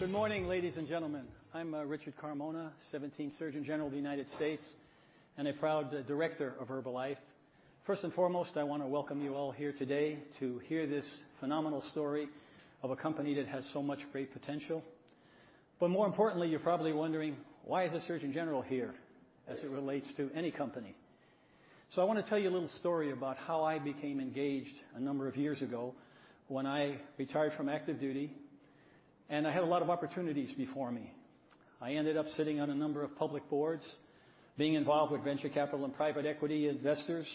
Good morning, ladies and gentlemen. I'm Richard Carmona, 17th Surgeon General of the United States and a proud director of Herbalife. First and foremost, I want to welcome you all here today to hear this phenomenal story of a company that has so much great potential. More importantly, you're probably wondering, why is a surgeon general here as it relates to any company? I want to tell you a little story about how I became engaged a number of years ago when I retired from active duty and I had a lot of opportunities before me. I ended up sitting on a number of public boards, being involved with venture capital and private equity investors,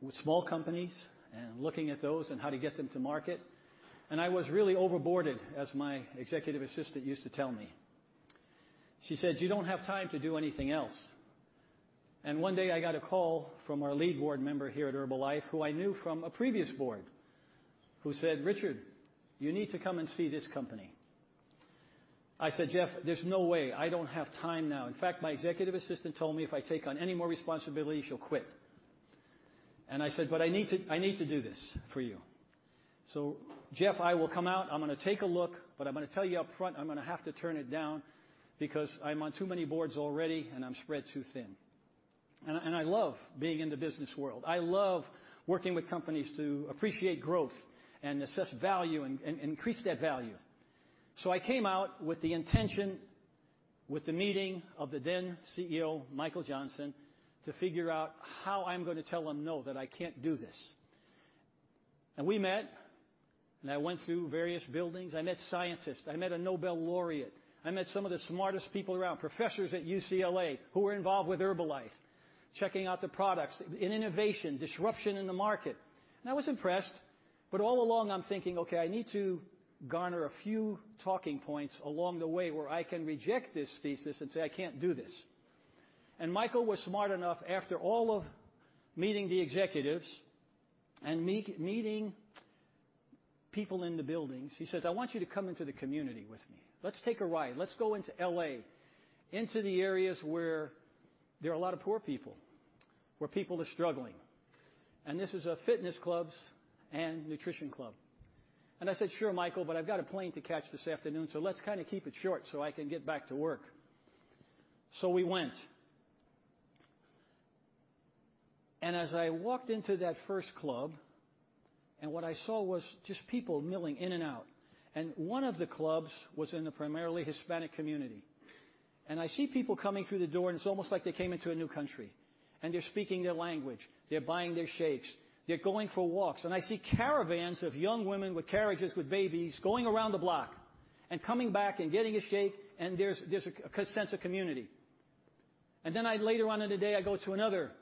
with small companies, and looking at those and how to get them to market. I was really over-boarded, as my executive assistant used to tell me. She said, "You don't have time to do anything else." One day I got a call from our lead board member here at Herbalife, who I knew from a previous board, who said, "Richard, you need to come and see this company." I said, "Jeff, there's no way. I don't have time now. In fact, my executive assistant told me if I take on any more responsibility, she'll quit." I said, "I need to do this for you. Jeff, I will come out, I'm going to take a look, but I'm going to tell you up front, I'm going to have to turn it down because I'm on too many boards already and I'm spread too thin." I love being in the business world. I love working with companies to appreciate growth and assess value and increase that value. I came out with the intention, with the meeting of the then CEO, Michael Johnson, to figure out how I'm going to tell him no, that I can't do this. We met, and I went through various buildings. I met scientists. I met a Nobel laureate. I met some of the smartest people around, professors at UCLA who were involved with Herbalife, checking out the products in innovation, disruption in the market. I was impressed, but all along I'm thinking, "Okay, I need to garner a few talking points along the way where I can reject this thesis and say, I can't do this." Michael was smart enough, after all of meeting the executives and meeting people in the buildings, he says, "I want you to come into the community with me. Let's take a ride. Let's go into L.A., into the areas where there are a lot of poor people, where people are struggling." This is a fitness clubs and nutrition club. I said, "Sure, Michael, I've got a plane to catch this afternoon, let's keep it short so I can get back to work." We went. As I walked into that first club and what I saw was just people milling in and out, and one of the clubs was in the primarily Hispanic community. I see people coming through the door, and it's almost like they came into a new country. They're speaking their language, they're buying their shakes, they're going for walks. I see caravans of young women with carriages, with babies, going around the block and coming back and getting a shake. There's a sense of community. later on in the day, I go to another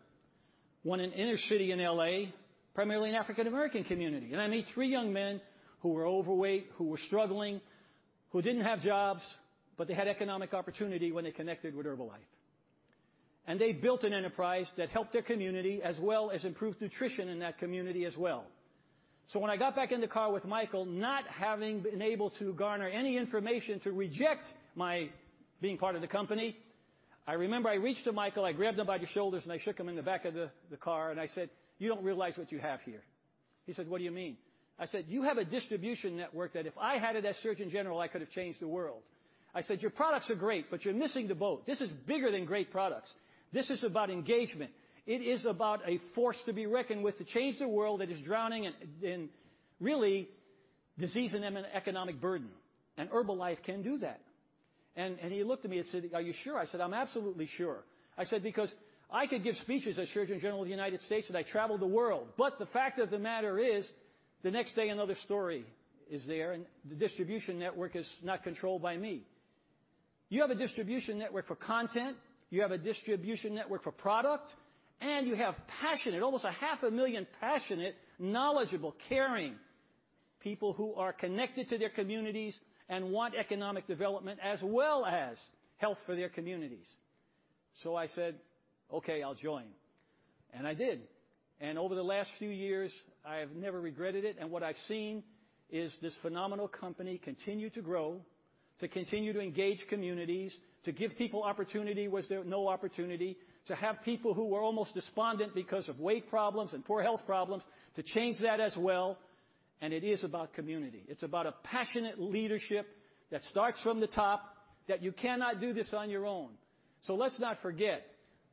one in inner city in L.A., primarily an African American community. I meet three young men who were overweight, who were struggling, who didn't have jobs, but they had economic opportunity when they connected with Herbalife. They built an enterprise that helped their community, as well as improved nutrition in that community as well. When I got back in the car with Michael, not having been able to garner any information to reject my being part of the company, I remember I reached to Michael, I grabbed him by the shoulders, I shook him in the back of the car and I said, "You don't realize what you have here." He said, "What do you mean?" I said, "You have a distribution network that if I had it as Surgeon General, I could have changed the world." I said, "Your products are great, you're missing the boat. This is bigger than great products. This is about engagement. It is about a force to be reckoned with to change the world that is drowning in really disease and economic burden. Herbalife can do that." He looked at me and said, "Are you sure?" I said, "I'm absolutely sure." I said, "Because I could give speeches as Surgeon General of the United States, I travel the world. The fact of the matter is, the next day, another story is there and the distribution network is not controlled by me. You have a distribution network for content, you have a distribution network for product, you have passionate, almost a half a million passionate, knowledgeable, caring people who are connected to their communities and want economic development as well as health for their communities." I said, "Okay, I'll join." I did. Over the last few years, I have never regretted it. What I've seen is this phenomenal company continue to grow, to continue to engage communities, to give people opportunity where there was no opportunity, to have people who were almost despondent because of weight problems and poor health problems, to change that as well. It is about community. It's about a passionate leadership that starts from the top, that you cannot do this on your own. Let's not forget,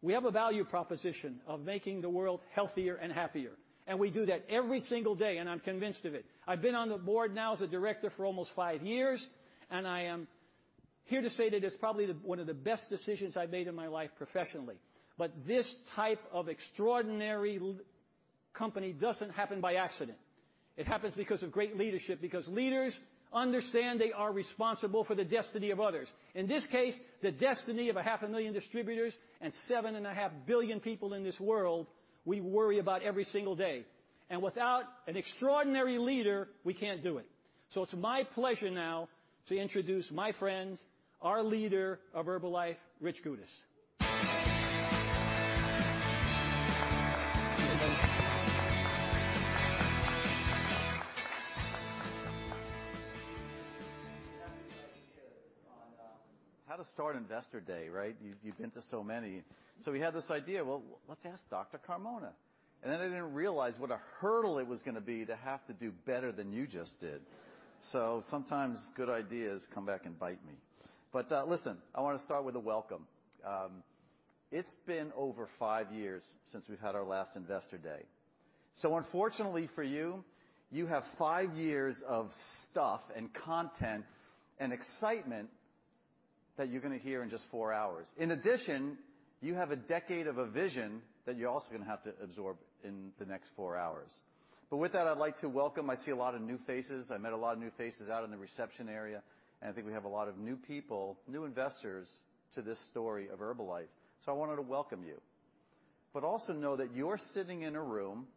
we have a value proposition of making the world healthier and happier, we do that every single day, I'm convinced of it. I've been on the board now as a director for almost five years, I am here to say that it's probably one of the best decisions I've made in my life professionally. This type of extraordinary company doesn't happen by accident. It happens because of great leadership, because leaders understand they are responsible for the destiny of others. In this case, the destiny of a half a million distributors and 7.5 billion people in this world we worry about every single day. Without an extraordinary leader, we can't do it. It's my pleasure now to introduce my friend, our leader of Herbalife, Richard P. Goudis. How to start Investor Day, right? You've been to so many. We had this idea, well, let's ask Dr. Carmona. Then I didn't realize what a hurdle it was going to be to have to do better than you just did. Sometimes good ideas come back and bite me. Listen, I want to start with a welcome. It's been over five years since we've had our last Investor Day. Unfortunately for you have five years of stuff and content and excitement that you're going to hear in just four hours. In addition, you have a decade of a vision that you're also going to have to absorb in the next four hours. With that, I'd like to welcome, I see a lot of new faces. I met a lot of new faces out in the reception area, I think we have a lot of new people, new investors to this story of Herbalife. I wanted to welcome you. Also know that you're sitting in a room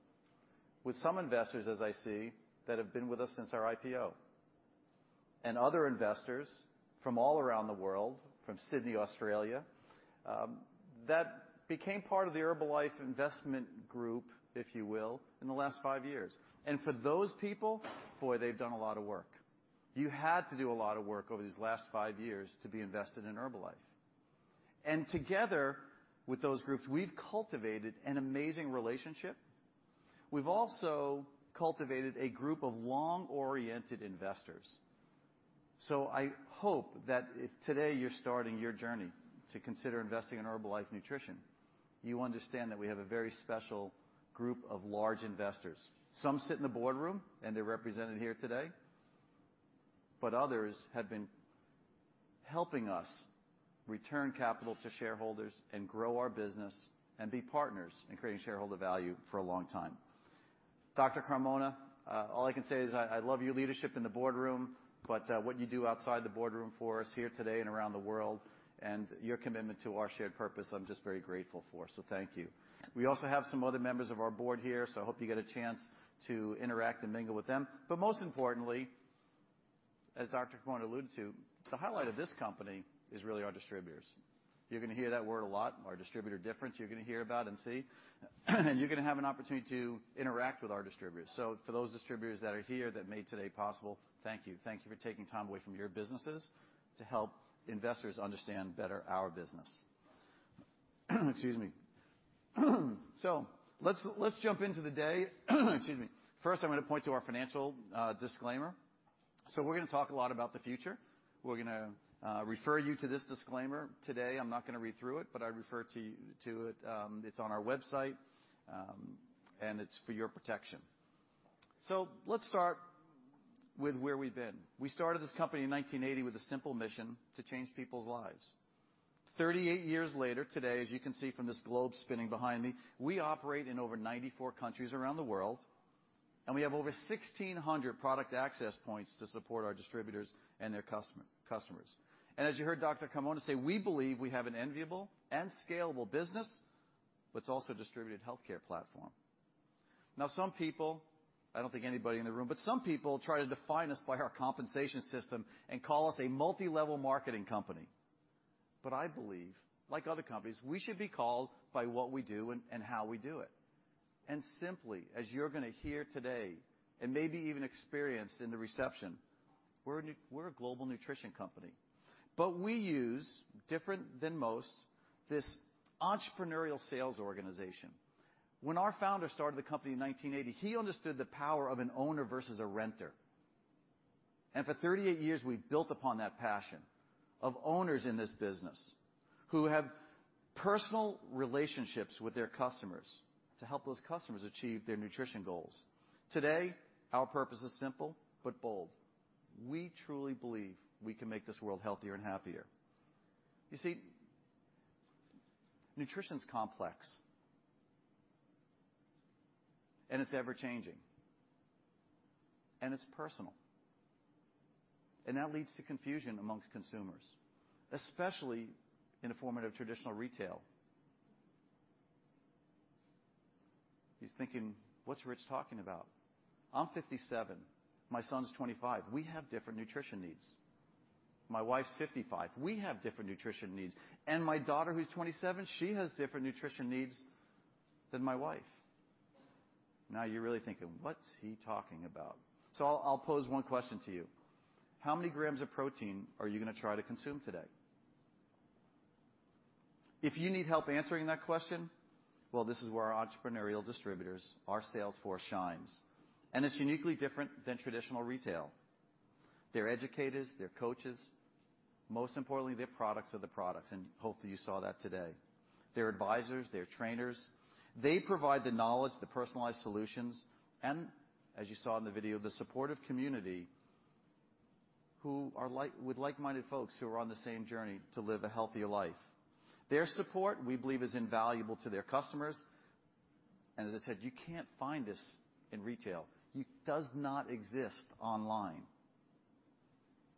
with some investors, as I see, that have been with us since our IPO, other investors from all around the world, from Sydney, Australia, that became part of the Herbalife investment group, if you will, in the last five years. For those people, boy, they've done a lot of work. You had to do a lot of work over these last five years to be invested in Herbalife. Together with those groups, we've cultivated an amazing relationship. We've also cultivated a group of long-oriented investors. I hope that if today you're starting your journey to consider investing in Herbalife Nutrition, you understand that we have a very special group of large investors. Some sit in the boardroom and they're represented here today, others have been helping us return capital to shareholders and grow our business and be partners in creating shareholder value for a long time. Dr. Carmona, all I can say is I love your leadership in the boardroom, what you do outside the boardroom for us here today and around the world and your commitment to our shared purpose, I'm just very grateful for. Thank you. We also have some other members of our board here, I hope you get a chance to interact and mingle with them. Most importantly, as Dr. Carmona alluded to, the highlight of this company is really our distributors. You're going to hear that word a lot. Our distributor difference, you're going to hear about and see. You're going to have an opportunity to interact with our distributors. For those distributors that are here that made today possible, thank you. Thank you for taking time away from your businesses to help investors understand better our business. Excuse me. Let's jump into the day. Excuse me. First, I'm going to point to our financial disclaimer. We're going to talk a lot about the future. We're going to refer you to this disclaimer today. I'm not going to read through it, but I refer to it. It's on our website, and it's for your protection. Let's start with where we've been. We started this company in 1980 with a simple mission to change people's lives. 38 years later today, as you can see from this globe spinning behind me, we operate in over 94 countries around the world. We have over 1,600 product access points to support our distributors and their customers. As you heard Dr. Carmona say, we believe we have an enviable and scalable business, but it's also a distributed healthcare platform. Some people, I don't think anybody in the room, but some people try to define us by our compensation system and call us a multi-level marketing company. I believe, like other companies, we should be called by what we do and how we do it. Simply, as you're going to hear today and maybe even experience in the reception, we're a global nutrition company. We use, different than most, this entrepreneurial sales organization. When our founder started the company in 1980, he understood the power of an owner versus a renter. For 38 years, we've built upon that passion of owners in this business who have personal relationships with their customers to help those customers achieve their nutrition goals. Today, our purpose is simple but bold. We truly believe we can make this world healthier and happier. You see, nutrition's complex, and it's ever-changing, and it's personal. That leads to confusion amongst consumers, especially in the form of traditional retail. You're thinking, "What's Rich talking about?" I'm 57. My son's 25. We have different nutrition needs. My wife's 55. We have different nutrition needs. My daughter, who's 27, she has different nutrition needs than my wife. You're really thinking, "What's he talking about?" I'll pose one question to you. How many grams of protein are you going to try to consume today? If you need help answering that question, well, this is where our entrepreneurial distributors, our sales force, shines. It's uniquely different than traditional retail. They're educators, they're coaches. Most importantly, their products are the products, and hopefully, you saw that today. They're advisors, they're trainers. They provide the knowledge, the personalized solutions, and as you saw in the video, the supportive community with like-minded folks who are on the same journey to live a healthier life. Their support, we believe, is invaluable to their customers. As I said, you can't find this in retail. It does not exist online.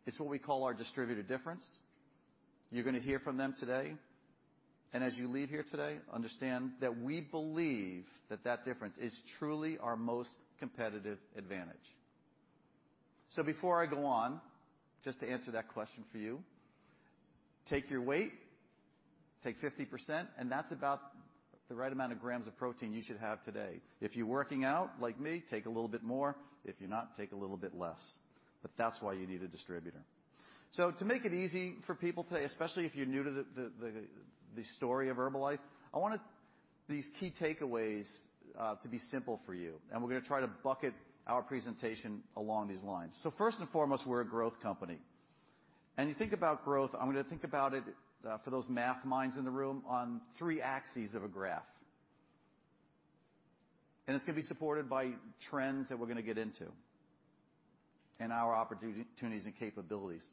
It's what we call our distributor difference. You're going to hear from them today. As you leave here today, understand that we believe that that difference is truly our most competitive advantage. Before I go on, just to answer that question for you, take your weight 50%, and that's about the right amount of grams of protein you should have today. If you're working out, like me, take a little bit more. If you're not, take a little bit less. That's why you need a distributor. To make it easy for people today, especially if you're new to the story of Herbalife, I wanted these key takeaways to be simple for you, and we're going to try to bucket our presentation along these lines. First and foremost, we're a growth company. You think about growth, I want you to think about it, for those math minds in the room, on three axes of a graph. It's going to be supported by trends that we're going to get into, and our opportunities and capabilities.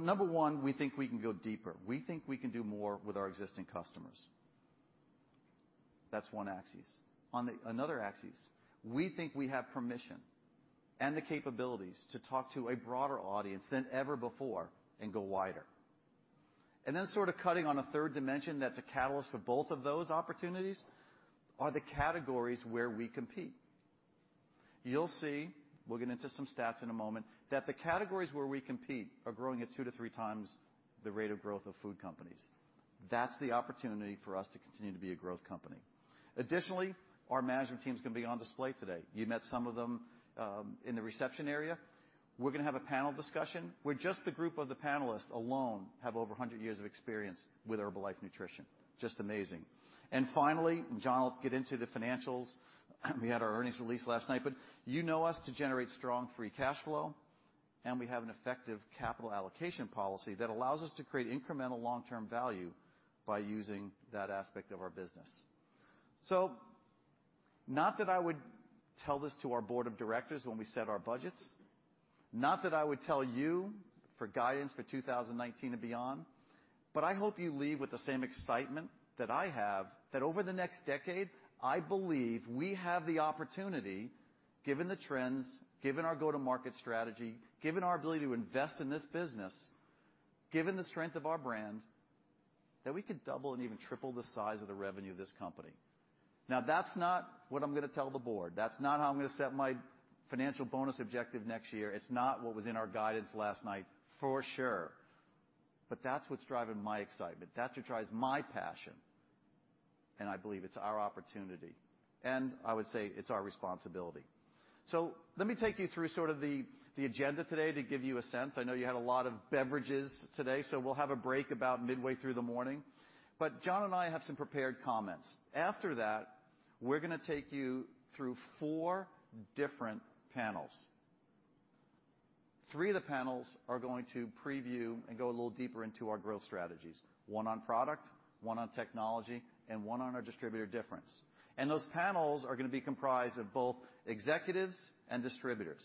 Number one, we think we can go deeper. We think we can do more with our existing customers. That's one axis. On another axis, we think we have permission and the capabilities to talk to a broader audience than ever before and go wider, then sort of cutting on a third dimension that's a catalyst for both of those opportunities are the categories where we compete. You'll see, we'll get into some stats in a moment, that the categories where we compete are growing at two to three times the rate of growth of food companies. That's the opportunity for us to continue to be a growth company. Additionally, our management team's going to be on display today. You met some of them in the reception area. We're going to have a panel discussion, where just the group of the panelists alone have over 100 years of experience with Herbalife Nutrition. Just amazing. Finally, John will get into the financials. We had our earnings release last night. You know us to generate strong free cash flow, and we have an effective capital allocation policy that allows us to create incremental long-term value by using that aspect of our business. Not that I would tell this to our board of directors when we set our budgets, not that I would tell you for guidance for 2019 and beyond, I hope you leave with the same excitement that I have, that over the next decade, I believe we have the opportunity, given the trends, given our go-to-market strategy, given our ability to invest in this business, given the strength of our brand, that we could double and even triple the size of the revenue of this company. That's not what I'm going to tell the board. That's not how I'm going to set my financial bonus objective next year. It's not what was in our guidance last night, for sure. That's what's driving my excitement. That's what drives my passion, and I believe it's our opportunity, and I would say it's our responsibility. Let me take you through sort of the agenda today to give you a sense. I know you had a lot of beverages today, we'll have a break about midway through the morning. John and I have some prepared comments. After that, we're going to take you through four different panels. Three of the panels are going to preview and go a little deeper into our growth strategies, one on product, one on technology, and one on our distributor difference. Those panels are going to be comprised of both executives and distributors.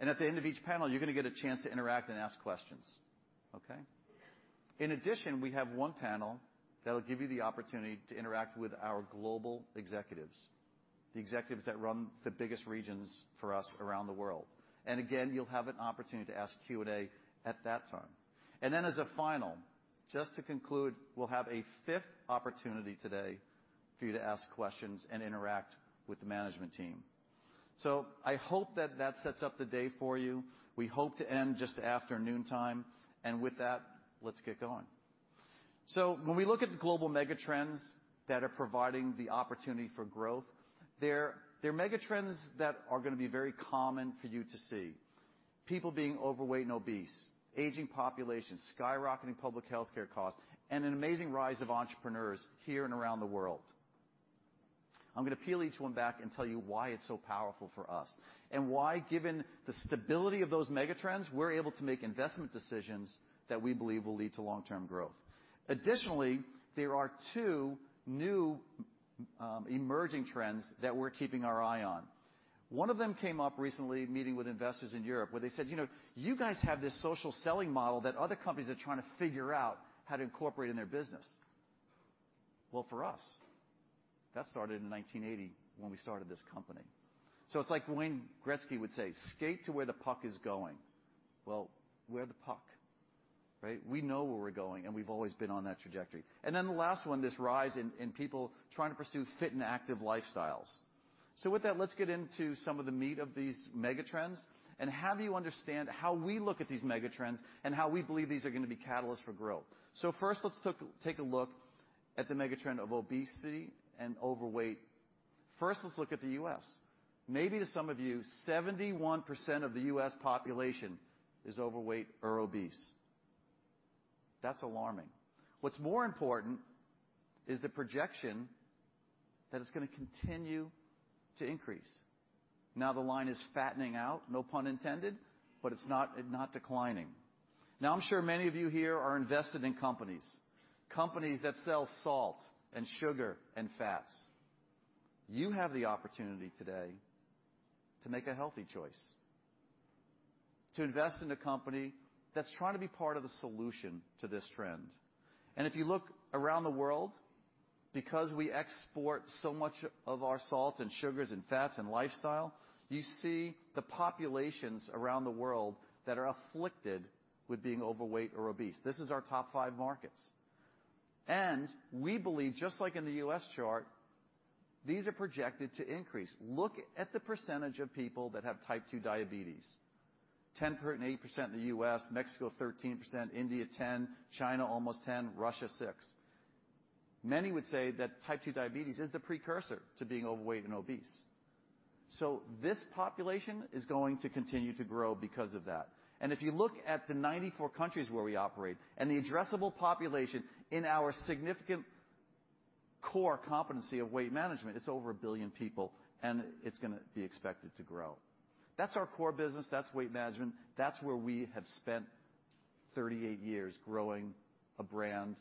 At the end of each panel, you're going to get a chance to interact and ask questions. Okay. In addition, we have one panel that'll give you the opportunity to interact with our global executives, the executives that run the biggest regions for us around the world. Again, you'll have an opportunity to ask Q&A at that time. As a final, just to conclude, we'll have a fifth opportunity today for you to ask questions and interact with the management team. I hope that that sets up the day for you. We hope to end just after noontime. With that, let's get going. When we look at the global mega trends that are providing the opportunity for growth, they're mega trends that are going to be very common for you to see. People being overweight and obese, aging population, skyrocketing public healthcare costs, and an amazing rise of entrepreneurs here and around the world. I'm going to peel each one back and tell you why it's so powerful for us, and why, given the stability of those mega trends, we're able to make investment decisions that we believe will lead to long-term growth. Additionally, there are two new emerging trends that we're keeping our eye on. One of them came up recently meeting with investors in Europe, where they said, "You know, you guys have this social selling model that other companies are trying to figure out how to incorporate in their business." For us, that started in 1980 when we started this company. It's like Wayne Gretzky would say, "Skate to where the puck is going." We're the puck, right? We know where we're going, and we've always been on that trajectory. The last one, this rise in people trying to pursue fit and active lifestyles. With that, let's get into some of the meat of these mega trends and have you understand how we look at these mega trends and how we believe these are going to be catalysts for growth. First, let's take a look at the mega trend of obesity and overweight. First, let's look at the U.S. Maybe to some of you, 71% of the U.S. population is overweight or obese. That's alarming. What's more important is the projection that it's going to continue to increase. The line is fattening out, no pun intended, but it's not declining. I'm sure many of you here are invested in companies that sell salt and sugar and fats. You have the opportunity today to make a healthy choice, to invest in a company that's trying to be part of the solution to this trend. If you look around the world, because we export so much of our salt and sugars and fats and lifestyle, you see the populations around the world that are afflicted with being overweight or obese. This is our top 5 markets. We believe, just like in the U.S. chart. These are projected to increase. Look at the percentage of people that have Type 2 diabetes, 10.8% in the U.S., Mexico 13%, India 10%, China almost 10%, Russia 6%. Many would say that Type 2 diabetes is the precursor to being overweight and obese. This population is going to continue to grow because of that. If you look at the 94 countries where we operate and the addressable population in our significant core competency of weight management, it's over 1 billion people, and it's going to be expected to grow. That's our core business. That's weight management. That's where we have spent 38 years growing a brand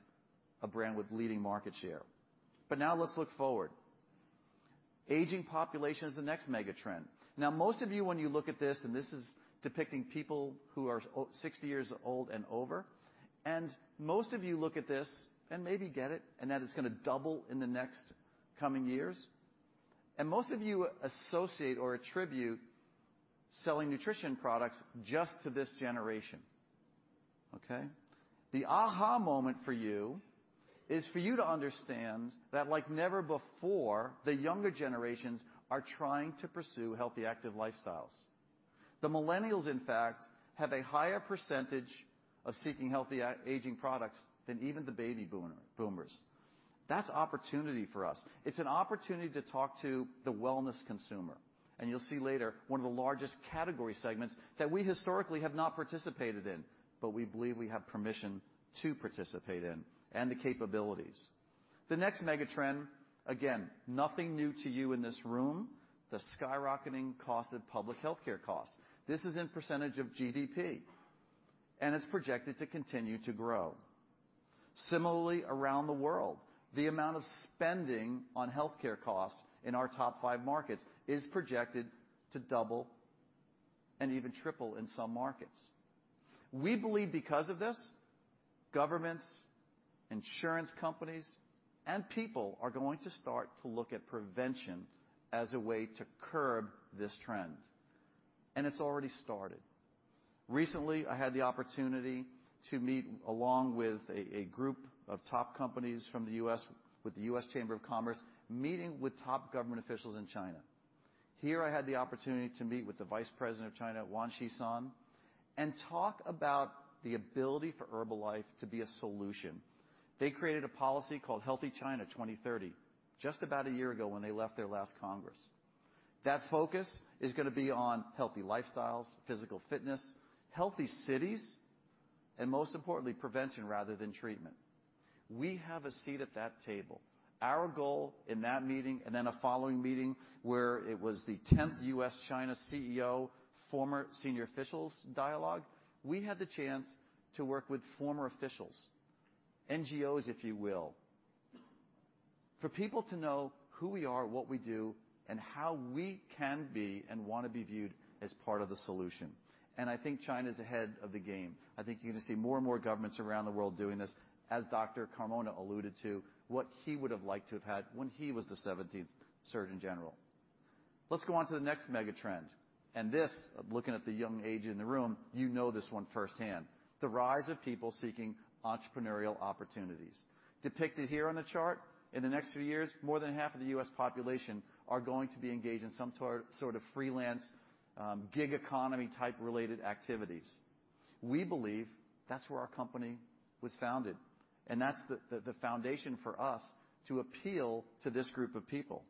with leading market share. Let's look forward. Aging population is the next mega trend. Most of you, when you look at this, and this is depicting people who are 60 years old and over, and most of you look at this and maybe get it, and that it's going to double in the next coming years. Most of you associate or attribute selling nutrition products just to this generation. Okay? The aha moment for you is for you to understand that, like never before, the younger generations are trying to pursue healthy, active lifestyles. The Millennials, in fact, have a higher percentage of seeking healthy aging products than even the Baby Boomers. That's opportunity for us. It's an opportunity to talk to the wellness consumer. You'll see later, one of the largest category segments that we historically have not participated in, but we believe we have permission to participate in, and the capabilities. The next mega trend, again, nothing new to you in this room, the skyrocketing cost of public healthcare costs. This is in percentage of GDP, and it's projected to continue to grow. Similarly, around the world, the amount of spending on healthcare costs in our top 5 markets is projected to double and even triple in some markets. We believe because of this, governments, insurance companies, and people are going to start to look at prevention as a way to curb this trend. It's already started. Recently, I had the opportunity to meet along with a group of top companies from the U.S. with the U.S. Chamber of Commerce, meeting with top government officials in China. Here, I had the opportunity to meet with the Vice President of China, Wang Qishan, and talk about the ability for Herbalife to be a solution. They created a policy called Healthy China 2030 just about 1 year ago when they left their last Congress. That focus is going to be on healthy lifestyles, physical fitness, healthy cities, and most importantly, prevention rather than treatment. We have a seat at that table. Our goal in that meeting, and in a following meeting where it was the 10th U.S.-China CEO, Former Senior Officials' Dialogue, we had the chance to work with former officials, NGOs, if you will, for people to know who we are, what we do, and how we can be and want to be viewed as part of the solution. I think China's ahead of the game. I think you're going to see more and more governments around the world doing this, as Dr. Carmona alluded to what he would have liked to have had when he was the 17th surgeon general. Let's go on to the next mega trend. This, looking at the young age in the room, you know this one firsthand. The rise of people seeking entrepreneurial opportunities. Depicted here on the chart, in the next few years, more than half of the U.S. population are going to be engaged in some sort of freelance, gig economy type related activities. We believe that's where our company was founded, and that's the foundation for us to appeal to this group of people.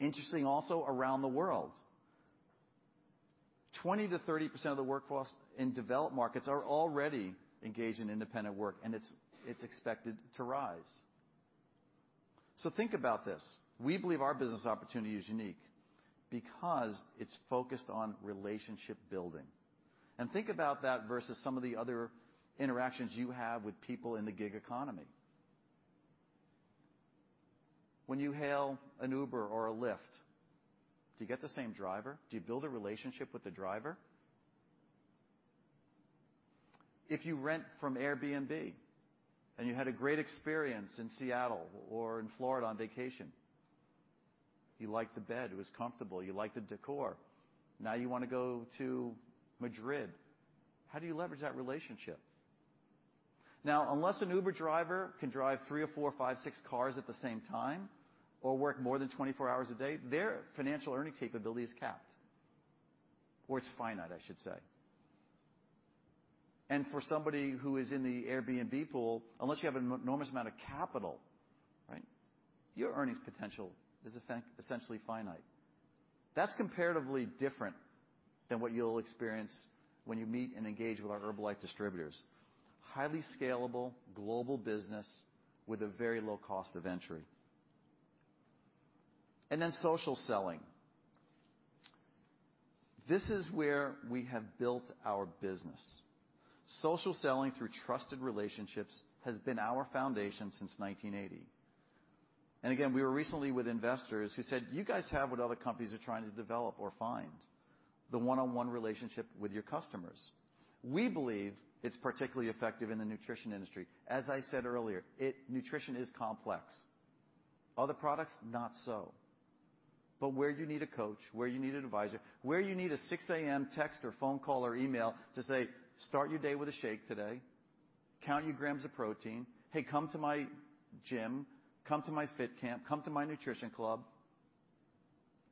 Interesting also around the world, 20%-30% of the workforce in developed markets are already engaged in independent work, and it's expected to rise. Think about this. We believe our business opportunity is unique because it's focused on relationship building. Think about that versus some of the other interactions you have with people in the gig economy. When you hail an Uber or a Lyft, do you get the same driver? Do you build a relationship with the driver? If you rent from Airbnb and you had a great experience in Seattle or in Florida on vacation, you liked the bed, it was comfortable. You liked the decor. Now you want to go to Madrid. How do you leverage that relationship? Unless an Uber driver can drive three or four, five, six cars at the same time or work more than 24 hours a day, their financial earning capability is capped. Or it's finite, I should say. For somebody who is in the Airbnb pool, unless you have an enormous amount of capital, your earnings potential is essentially finite. That's comparatively different than what you'll experience when you meet and engage with our Herbalife distributors. Highly scalable global business with a very low cost of entry. Social selling. This is where we have built our business. Social selling through trusted relationships has been our foundation since 1980. Again, we were recently with investors who said, "You guys have what other companies are trying to develop or find, the one-on-one relationship with your customers." We believe it's particularly effective in the nutrition industry. As I said earlier, nutrition is complex. Other products, not so. Where you need a coach, where you need an advisor, where you need a 6:00 A.M. text or phone call or email to say, "Start your day with a shake today. Count your grams of protein. Hey, come to my gym, come to my fit camp, come to my nutrition club."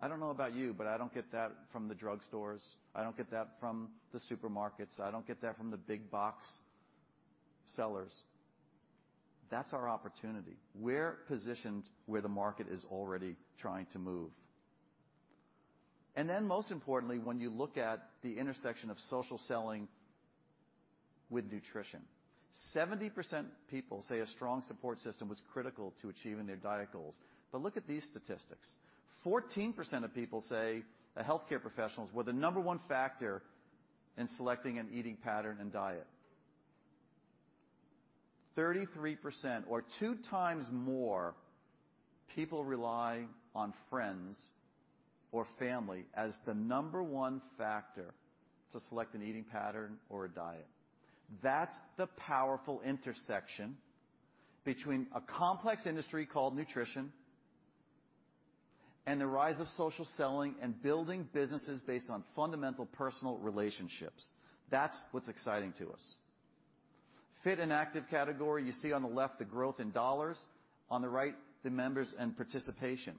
I don't know about you, but I don't get that from the drugstores. I don't get that from the supermarkets. I don't get that from the big-box sellers. That's our opportunity. We're positioned where the market is already trying to move. Most importantly, when you look at the intersection of social selling with nutrition. 70% people say a strong support system was critical to achieving their diet goals. Look at these statistics. 14% of people say that healthcare professionals were the number one factor in selecting an eating pattern and diet. 33%, or two times more people rely on friends or family as the number 1 factor to select an eating pattern or a diet. That's the powerful intersection between a complex industry called nutrition and the rise of social selling and building businesses based on fundamental personal relationships. That's what's exciting to us. Fit and active category, you see on the left the growth in dollars, on the right the members and participation.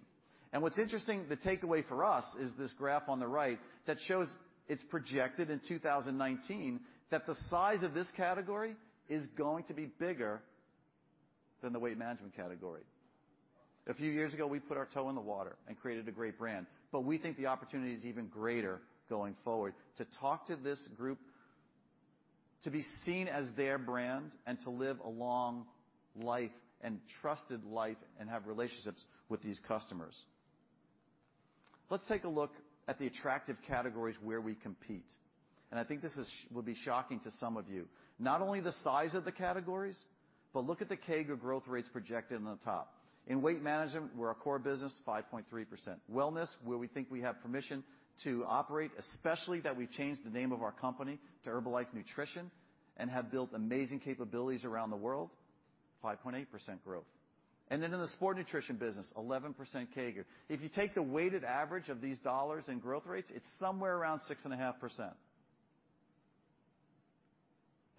What's interesting, the takeaway for us is this graph on the right that shows it's projected in 2019 that the size of this category is going to be bigger than the weight management category. A few years ago, we put our toe in the water and created a great brand, we think the opportunity is even greater going forward to talk to this group, to be seen as their brand, and to live a long life and trusted life and have relationships with these customers. Let's take a look at the attractive categories where we compete. I think this will be shocking to some of you, not only the size of the categories, but look at the CAGR growth rates projected on the top. In weight management, we're a core business, 5.3%. Wellness, where we think we have permission to operate, especially that we've changed the name of our company to Herbalife Nutrition and have built amazing capabilities around the world, 5.8% growth. Then in the sport nutrition business, 11% CAGR. If you take the weighted average of these dollars in growth rates, it's somewhere around 6.5%.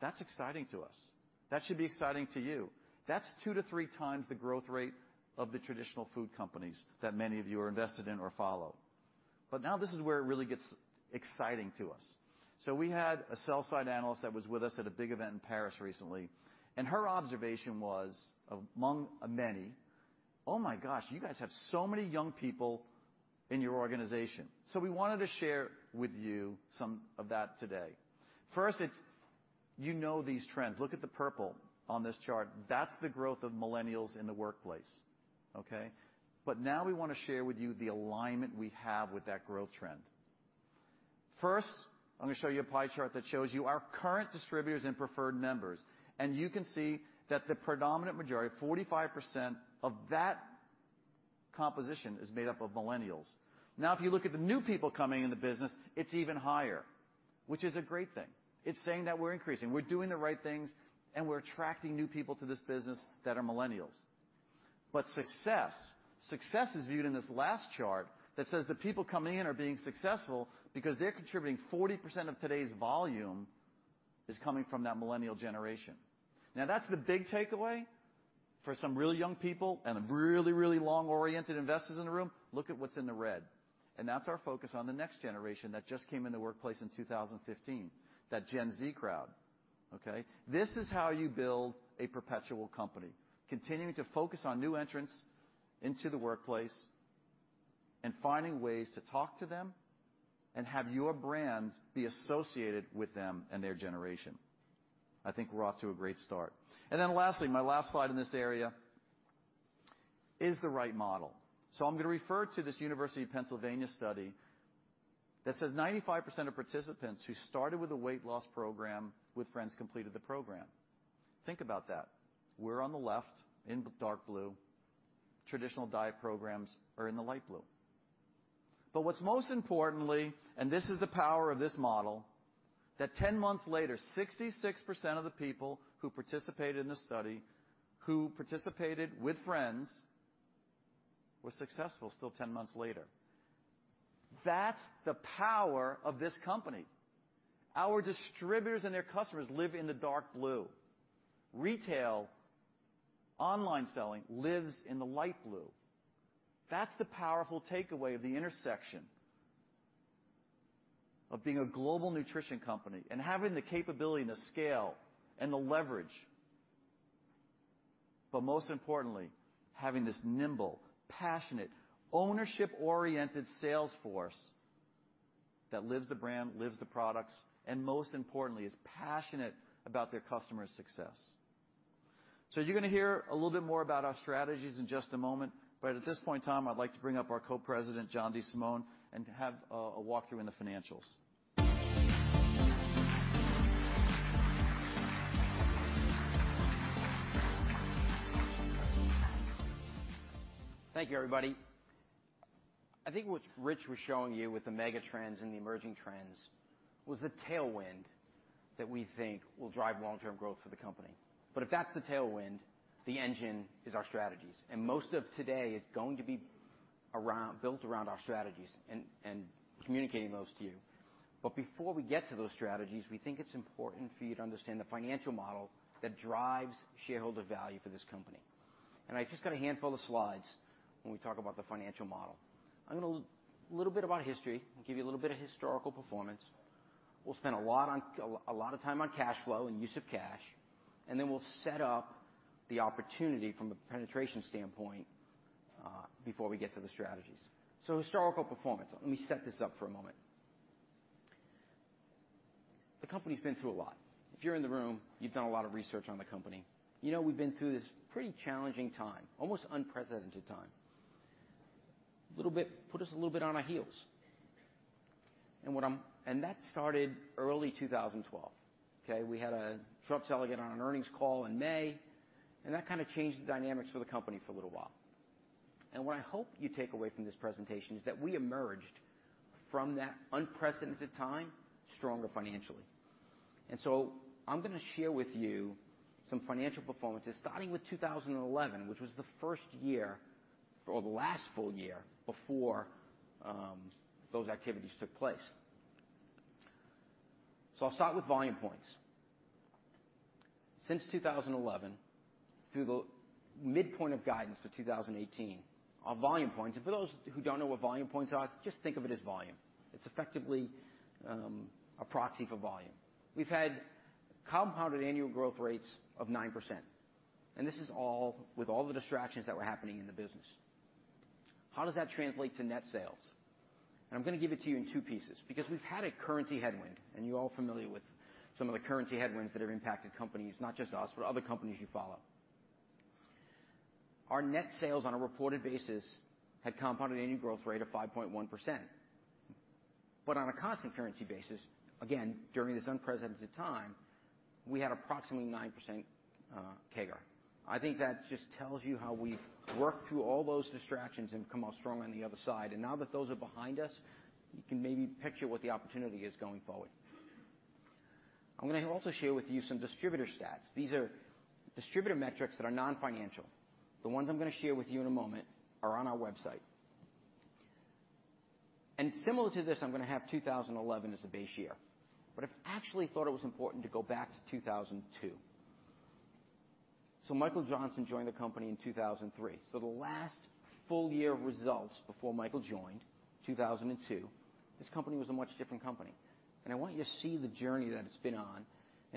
That's exciting to us. That should be exciting to you. That's two to three times the growth rate of the traditional food companies that many of you are invested in or follow. Now this is where it really gets exciting to us. We had a sell-side analyst that was with us at a big event in Paris recently, her observation was, among many, "Oh my gosh, you guys have so many young people in your organization." We wanted to share with you some of that today. First, you know these trends. Look at the purple on this chart. That's the growth of millennials in the workplace. Okay? Now we want to share with you the alignment we have with that growth trend. First, I'm going to show you a pie chart that shows you our current distributors and preferred members, you can see that the predominant majority, 45% of that composition is made up of millennials. If you look at the new people coming in the business, it's even higher, which is a great thing. It's saying that we're increasing, we're doing the right things, we're attracting new people to this business that are millennials. Success. Success is viewed in this last chart that says that people coming in are being successful because they're contributing 40% of today's volume is coming from that millennial generation. That's the big takeaway for some really young people and really long-oriented investors in the room. Look at what's in the red, that's our focus on the next generation that just came in the workplace in 2015, that Gen Z crowd. Okay? This is how you build a perpetual company, continuing to focus on new entrants into the workplace and finding ways to talk to them and have your brand be associated with them and their generation. I think we're off to a great start. Lastly, my last slide in this area is the right model. I'm going to refer to this University of Pennsylvania study that says 95% of participants who started with a weight loss program with friends completed the program. Think about that. We're on the left in the dark blue. Traditional diet programs are in the light blue. What's most importantly, and this is the power of this model, that 10 months later, 66% of the people who participated in the study, who participated with friends, were successful still 10 months later. That's the power of this company. Our distributors and their customers live in the dark blue. Retail, online selling lives in the light blue. That's the powerful takeaway of the intersection of being a global nutrition company and having the capability and the scale and the leverage. Most importantly, having this nimble, passionate, ownership-oriented sales force that lives the brand, lives the products, and most importantly, is passionate about their customers' success. You're going to hear a little bit more about our strategies in just a moment, but at this point, Tom, I'd like to bring up our Co-President, John DeSimone, and to have a walk-through in the financials. Thank you everybody. I think what Rich was showing you with the mega trends and the emerging trends was a tailwind that we think will drive long-term growth for the company. If that's the tailwind, the engine is our strategies. Most of today is going to be built around our strategies and communicating those to you. Before we get to those strategies, we think it's important for you to understand the financial model that drives shareholder value for this company. I've just got a handful of slides when we talk about the financial model. little bit about history and give you a little bit of historical performance. We'll spend a lot of time on cash flow and use of cash, and then we'll set up the opportunity from a penetration standpoint, before we get to the strategies. So historical performance. Let me set this up for a moment. The company's been through a lot. If you're in the room, you know we've been through this pretty challenging time, almost unprecedented time. Put us a little bit on our heels. That started early 2012. Okay. We had Trump telling it on an earnings call in May, and that kind of changed the dynamics for the company for a little while. What I hope you take away from this presentation is that we emerged from that unprecedented time stronger financially. So I'm going to share with you some financial performances starting with 2011, which was the first year or the last full year before those activities took place. So I'll start with Volume Points. Since 2011 through the midpoint of guidance for 2018 on Volume Points, for those who don't know what Volume Points are, just think of it as volume. It's effectively a proxy for volume. We've had compounded annual growth rates of 9%, and this is all with all the distractions that were happening in the business. How does that translate to net sales? I'm going to give it to you in two pieces because we've had a currency headwind, and you're all familiar with some of the currency headwinds that have impacted companies, not just us, but other companies you follow. Our net sales on a reported basis had compounded annual growth rate of 5.1%, but on a constant currency basis, again, during this unprecedented time, we had approximately 9%, CAGR. I think that just tells you how we've worked through all those distractions and come out strong on the other side. Now that those are behind us, you can maybe picture what the opportunity is going forward. I'm going to also share with you some distributor stats. These are distributor metrics that are non-financial. The ones I'm going to share with you in a moment are on our website. Similar to this, I'm going to have 2011 as a base year. I've actually thought it was important to go back to 2002. Michael Johnson joined the company in 2003. The last full year of results before Michael joined, 2002, this company was a much different company. I want you to see the journey that it's been on.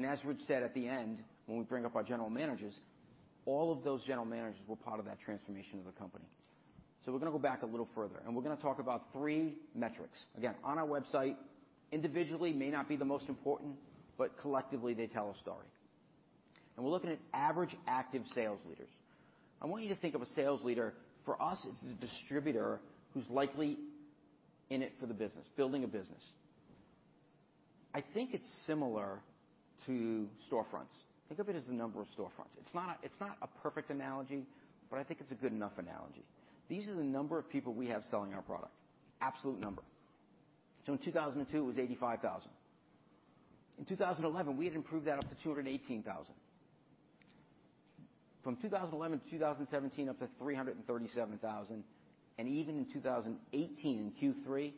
As Rich said at the end, when we bring up our general managers, all of those general managers were part of that transformation of the company. We're going to go back a little further, and we're going to talk about three metrics. Again, on our website, individually may not be the most important, but collectively, they tell a story. We're looking at average active sales leaders. I want you to think of a sales leader. For us, it's the distributor who's likely in it for the business, building a business. I think it's similar to storefronts. Think of it as the number of storefronts. It's not a perfect analogy, but I think it's a good enough analogy. These are the number of people we have selling our product, absolute number. In 2002, it was 85,000. In 2011, we had improved that up to 218,000. From 2011 to 2017 up to 337,000, even in 2018, in Q3,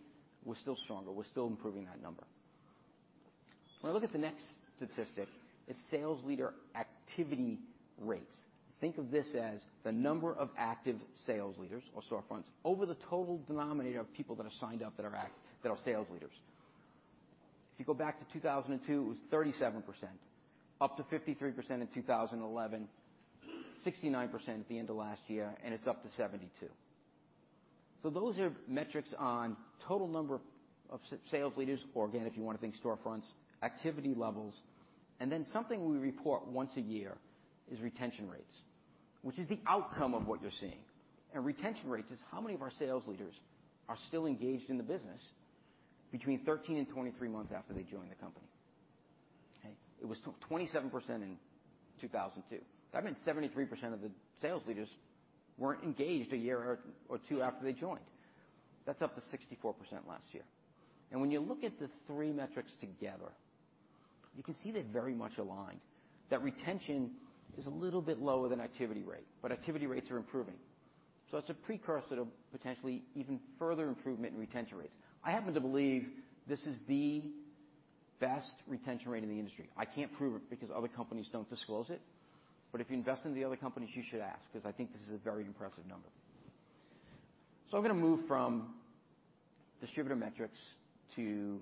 we're still stronger. We're still improving that number. When I look at the next statistic is sales leader activity rates. Think of this as the number of active sales leaders or storefronts over the total denominator of people that are signed up that are sales leaders. If you go back to 2002, it was 37%, up to 53% in 2011, 69% at the end of last year, and it's up to 72%. Those are metrics on total number of sales leaders, or again, if you want to think storefronts, activity levels. Then something we report once a year is retention rates, which is the outcome of what you're seeing. Retention rates is how many of our sales leaders are still engaged in the business between 13 and 23 months after they join the company. Okay. It was 27% in 2002. That meant 73% of the sales leaders weren't engaged a year or two after they joined. That's up to 64% last year. When you look at the three metrics together, you can see they're very much aligned, that retention is a little bit lower than activity rate, but activity rates are improving. That's a precursor to potentially even further improvement in retention rates. I happen to believe this is the best retention rate in the industry. I can't prove it because other companies don't disclose it. If you invest in the other companies, you should ask because I think this is a very impressive number. I'm going to move from distributor metrics to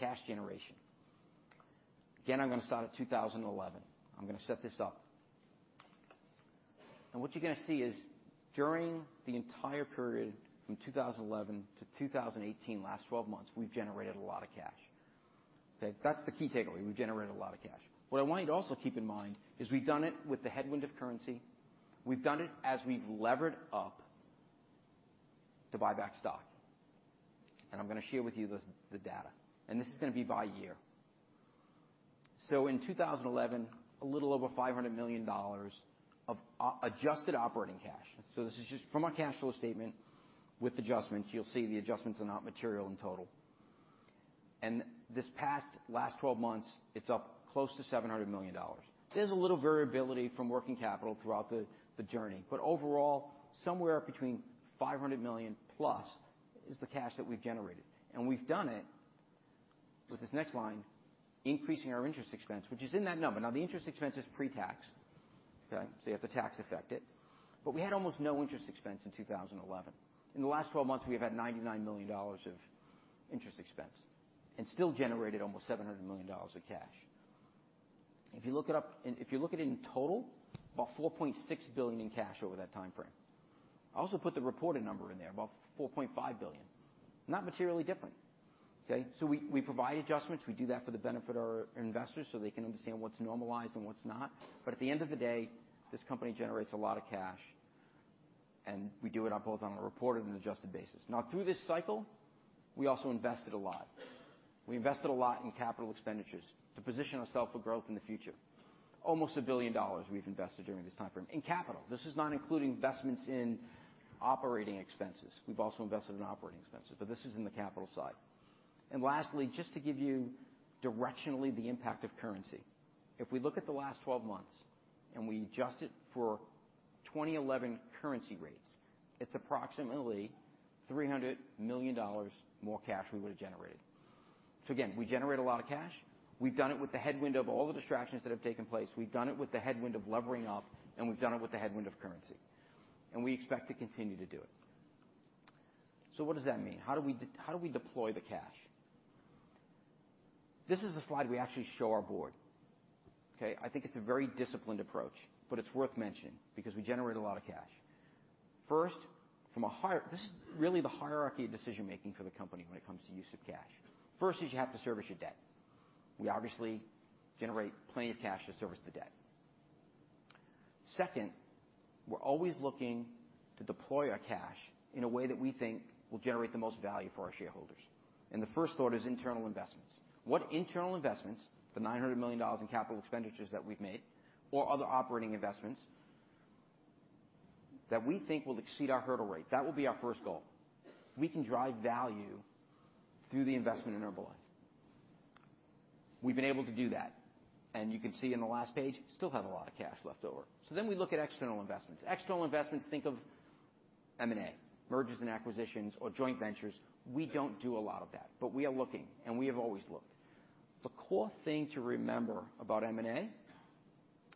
cash generation. Again, I'm going to start at 2011. I'm going to set this up. What you're going to see is during the entire period from 2011 to 2018, last 12 months, we've generated a lot of cash. Okay. That's the key takeaway. We've generated a lot of cash. What I want you to also keep in mind is we've done it with the headwind of currency. We've done it as we've levered up to buy back stock. I'm going to share with you the data. This is going to be by year. In 2011, a little over $500 million of adjusted operating cash. This is just from our cash flow statement with adjustments. You'll see the adjustments are not material in total. This past last 12 months, it's up close to $700 million. There's a little variability from working capital throughout the journey, but overall, somewhere between $500 million plus is the cash that we've generated. We've done it with this next line, increasing our interest expense, which is in that number. The interest expense is pre-tax, okay. You have to tax affect it. We had almost no interest expense in 2011. In the last 12 months, we've had $99 million of interest expense and still generated almost $700 million of cash. If you look it up, if you look at it in total, about $4.6 billion in cash over that timeframe. I also put the reported number in there, about $4.5 billion. Not materially different. Okay. We provide adjustments. We do that for the benefit of our investors, so they can understand what's normalized and what's not. At the end of the day, this company generates a lot of cash, and we do it on both on a reported and adjusted basis. Through this cycle, we also invested a lot. We invested a lot in capital expenditures to position ourself for growth in the future. Almost $1 billion we've invested during this time frame in capital. This is not including investments in operating expenses. We've also invested in operating expenses, but this is in the capital side. Lastly, just to give you directionally the impact of currency. If we look at the last 12 months and we adjust it for 2011 currency rates, it's approximately $300 million more cash we would have generated. Again, we generate a lot of cash. We've done it with the headwind of all the distractions that have taken place. We've done it with the headwind of levering up, and we've done it with the headwind of currency, we expect to continue to do it. What does that mean? How do we deploy the cash? This is the slide we actually show our board. Okay. I think it's a very disciplined approach, but it's worth mentioning because we generate a lot of cash. First, this is really the hierarchy of decision-making for the company when it comes to use of cash. First, you have to service your debt. We obviously generate plenty of cash to service the debt. Second, we're always looking to deploy our cash in a way that we think will generate the most value for our shareholders. The first thought is internal investments. What internal investments, the $900 million in capital expenditures that we've made, or other operating investments, that we think will exceed our hurdle rate? That will be our first goal. We can drive value through the investment in Herbalife. We've been able to do that, you can see in the last page, still have a lot of cash left over. We look at external investments. External investments, think of M&A, mergers and acquisitions or joint ventures. We don't do a lot of that, but we are looking, and we have always looked. The core thing to remember about M&A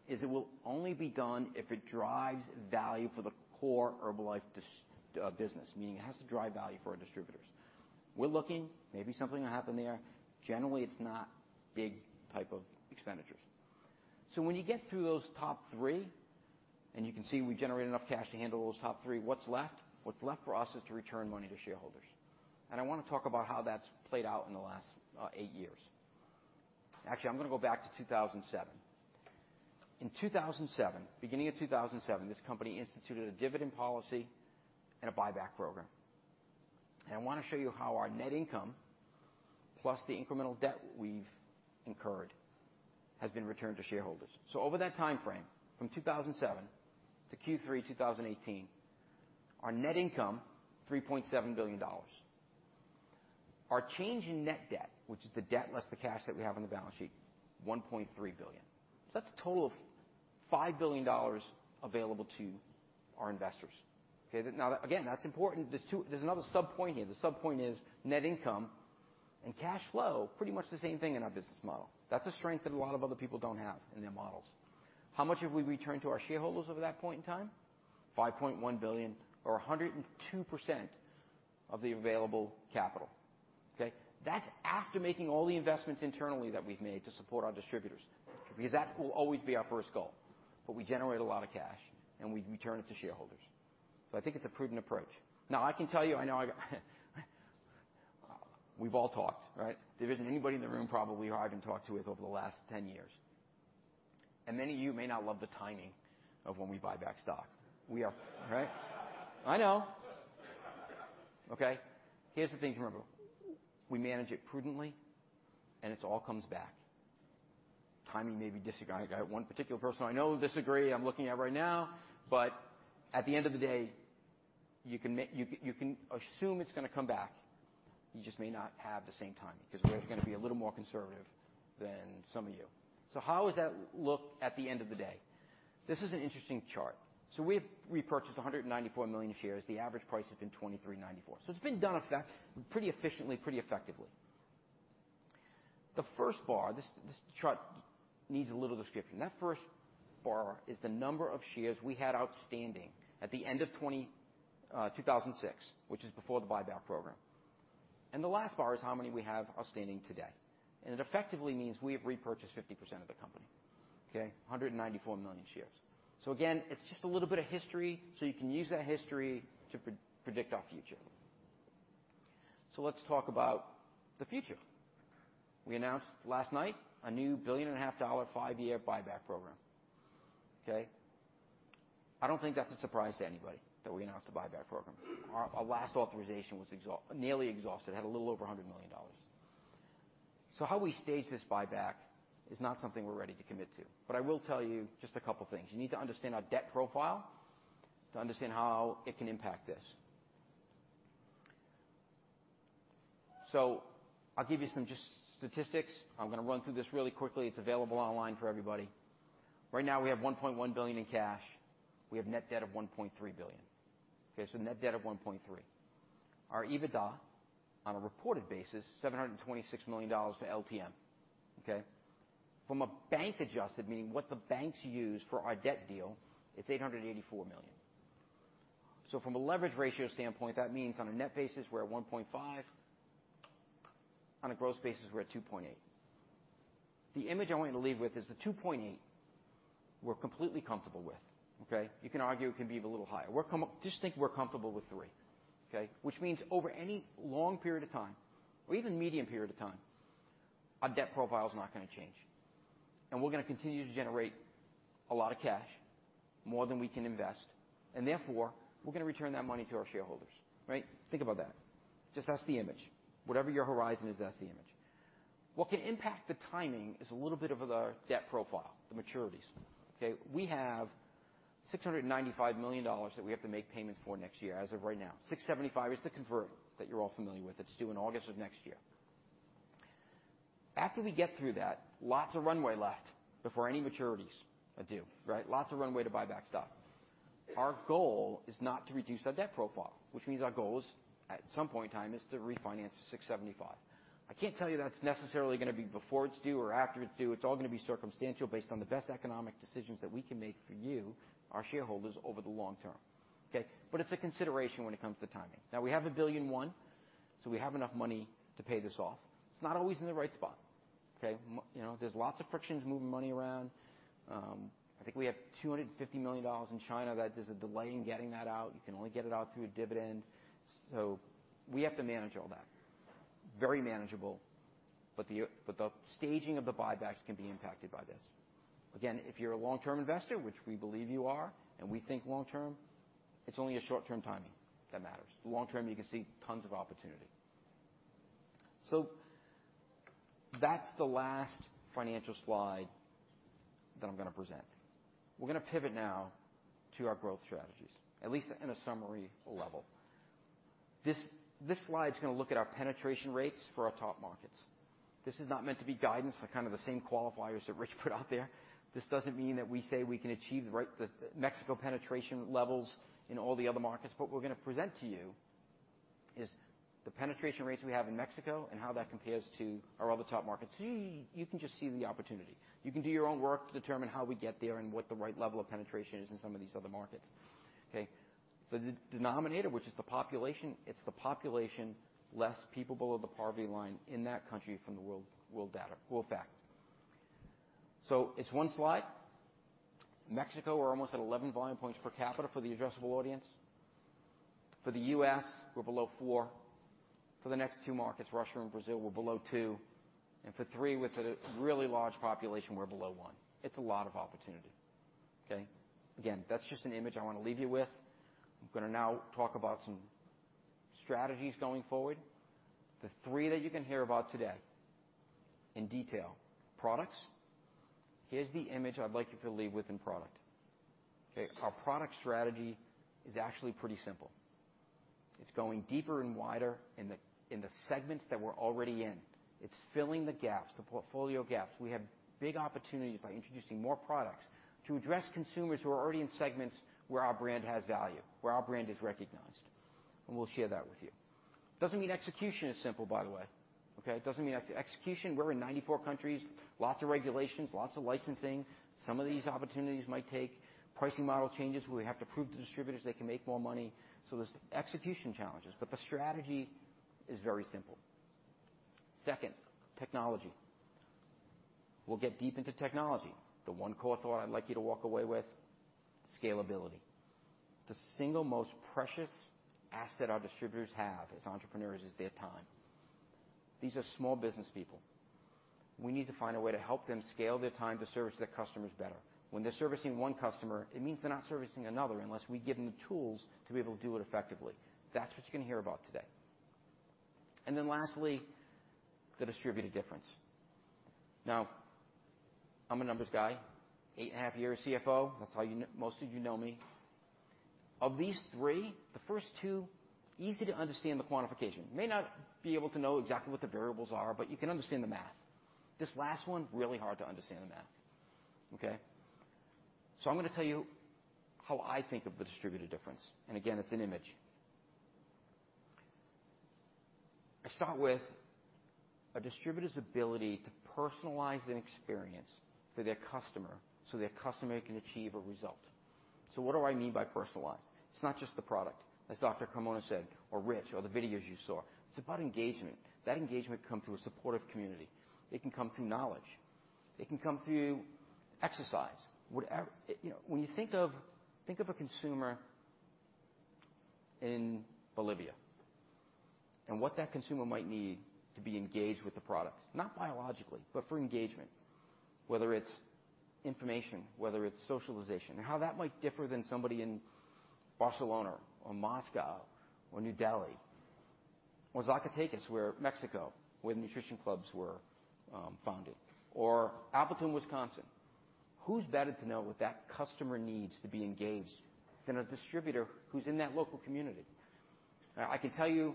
is it will only be done if it drives value for the core Herbalife business, meaning it has to drive value for our distributors. We're looking, maybe something will happen there. Generally, it's not big type of expenditures. When you get through those top three, you can see we generate enough cash to handle those top three, what's left? What's left for us is to return money to shareholders. I want to talk about how that's played out in the last eight years. Actually, I'm going to go back to 2007. In 2007, beginning of 2007, this company instituted a dividend policy and a buyback program. I want to show you how our net income, plus the incremental debt we've incurred, has been returned to shareholders. Over that timeframe, from 2007 to Q3 2018, our net income, $3.7 billion. Our change in net debt, which is the debt less the cash that we have on the balance sheet, $1.3 billion. That's a total of $5 billion available to our investors. Okay. Again, that's important. There's another sub-point here. The sub-point is net income and cash flow, pretty much the same thing in our business model. That's a strength that a lot of other people don't have in their models. How much have we returned to our shareholders over that point in time? $5.1 billion or 102% of the available capital. Okay. That's after making all the investments internally that we've made to support our distributors, because that will always be our first goal. We generate a lot of cash, and we return it to shareholders. I think it's a prudent approach. I can tell you, I know we've all talked, right? There isn't anybody in the room probably who I haven't talked with over the last 10 years. Many of you may not love the timing of when we buy back stock. We are, right. I know. Okay. Here's the thing to remember. We manage it prudently, and it all comes back. Timing maybe disagree. I got one particular person I know who disagree, I'm looking at right now, at the end of the day, you can assume it's gonna come back. You just may not have the same timing, because we're gonna be a little more conservative than some of you. How does that look at the end of the day? This is an interesting chart. We have repurchased 194 million shares. The average price has been $23.94. It's been done pretty efficiently, pretty effectively. The first bar, this chart needs a little description. That first bar is the number of shares we had outstanding at the end of 2006, which is before the buyback program. The last bar is how many we have outstanding today. It effectively means we have repurchased 50% of the company. Okay? 194 million shares. Again, it's just a little bit of history, so you can use that history to predict our future. Let's talk about the future. We announced last night a new billion and a half dollar, five-year buyback program. Okay? I don't think that's a surprise to anybody that we announced a buyback program. Our last authorization was nearly exhausted, had a little over $100 million. How we stage this buyback is not something we're ready to commit to. I will tell you just a couple things. You need to understand our debt profile to understand how it can impact this. I'll give you some statistics. I'm going to run through this really quickly. It's available online for everybody. Right now, we have $1.1 billion in cash. We have net debt of $1.3 billion. Okay, net debt of 1.3. Our EBITDA, on a reported basis, $726 million for LTM. Okay? From a bank adjusted, meaning what the banks use for our debt deal, it's $884 million. From a leverage ratio standpoint, that means on a net basis, we're at 1.5. On a gross basis, we're at 2.8. The image I want you to leave with is the 2.8 we're completely comfortable with. Okay? You can argue it can be a little higher. Just think we're comfortable with three. Okay? Which means over any long period of time, or even medium period of time, our debt profile is not going to change. We're going to continue to generate a lot of cash, more than we can invest, and therefore, we're going to return that money to our shareholders. Right? Think about that. Just that's the image. Whatever your horizon is, that's the image. What can impact the timing is a little bit of the debt profile, the maturities. Okay? We have $695 million that we have to make payments for next year as of right now. $675 million is the convert that you're all familiar with. It's due in August of next year. After we get through that, lots of runway left before any maturities are due. Right? Lots of runway to buy back stock. Our goal is not to reduce our debt profile, which means our goal is, at some point in time, is to refinance the $675 million. I can't tell you that's necessarily going to be before it's due or after it's due. It's all going to be circumstantial based on the best economic decisions that we can make for you, our shareholders, over the long term. Okay? It's a consideration when it comes to timing. Now we have $1.1 billion, so we have enough money to pay this off. It's not always in the right spot. Okay? There's lots of frictions moving money around. I think we have $250 million in China that there's a delay in getting that out. You can only get it out through a dividend. We have to manage all that. Very manageable, but the staging of the buybacks can be impacted by this. Again, if you're a long-term investor, which we believe you are, and we think long-term, it's only a short-term timing that matters. Long-term, you can see tons of opportunity. That's the last financial slide that I'm going to present. We're going to pivot now to our growth strategies, at least in a summary level. This slide's going to look at our penetration rates for our top markets. This is not meant to be guidance, kind of the same qualifiers that Rich put out there. This doesn't mean that we say we can achieve the Mexico penetration levels in all the other markets, but what we're going to present to you is the penetration rates we have in Mexico and how that compares to our other top markets. You can just see the opportunity. You can do your own work to determine how we get there and what the right level of penetration is in some of these other markets. Okay. The denominator, which is the population, it's the population less people below the poverty line in that country from the world factor. It's one slide. Mexico, we're almost at 11 Volume Points per capita for the addressable audience. For the U.S., we're below four. For the next two markets, Russia and Brazil, we're below two. For three, with a really large population, we're below one. It's a lot of opportunity. Okay. Again, that's just an image I want to leave you with. I'm going to now talk about some strategies going forward. The three that you can hear about today in detail. Products. Here's the image I'd like you to leave with in product. Okay. Our product strategy is actually pretty simple. It's going deeper and wider in the segments that we're already in. It's filling the gaps, the portfolio gaps. We have big opportunities by introducing more products to address consumers who are already in segments where our brand has value, where our brand is recognized. We'll share that with you. Doesn't mean execution is simple, by the way. Okay. We're in 94 countries, lots of regulations, lots of licensing. Some of these opportunities might take pricing model changes, where we have to prove to distributors they can make more money. There's execution challenges, but the strategy is very simple. Second, technology. We'll get deep into technology. The one core thought I'd like you to walk away with, scalability. The single most precious asset our distributors have as entrepreneurs is their time. These are small business people. We need to find a way to help them scale their time to service their customers better. When they're servicing one customer, it means they're not servicing another unless we give them the tools to be able to do it effectively. That's what you're going to hear about today. Lastly, the distributor difference. Now, I'm a numbers guy, eight and a half years CFO. That's how most of you know me. Of these three, the first two, easy to understand the quantification. May not be able to know exactly what the variables are, but you can understand the math. This last one, really hard to understand the math. Okay? I'm going to tell you how I think of the distributor difference. Again, it's an image. I start with a distributor's ability to personalize an experience for their customer so their customer can achieve a result. What do I mean by personalize? It's not just the product, as Dr. Carmona said, or Rich or the videos you saw. It's about engagement. That engagement comes through a supportive community. It can come through knowledge. It can come through exercise. When you think of a consumer in Bolivia. What that consumer might need to be engaged with the product, not biologically, but for engagement, whether it's information, whether it's socialization, and how that might differ than somebody in Barcelona or Moscow or New Delhi or Zacatecas, Mexico, where the nutrition clubs were founded, or Appleton, Wisconsin. Who's better to know what that customer needs to be engaged than a distributor who's in that local community? I can tell you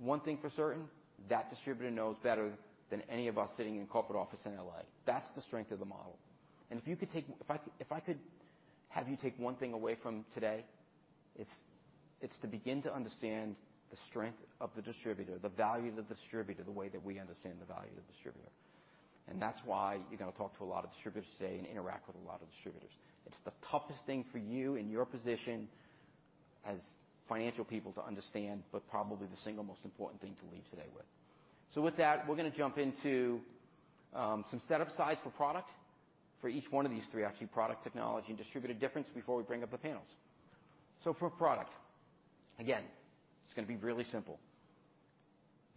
one thing for certain, that distributor knows better than any of us sitting in a corporate office in L.A. That's the strength of the model. If I could have you take one thing away from today, it's to begin to understand the strength of the distributor, the value of the distributor, the way that we understand the value of the distributor. That's why you're going to talk to a lot of distributors today and interact with a lot of distributors. It's the toughest thing for you in your position as financial people to understand, but probably the single most important thing to leave today with. With that, we're going to jump into some setup size for product for each one of these three, actually, product, technology, and distributor difference, before we bring up the panels. For product, again, it's going to be really simple.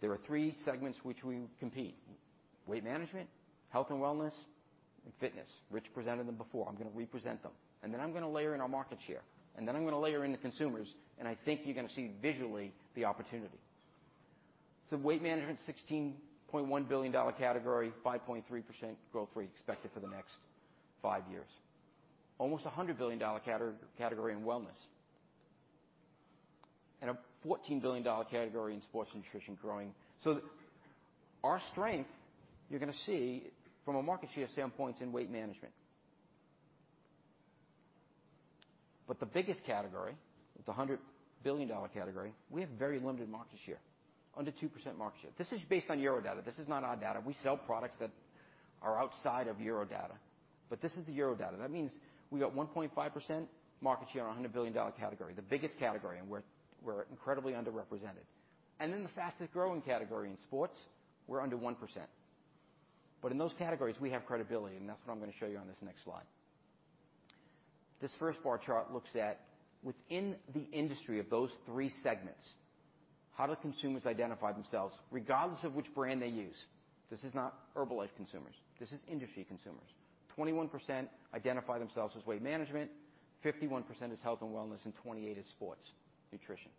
There are three segments which we compete, weight management, health and wellness, and fitness. Rich presented them before. I'm going to represent them. I'm going to layer in our market share, I'm going to layer in the consumers, and I think you're going to see visually the opportunity. Weight management, $16.1 billion category, 5.3% growth rate expected for the next five years. Almost $100 billion category in wellness. A $14 billion category in sports nutrition growing. Our strength, you're going to see from a market share standpoint, is in weight management. The biggest category, it's $100 billion category, we have very limited market share, under 2% market share. This is based on Euro data. This is not our data. We sell products that are outside of Euro data. This is the Euro data. That means we got 1.5% market share on $100 billion category, the biggest category, and we're incredibly underrepresented. The fastest-growing category in sports, we're under 1%. In those categories, we have credibility, and that's what I'm going to show you on this next slide. This first bar chart looks at within the industry of those three segments, how do consumers identify themselves regardless of which brand they use? This is not Herbalife consumers. This is industry consumers. 21% identify themselves as weight management, 51% as health and wellness, and 28% as sports nutrition.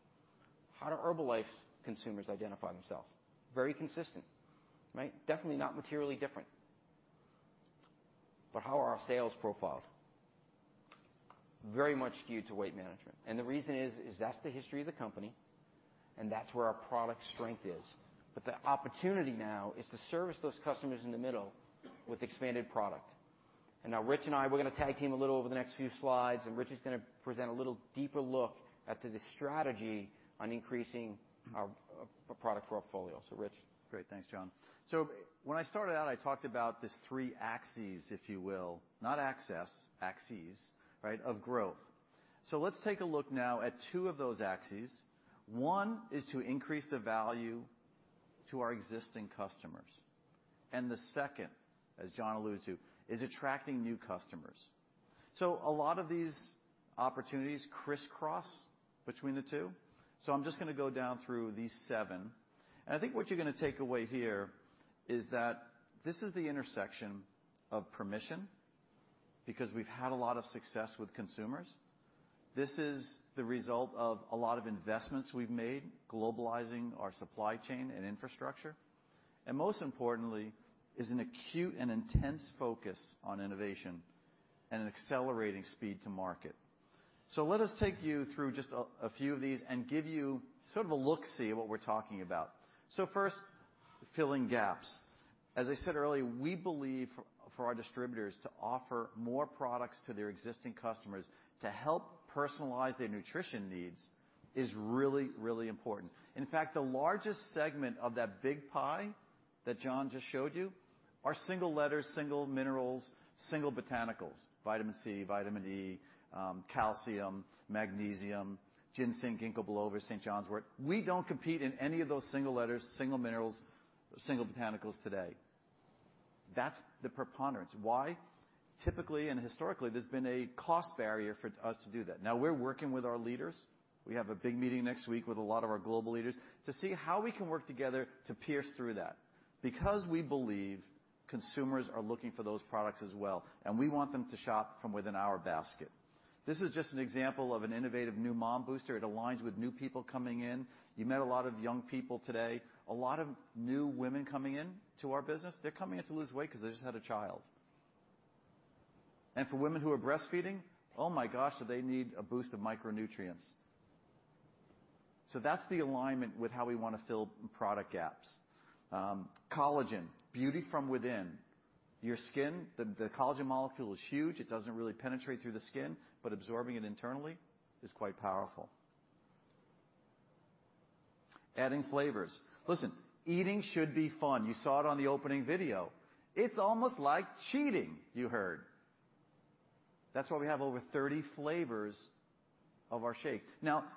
How do Herbalife consumers identify themselves? Very consistent. Definitely not materially different. How are our sales profiled? Very much skewed to weight management. The reason is that's the history of the company, and that's where our product strength is. The opportunity now is to service those customers in the middle with expanded product. Now Rich and I, we're going to tag team a little over the next few slides, and Rich is going to present a little deeper look at the strategy on increasing our product portfolio. Rich. Great. Thanks, John. When I started out, I talked about these three axes, if you will, not access, axes of growth. Let's take a look now at two of those axes. One is to increase the value to our existing customers. The second, as John alluded to, is attracting new customers. A lot of these opportunities crisscross between the two. I'm just going to go down through these seven. I think what you're going to take away here is that this is the intersection of permission, because we've had a lot of success with consumers. This is the result of a lot of investments we've made globalizing our supply chain and infrastructure. Most importantly, is an acute and intense focus on innovation and an accelerating speed to market. Let us take you through just a few of these and give you sort of a look-see of what we're talking about. First, filling gaps. As I said earlier, we believe for our distributors to offer more products to their existing customers to help personalize their nutrition needs is really, really important. In fact, the largest segment of that big pie that John just showed you are single letters, single minerals, single botanicals, vitamin C, vitamin E, calcium, magnesium, ginseng, ginkgo biloba, St. John's wort. We don't compete in any of those single letters, single minerals, single botanicals today. That's the preponderance. Why? Typically, and historically, there's been a cost barrier for us to do that. Now we're working with our leaders. We have a big meeting next week with a lot of our global leaders to see how we can work together to pierce through that because we believe consumers are looking for those products as well, and we want them to shop from within our basket. This is just an example of an innovative New Mom Booster. It aligns with new people coming in. You met a lot of young people today, a lot of new women coming into our business. They're coming in to lose weight because they just had a child. For women who are breastfeeding, oh my gosh, do they need a boost of micronutrients. That's the alignment with how we want to fill product gaps. Collagen, beauty from within. Your skin, the collagen molecule is huge. It doesn't really penetrate through the skin, but absorbing it internally is quite powerful. Adding flavors. Listen, eating should be fun. You saw it on the opening video. It's almost like cheating, you heard. That's why we have over 30 flavors of our shakes.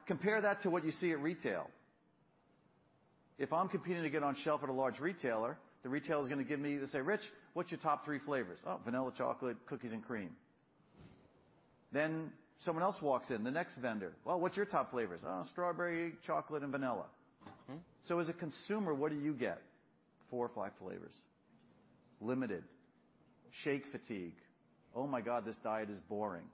Compare that to what you see at retail. If I'm competing to get on shelf at a large retailer, the retailer's going to give me-- They say, "Rich, what's your top three flavors?" "Oh, vanilla, chocolate, cookies, and cream." Someone else walks in, the next vendor. "What's your top flavors?" "Oh, strawberry, chocolate, and vanilla. As a consumer, what do you get? Four or five flavors. Limited. Shake fatigue. Oh my God, this diet is boring.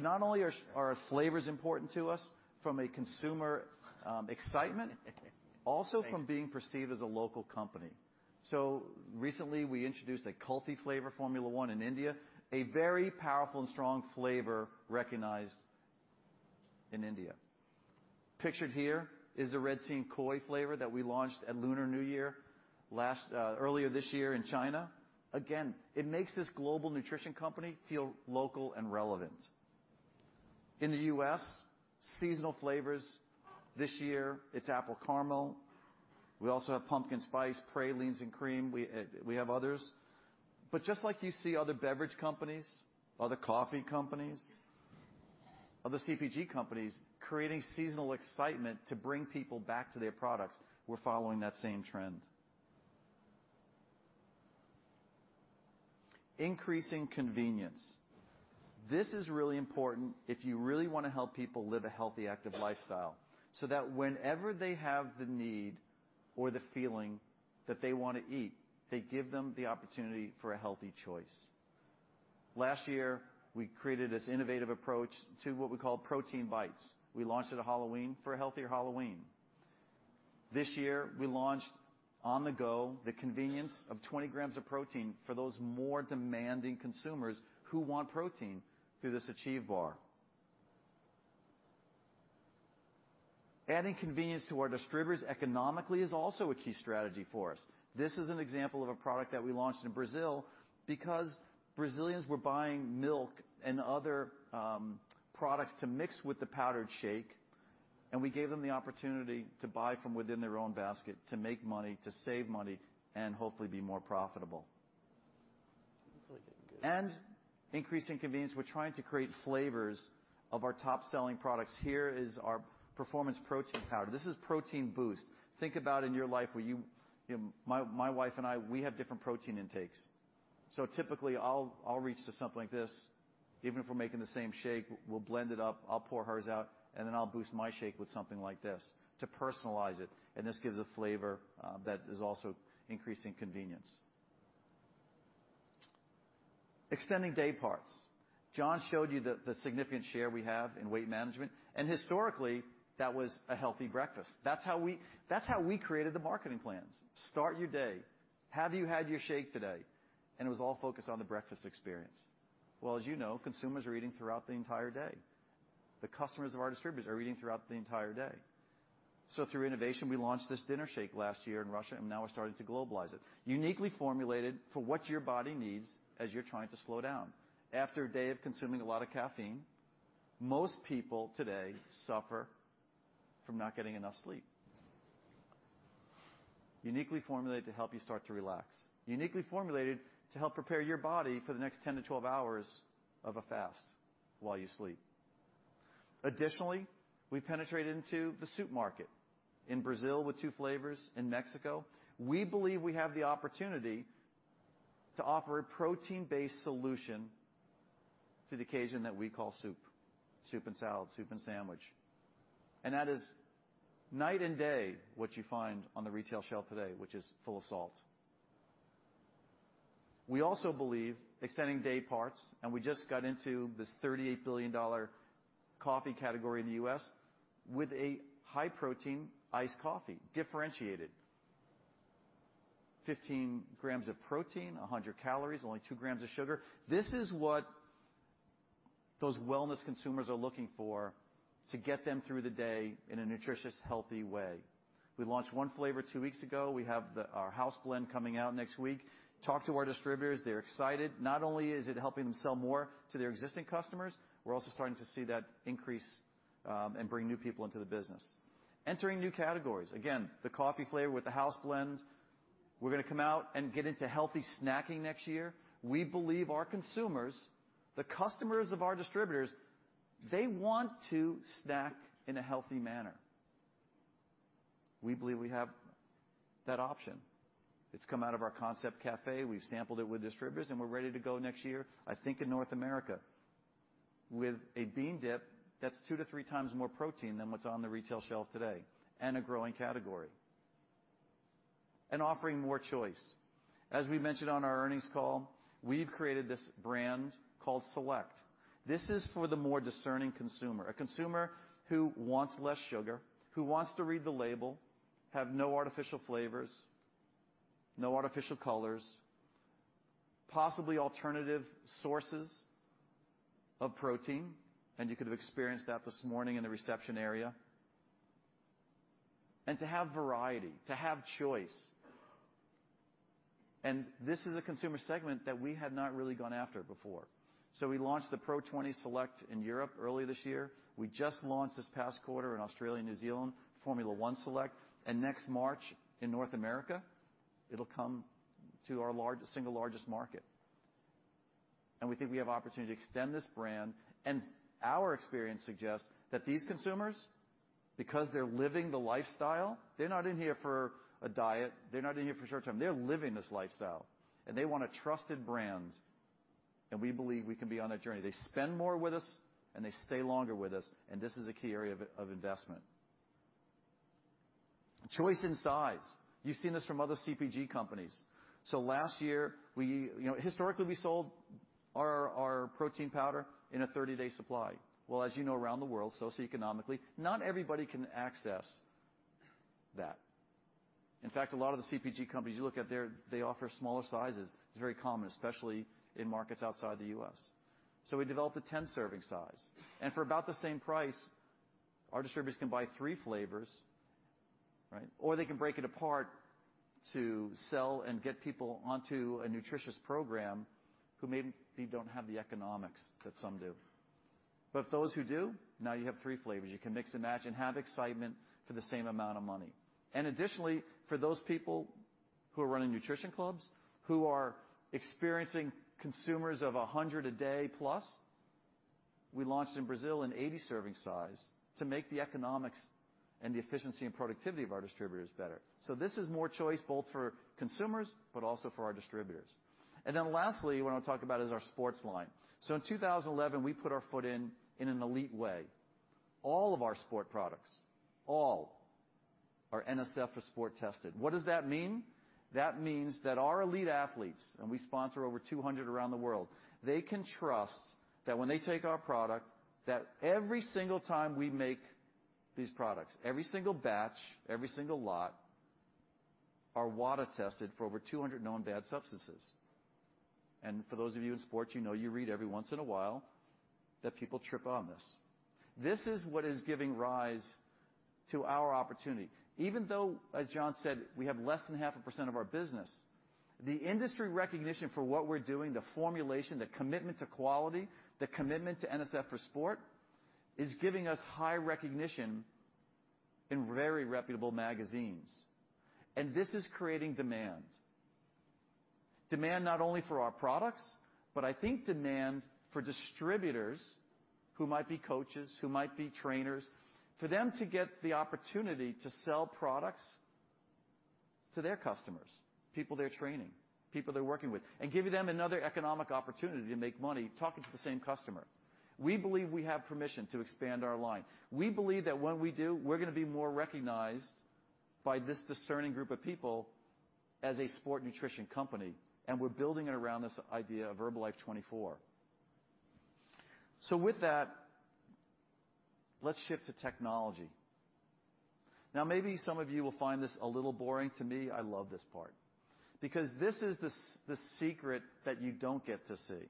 Not only are flavors important to us from a consumer excitement, also from being perceived as a local company. Recently, we introduced a Kulfi flavor Formula 1 in India, a very powerful and strong flavor recognized in India. Pictured here is the Red Bean & Coix Seed flavor that we launched at Lunar New Year earlier this year in China. Again, it makes this global nutrition company feel local and relevant. In the U.S., seasonal flavors. This year it's apple caramel. We also have pumpkin spice pralines and cream. We have others. Just like you see other beverage companies, other coffee companies, other CPG companies creating seasonal excitement to bring people back to their products, we're following that same trend. Increasing convenience. This is really important if you really want to help people live a healthy, active lifestyle, so that whenever they have the need or the feeling that they want to eat, they give them the opportunity for a healthy choice. Last year, we created this innovative approach to what we call Protein Bites. We launched at Halloween for a healthier Halloween. This year, we launched on-the-go, the convenience of 20 grams of protein for those more demanding consumers who want protein through this Achieve bar. Adding convenience to our distributors economically is also a key strategy for us. This is an example of a product that we launched in Brazil because Brazilians were buying milk and other products to mix with the powdered shake, and we gave them the opportunity to buy from within their own basket to make money, to save money, and hopefully be more profitable. Increasing convenience. We're trying to create flavors of our top-selling products. Here is our performance protein powder. This is protein boost. Think about in your life where My wife and I, we have different protein intakes. Typically, I'll reach to something like this. Even if we're making the same shake, we'll blend it up, I'll pour hers out, and then I'll boost my shake with something like this to personalize it, and this gives a flavor that is also increasing convenience. Extending day parts. John showed you the significant share we have in weight management, and historically, that was a healthy breakfast. That's how we created the marketing plans. Start your day. Have you had your shake today? It was all focused on the breakfast experience. As you know, consumers are eating throughout the entire day. The customers of our distributors are eating throughout the entire day. Through innovation, we launched this dinner shake last year in Russia, and now we're starting to globalize it. Uniquely formulated for what your body needs as you're trying to slow down. After a day of consuming a lot of caffeine, most people today suffer from not getting enough sleep. Uniquely formulated to help you start to relax. Uniquely formulated to help prepare your body for the next 10 to 12 hours of a fast while you sleep. Additionally, we penetrated into the soup market in Brazil with two flavors, in Mexico. We believe we have the opportunity to offer a protein-based solution to the occasion that we call soup. Soup and salad, soup and sandwich. That is night and day what you find on the retail shelf today, which is full of salt. We also believe extending day parts. We just got into this $38 billion coffee category in the U.S. with a high-protein iced coffee, differentiated. 15 grams of protein, 100 calories, only two grams of sugar. This is what those wellness consumers are looking for to get them through the day in a nutritious, healthy way. We launched one flavor two weeks ago. We have our house blend coming out next week. Talked to our distributors. They're excited. Not only is it helping them sell more to their existing customers, we're also starting to see that increase and bring new people into the business. Entering new categories. Again, the coffee flavor with the house blend. We're going to come out and get into healthy snacking next year. We believe our consumers, the customers of our distributors, they want to snack in a healthy manner. We believe we have that option. It's come out of our Concept Cafe. We've sampled it with distributors, and we're ready to go next year, I think in North America, with a bean dip that's two to three times more protein than what's on the retail shelf today, and a growing category. Offering more choice. As we mentioned on our earnings call, we've created this brand called Select. This is for the more discerning consumer, a consumer who wants less sugar, who wants to read the label, have no artificial flavors, no artificial colors, possibly alternative sources of protein, and you could have experienced that this morning in the reception area. To have variety, to have choice. This is a consumer segment that we have not really gone after before. We launched the PRO 20 Select in Europe earlier this year. We just launched this past quarter in Australia and New Zealand, Formula 1 Select, and next March in North America, it'll come to our single largest market. We think we have opportunity to extend this brand. Our experience suggests that these consumers, because they're living the lifestyle, they're not in here for a diet. They're not in here for short term. They're living this lifestyle, and they want a trusted brand. We believe we can be on that journey. They spend more with us, and they stay longer with us, and this is a key area of investment. Choice in size. You've seen this from other CPG companies. Last year, historically, we sold our protein powder in a 30-day supply. Well, as you know, around the world, socioeconomically, not everybody can access that. In fact, a lot of the CPG companies you look at, they offer smaller sizes. It's very common, especially in markets outside the U.S. We developed a 10-serving size. For about the same price, our distributors can buy three flavors, or they can break it apart to sell and get people onto a nutritious program who maybe don't have the economics that some do. For those who do, now you have three flavors. You can mix and match and have excitement for the same amount of money. Additionally, for those people who are running nutrition clubs, who are experiencing consumers of 100 a day plus, we launched in Brazil an 80-serving size to make the economics and the efficiency and productivity of our distributors better. This is more choice both for consumers but also for our distributors. Lastly, what I want to talk about is our sports line. In 2011, we put our foot in in an elite way. All of our sport products, all, are NSF Sport tested. What does that mean? That means that our elite athletes, and we sponsor over 200 around the world, they can trust that when they take our product, that every single time we make these products, every single batch, every single lot, are WADA tested for over 200 known bad substances. For those of you in sports, you know, you read every once in a while that people trip on this. This is what is giving rise to our opportunity. Even though, as John said, we have less than half a percent of our business, the industry recognition for what we're doing, the formulation, the commitment to quality, the commitment to NSF for Sport, is giving us high recognition in very reputable magazines. This is creating demand. Demand not only for our products, but I think demand for distributors who might be coaches, who might be trainers, for them to get the opportunity to sell products to their customers, people they're training, people they're working with, and giving them another economic opportunity to make money talking to the same customer. We believe we have permission to expand our line. We believe that when we do, we're going to be more recognized by this discerning group of people as a sport nutrition company, and we're building it around this idea of Herbalife24. With that, let's shift to technology. Maybe some of you will find this a little boring. To me, I love this part because this is the secret that you don't get to see.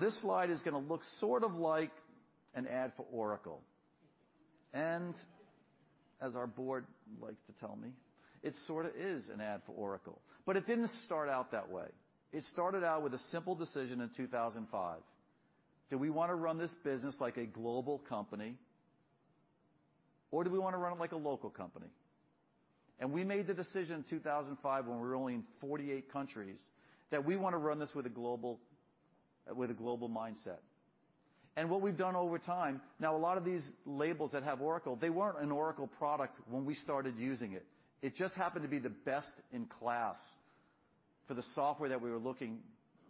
This slide is going to look sort of like an ad for Oracle. As our board likes to tell me, it sort of is an ad for Oracle. It didn't start out that way. It started out with a simple decision in 2005. Do we want to run this business like a global company, or do we want to run it like a local company? We made the decision in 2005, when we were only in 48 countries, that we want to run this with a global mindset. What we've done over time, now a lot of these labels that have Oracle, they weren't an Oracle product when we started using it. It just happened to be the best in class for the software that we were looking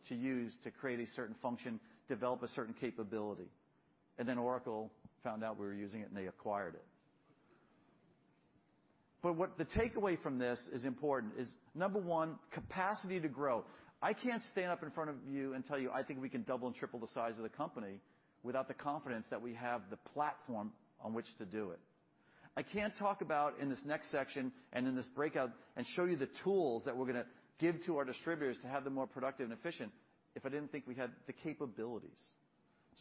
to use to create a certain function, develop a certain capability. Oracle found out we were using it, and they acquired it. What the takeaway from this is important is, number one, capacity to grow. I can't stand up in front of you and tell you I think we can double and triple the size of the company without the confidence that we have the platform on which to do it. I can't talk about, in this next section and in this breakout, and show you the tools that we're going to give to our distributors to have them more productive and efficient if I didn't think we had the capabilities.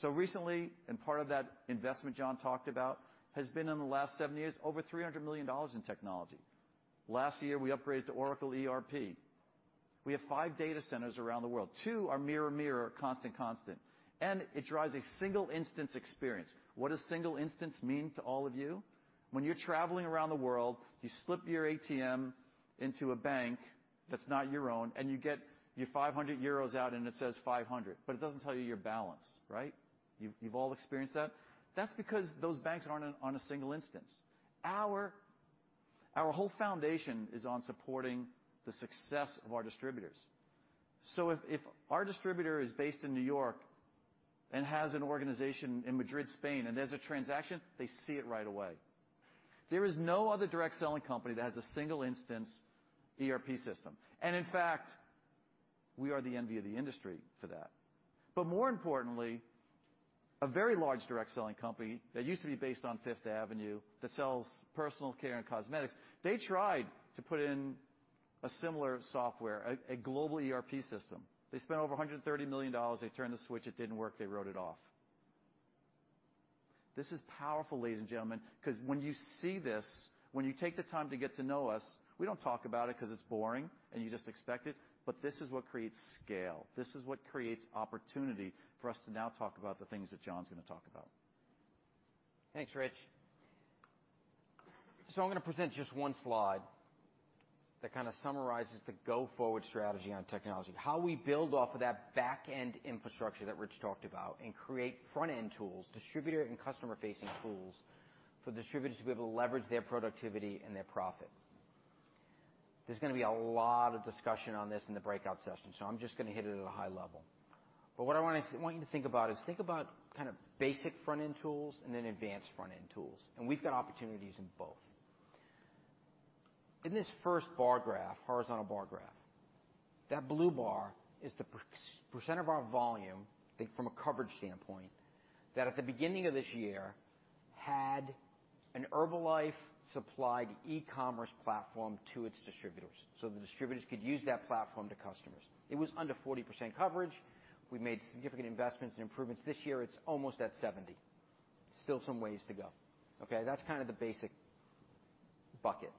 Recently, and part of that investment John talked about, has been in the last seven years, over $300 million in technology. Last year, we upgraded to Oracle ERP. We have five data centers around the world. Two are mirror, constant. It drives a single instance experience. What does single instance mean to all of you? When you're traveling around the world, you slip your ATM into a bank that's not your own, and you get your €500 out, and it says 500, but it doesn't tell you your balance. Right? You've all experienced that. That's because those banks aren't on a single instance. Our whole foundation is on supporting the success of our distributors. If our distributor is based in New York and has an organization in Madrid, Spain, and there's a transaction, they see it right away. There is no other direct selling company that has a single instance ERP system. In fact, we are the envy of the industry for that. More importantly, a very large direct selling company that used to be based on Fifth Avenue that sells personal care and cosmetics, they tried to put in a similar software, a global ERP system. They spent over $130 million. They turned the switch. It didn't work. They wrote it off. This is powerful, ladies and gentlemen, because when you see this, when you take the time to get to know us, we don't talk about it because it's boring and you just expect it, but this is what creates scale. This is what creates opportunity for us to now talk about the things that John's going to talk about. Thanks, Rich I am going to present just one slide that kind of summarizes the go-forward strategy on technology, how we build off of that back-end infrastructure that Rich talked about and create front-end tools, distributor and customer-facing tools for distributors to be able to leverage their productivity and their profit. There is going to be a lot of discussion on this in the breakout sessions, I am just going to hit it at a high level. What I want you to think about is think about kind of basic front-end tools and then advanced front-end tools. We have got opportunities in both. In this first bar graph, horizontal bar graph, that blue bar is the percent of our volume, I think from a coverage standpoint, that at the beginning of this year had an Herbalife-supplied e-commerce platform to its distributors. The distributors could use that platform to customers. It was under 40% coverage. We made significant investments and improvements this year. It is almost at 70%. Still some ways to go. That is kind of the basic bucket.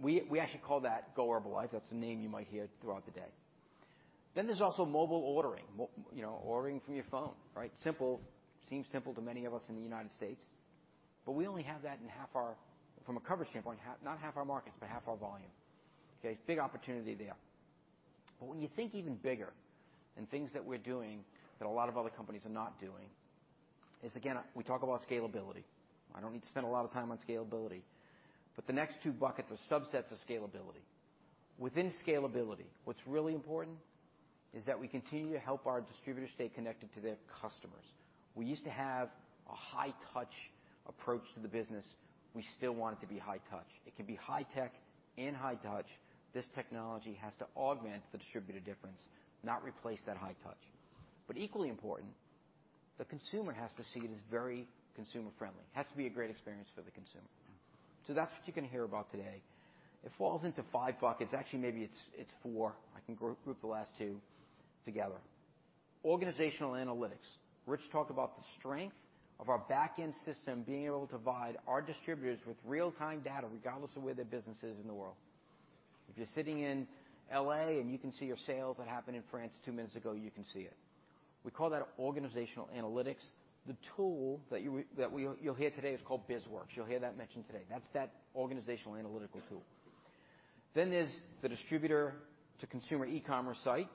We actually call that Go Herbalife. That is the name you might hear throughout the day. There is also mobile ordering from your phone, right? Seems simple to many of us in the U.S., but we only have that in half our, from a coverage standpoint, not half our markets, but half our volume. Big opportunity there. When you think even bigger and things that we are doing that a lot of other companies are not doing is, again, we talk about scalability. I do not need to spend a lot of time on scalability, but the next two buckets are subsets of scalability. Within scalability, what is really important is that we continue to help our distributors stay connected to their customers. We used to have a high-touch approach to the business. We still want it to be high touch. It can be high tech and high touch. This technology has to augment the distributor difference, not replace that high touch. Equally important, the consumer has to see it as very consumer-friendly. It has to be a great experience for the consumer. That is what you are going to hear about today. It falls into five buckets. Actually, maybe it is four. I can group the last two together. Organizational analytics. Rich talked about the strength of our back-end system being able to provide our distributors with real-time data regardless of where their business is in the world. If you are sitting in L.A. and you can see your sales that happened in France two minutes ago, you can see it. We call that organizational analytics. The tool that you will hear today is called BizWorks. You will hear that mentioned today. That is that organizational analytical tool. There is the distributor-to-consumer e-commerce site.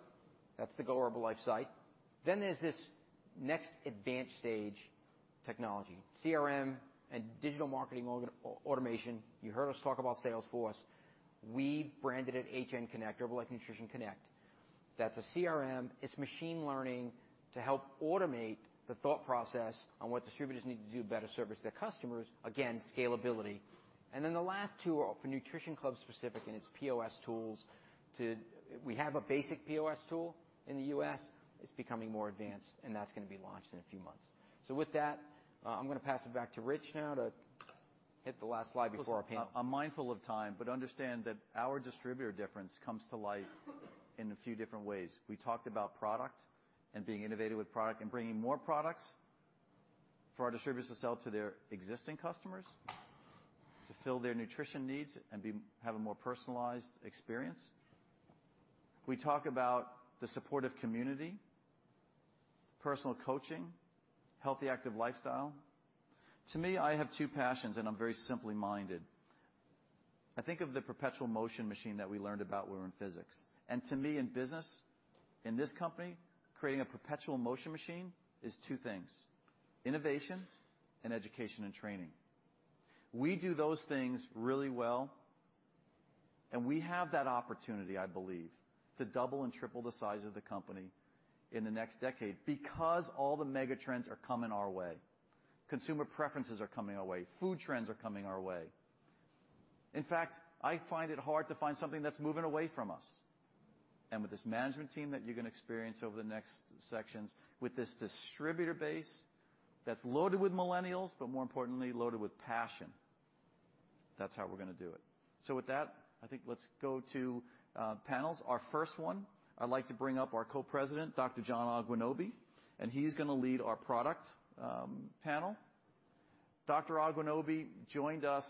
That is the Go Herbalife site. There is this next advanced stage technology, CRM and digital marketing automation. You heard us talk about Salesforce. We branded it HN Connect, Herbalife Nutrition Connect. That is a CRM. It is machine learning to help automate the thought process on what distributors need to do to better service their customers. Again, scalability. The last two are for Nutrition Club specific and its POS tools. We have a basic POS tool in the U.S. It is becoming more advanced, and that is going to be launched in a few months. With that, I'm going to pass it back to Rich now to hit the last slide before our panel. I'm mindful of time, understand that our distributor difference comes to life in a few different ways. We talked about product and being innovative with product and bringing more products for our distributors to sell to their existing customers to fill their nutrition needs and have a more personalized experience. We talk about the supportive community, personal coaching, healthy active lifestyle. To me, I have two passions, and I'm very simply minded. I think of the perpetual motion machine that we learned about when we were in physics. To me in business, in this company, creating a perpetual motion machine is two things, innovation and education and training. We do those things really well, and we have that opportunity, I believe, to double and triple the size of the company in the next decade because all the mega trends are coming our way. Consumer preferences are coming our way. Food trends are coming our way. In fact, I find it hard to find something that's moving away from us. With this management team that you're going to experience over the next sections, with this distributor base that's loaded with millennials, but more importantly, loaded with passion, that's how we're going to do it. With that, I think let's go to panels. Our first one, I'd like to bring up our co-president, Dr. John Agwunobi, and he's going to lead our product panel. Dr. Agwunobi joined us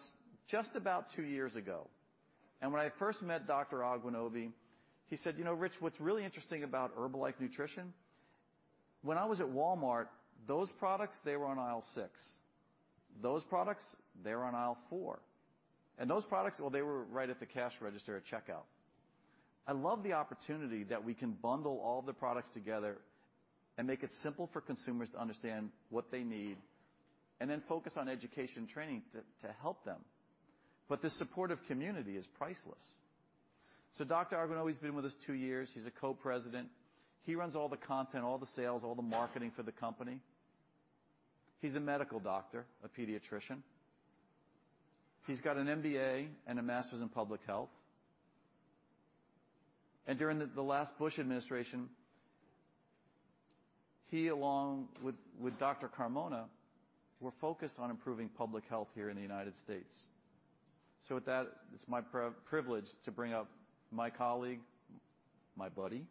just about two years ago. When I first met Dr. Agwunobi, he said, "You know, Rich, what's really interesting about Herbalife Nutrition, when I was at Walmart, those products, they were on aisle six. Those products, they were on aisle four. Those products, well, they were right at the cash register at checkout." I love the opportunity that we can bundle all the products together and make it simple for consumers to understand what they need and then focus on education training to help them. This supportive community is priceless. Dr. Agwunobi's been with us two years. He's a co-president. He runs all the content, all the sales, all the marketing for the company. He's a medical doctor, a pediatrician. He's got an MBA and a master's in public health. During the last Bush administration, he along with Dr. Carmona, were focused on improving public health here in the United States. With that, it's my privilege to bring up my colleague, my buddy,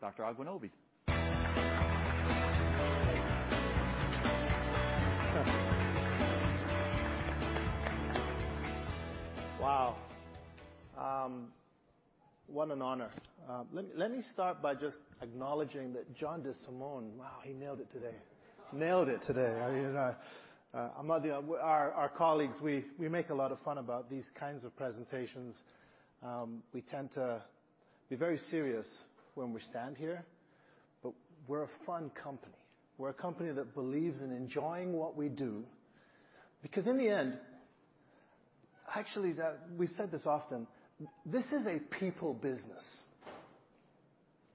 Dr. Agwunobi. Wow. What an honor. Let me start by just acknowledging that John DeSimone, wow, he nailed it today. Nailed it today. Among our colleagues, we make a lot of fun about these kinds of presentations. We tend to be very serious when we stand here, but we're a fun company. We're a company that believes in enjoying what we do, because in the end, actually, we said this often, this is a people business.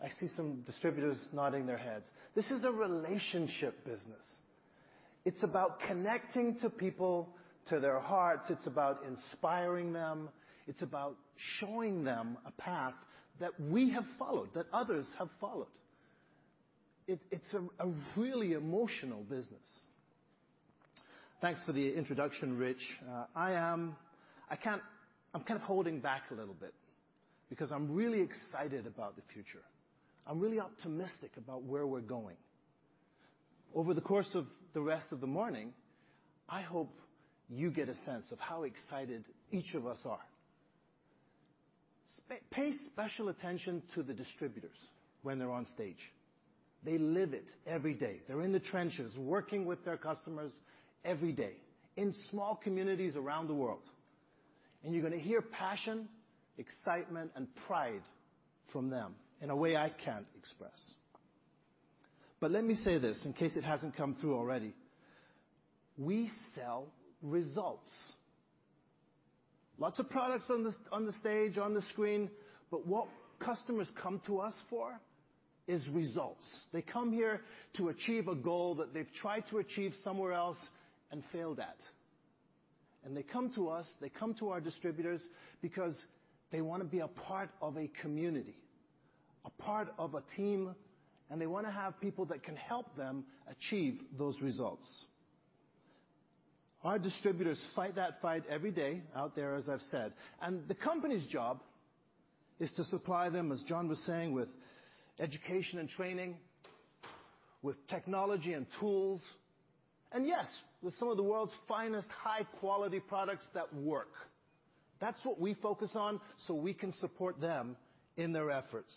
I see some distributors nodding their heads. This is a relationship business. It's about connecting to people, to their hearts. It's about inspiring them. It's about showing them a path that we have followed, that others have followed. It's a really emotional business. Thanks for the introduction, Rich. I'm kind of holding back a little bit because I'm really excited about the future. I'm really optimistic about where we're going. Over the course of the rest of the morning, I hope you get a sense of how excited each of us are. Pay special attention to the distributors when they're on stage. They live it every day. They're in the trenches, working with their customers every day in small communities around the world. You're going to hear passion, excitement, and pride from them in a way I can't express. Let me say this, in case it hasn't come through already. We sell results. Lots of products on the stage, on the screen, but what customers come to us for is results. They come here to achieve a goal that they've tried to achieve somewhere else and failed at. They come to us, they come to our distributors because they want to be a part of a community, a part of a team, and they want to have people that can help them achieve those results. Our distributors fight that fight every day out there, as I've said. The company's job is to supply them, as John was saying, with education and training, with technology and tools, and yes, with some of the world's finest high-quality products that work. That's what we focus on so we can support them in their efforts.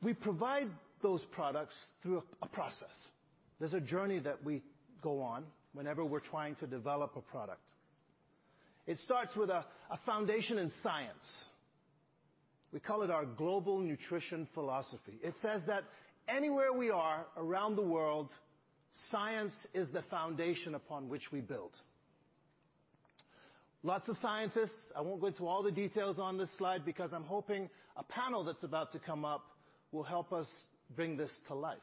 We provide those products through a process. There's a journey that we go on whenever we're trying to develop a product. It starts with a foundation in science. We call it our global nutrition philosophy. It says that anywhere we are around the world, science is the foundation upon which we build. Lots of scientists. I won't go into all the details on this slide because I'm hoping a panel that's about to come up will help us bring this to life.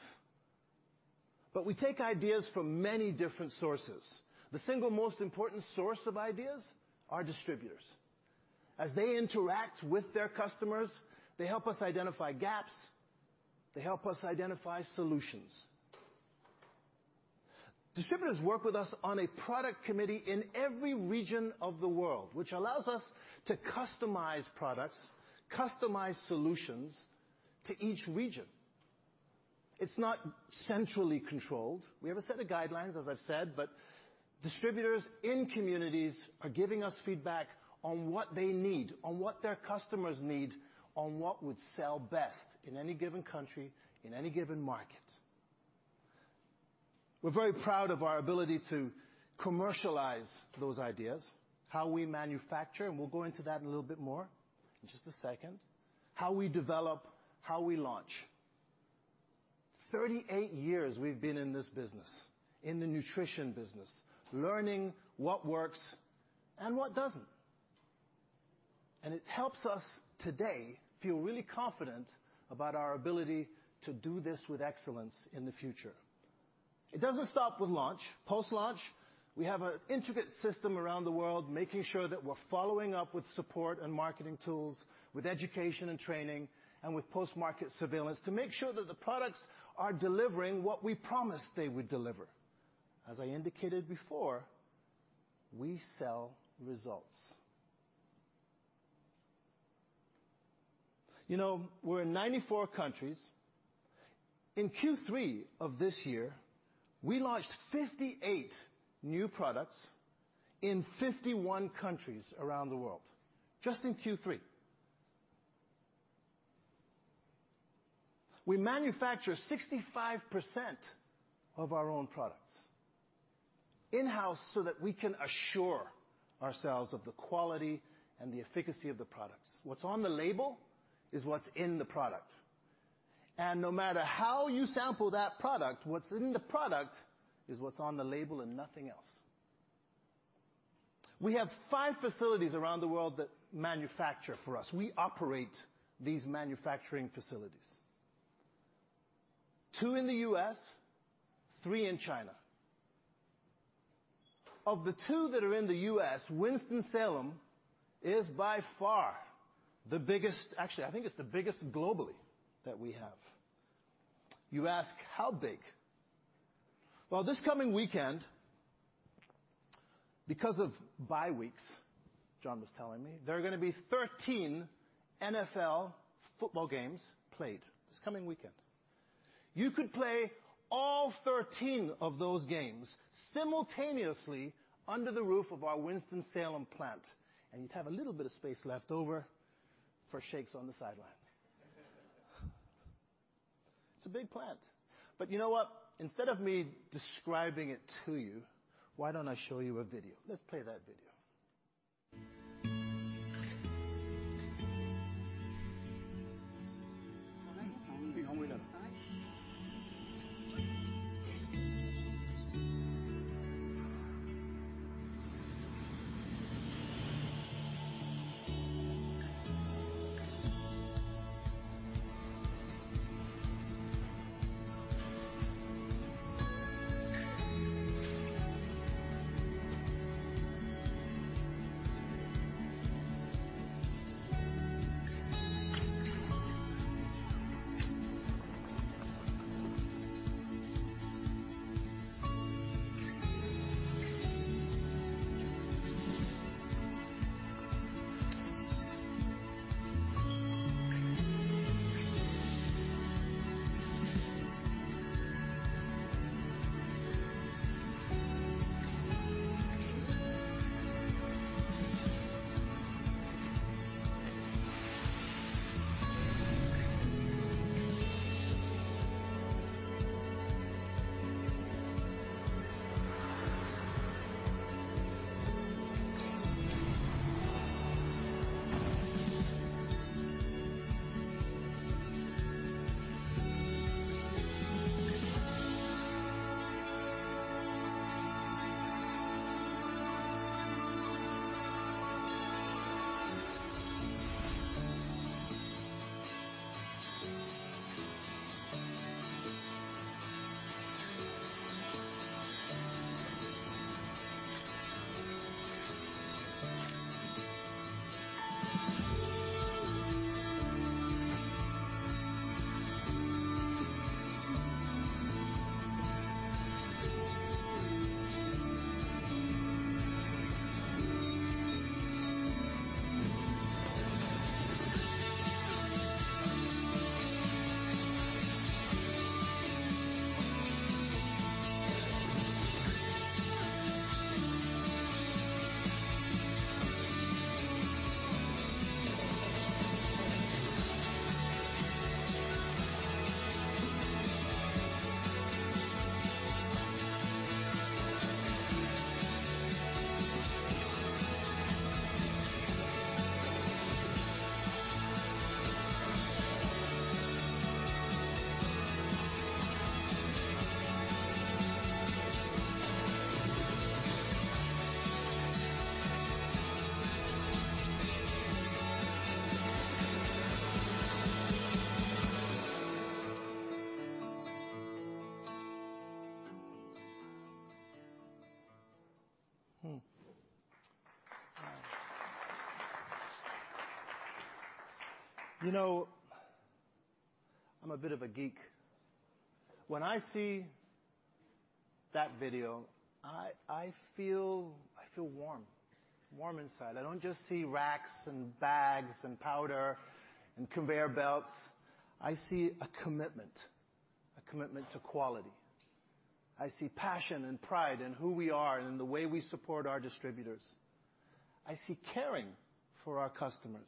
We take ideas from many different sources. The single most important source of ideas are distributors. As they interact with their customers, they help us identify gaps, they help us identify solutions. Distributors work with us on a product committee in every region of the world, which allows us to customize products, customize solutions to each region. It's not centrally controlled. We have a set of guidelines, as I've said, but distributors in communities are giving us feedback on what they need, on what their customers need, on what would sell best in any given country, in any given market. We're very proud of our ability to commercialize those ideas, how we manufacture. We'll go into that in a little bit more in just a second. How we develop, how we launch. 38 years we've been in this business, in the nutrition business, learning what works and what doesn't. It helps us today feel really confident about our ability to do this with excellence in the future. It doesn't stop with launch. Post-launch, we have an intricate system around the world making sure that we're following up with support and marketing tools, with education and training, and with post-market surveillance to make sure that the products are delivering what we promised they would deliver. As I indicated before, we sell results. We're in 94 countries. In Q3 of this year, we launched 58 new products in 51 countries around the world. Just in Q3. We manufacture 65% of our own products in-house so that we can assure ourselves of the quality and the efficacy of the products. What's on the label is what's in the product. No matter how you sample that product, what's in the product is what's on the label and nothing else. We have five facilities around the world that manufacture for us. We operate these manufacturing facilities. Two in the U.S., three in China. Of the two that are in the U.S., Winston-Salem is by far the biggest. Actually, I think it's the biggest globally that we have. You ask how big. Well, this coming weekend because of bye weeks, John was telling me there are going to be 13 NFL football games played this coming weekend. You could play all 13 of those games simultaneously under the roof of our Winston-Salem plant. You'd have a little bit of space left over for shakes on the sideline. It's a big plant. You know what? Instead of me describing it to you, why don't I show you a video? Let's play that video. I'm a bit of a geek. When I see that video, I feel warm inside. I don't just see racks and bags and powder and conveyor belts. I see a commitment, a commitment to quality. I see passion and pride in who we are and in the way we support our distributors. I see caring for our customers,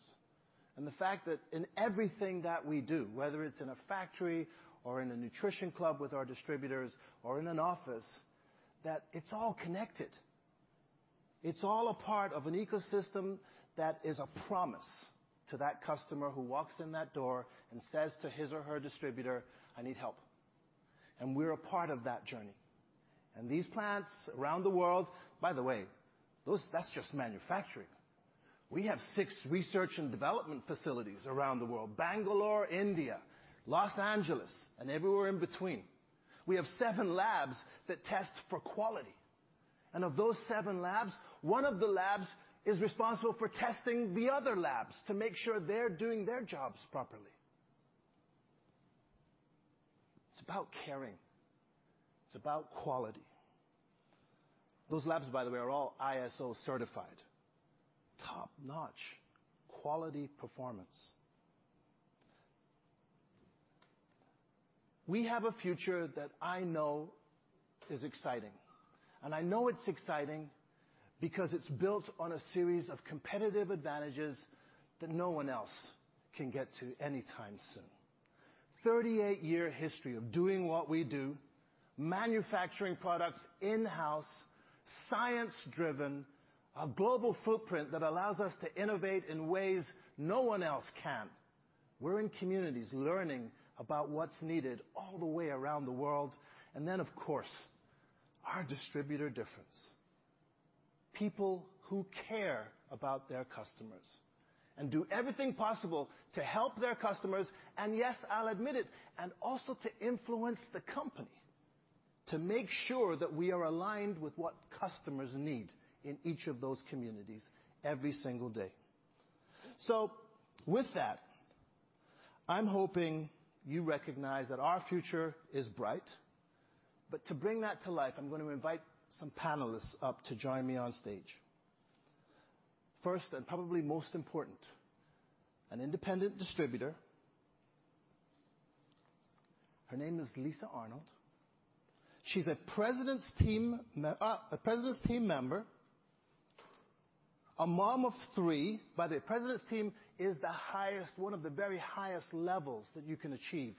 and the fact that in everything that we do, whether it's in a factory or in a nutrition club with our distributors or in an office, that it's all connected. It's all a part of an ecosystem that is a promise to that customer who walks in that door and says to his or her distributor, "I need help." We're a part of that journey. These plants around the world, by the way, that's just manufacturing. We have six research and development facilities around the world, Bangalore, India, Los Angeles, and everywhere in between. We have seven labs that test for quality. Of those seven labs, one of the labs is responsible for testing the other labs to make sure they're doing their jobs properly. It's about caring. It's about quality. Those labs, by the way, are all ISO certified, top-notch quality performance. We have a future that I know is exciting. I know it's exciting because it's built on a series of competitive advantages that no one else can get to anytime soon. 38-year history of doing what we do, manufacturing products in-house, science-driven, a global footprint that allows us to innovate in ways no one else can. We're in communities learning about what's needed all the way around the world. Of course, our distributor difference. People who care about their customers and do everything possible to help their customers. Yes, I'll admit it, and also to influence the company to make sure that we are aligned with what customers need in each of those communities every single day. With that, I'm hoping you recognize that our future is bright. To bring that to life, I'm going to invite some panelists up to join me on stage. First, and probably most important, an independent distributor. Her name is Lisa Arnold. She's a President's Team member, a mom of three. By the way, President's Team is one of the very highest levels that you can achieve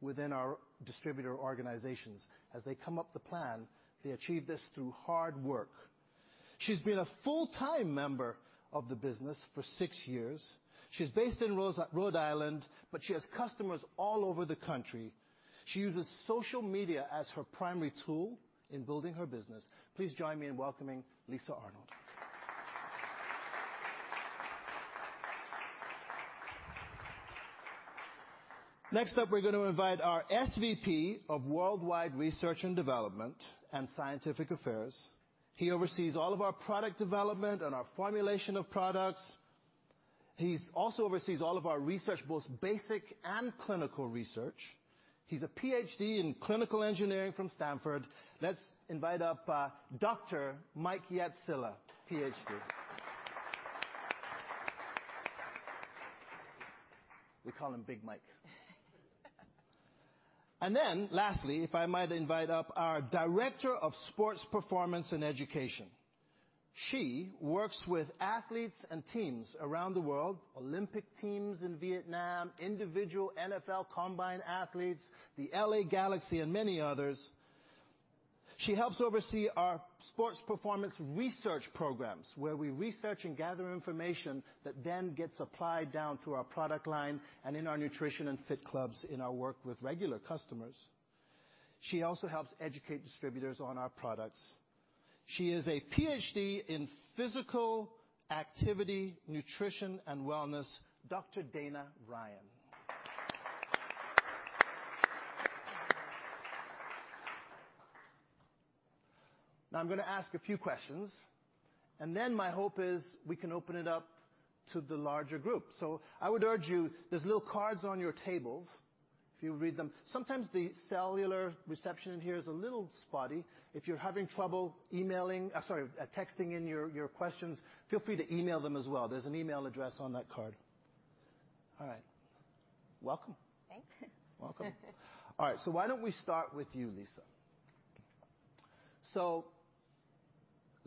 within our distributor organizations as they come up the plan. They achieve this through hard work. She's been a full-time member of the business for six years. She's based in Rhode Island, but she has customers all over the country. She uses social media as her primary tool in building her business. Please join me in welcoming Lisa Arnold. Next up, we're going to invite our SVP of Worldwide Research and Development and Scientific Affairs. He oversees all of our product development and our formulation of products. He also oversees all of our research, both basic and clinical research. He's a PhD in clinical engineering from Stanford. Let's invite up Dr. Mike Yatcilla, PhD. We call him Big Mike. Lastly, if I might invite up our Director of Sports Performance and Education. She works with athletes and teams around the world, Olympic teams in Vietnam, individual NFL combine athletes, the LA Galaxy, and many others. She helps oversee our sports performance research programs, where we research and gather information that then gets applied down through our product line and in our nutrition and fit clubs in our work with regular customers. She also helps educate distributors on our products. She is a PhD in physical activity, nutrition, and wellness, Dr. Dana Ryan. Now I'm going to ask a few questions, my hope is we can open it up to the larger group. I would urge you, there's little cards on your tables, if you'll read them. Sometimes the cellular reception in here is a little spotty. If you're having trouble texting in your questions, feel free to email them as well. There's an email address on that card. All right. Welcome. Thanks. Welcome. All right, why don't we start with you, Lisa?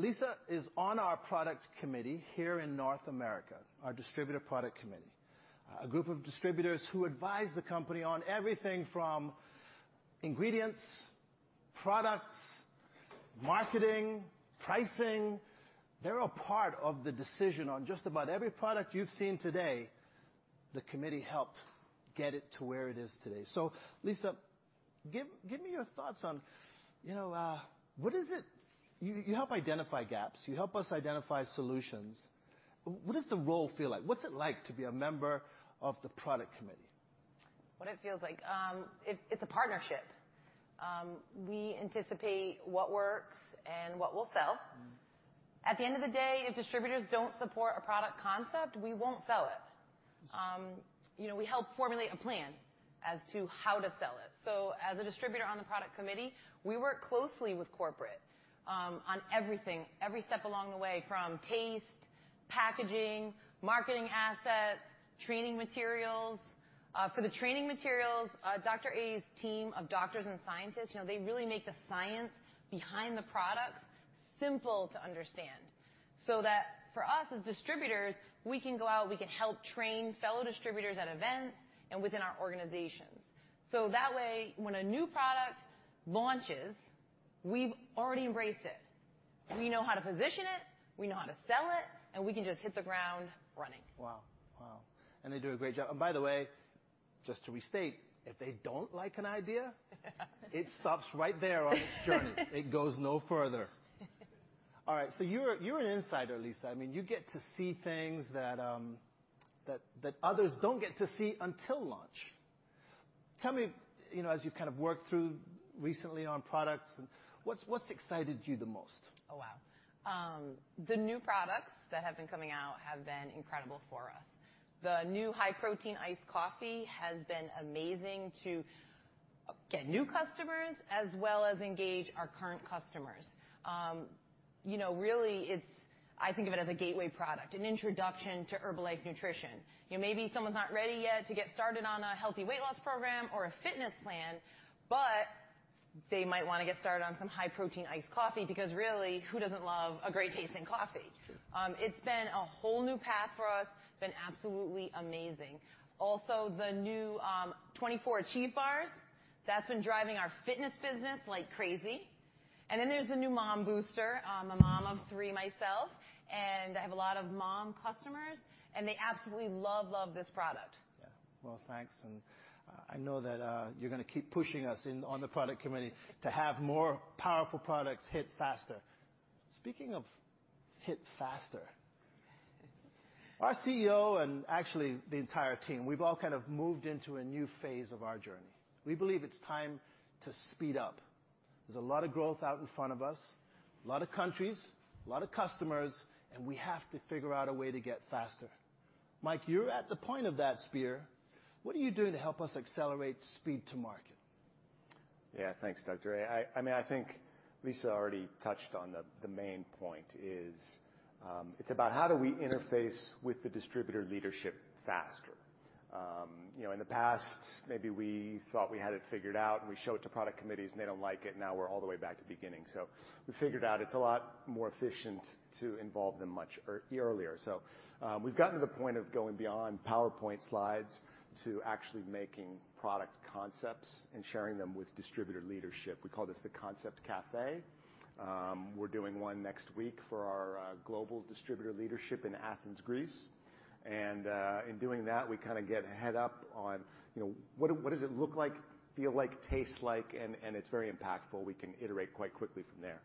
Lisa is on our product committee here in North America, our distributor product committee. A group of distributors who advise the company on everything from ingredients, products, marketing, pricing. They're a part of the decision on just about every product you've seen today, the committee helped get it to where it is today. Lisa, give me your thoughts on, you help identify gaps. You help us identify solutions. What does the role feel like? What's it like to be a member of the product committee? What it feels like. It's a partnership. We anticipate what works and what we'll sell. At the end of the day, if distributors don't support a product concept, we won't sell it. Yes. We help formulate a plan as to how to sell it. As a distributor on the product committee, we work closely with corporate on everything, every step along the way, from taste, packaging, marketing assets, training materials. For the training materials, Dr. A's team of doctors and scientists, they really make the science behind the products simple to understand, so that for us as distributors, we can go out, we can help train fellow distributors at events and within our organizations. That way, when a new product launches, we've already embraced it. We know how to position it, we know how to sell it, and we can just hit the ground running. Wow. They do a great job. By the way, just to restate, if they don't like an idea, it stops right there on its journey. It goes no further. You're an insider, Lisa. You get to see things that others don't get to see until launch. Tell me, as you've worked through recently on products, what's excited you the most? Oh, wow. The new products that have been coming out have been incredible for us. The new high protein iced coffee has been amazing to get new customers as well as engage our current customers. Really, I think of it as a gateway product, an introduction to Herbalife Nutrition. Maybe someone's not ready yet to get started on a healthy weight loss program or a fitness plan, but they might want to get started on some high protein iced coffee because really, who doesn't love a great tasting coffee? True. It's been a whole new path for us, been absolutely amazing. Also, the new 24 ACHIEVE bars, that's been driving our fitness business like crazy. There's the new New Mom Booster. I'm a mom of three myself, and I have a lot of mom customers, and they absolutely love this product. Yeah. Well, thanks. I know that you're going to keep pushing us on the product committee to have more powerful products hit faster. Speaking of hit faster, our CEO and actually the entire team, we've all kind of moved into a new phase of our journey. We believe it's time to speed up. There's a lot of growth out in front of us, a lot of countries, a lot of customers, and we have to figure out a way to get faster. Mike, you're at the point of that spear. What are you doing to help us accelerate speed to market? Thanks, Dr. A. I think Lisa already touched on the main point is, it's about how do we interface with the distributor leadership faster. In the past, maybe we thought we had it figured out, and we show it to product committees, and they don't like it, and now we're all the way back to the beginning. We figured out it's a lot more efficient to involve them much earlier. We've gotten to the point of going beyond PowerPoint slides to actually making product concepts and sharing them with distributor leadership. We call this the Concept Cafe. We're doing one next week for our global distributor leadership in Athens, Greece. In doing that, we kind of get ahead up on what does it look like, feel like, taste like, and it's very impactful. We can iterate quite quickly from there.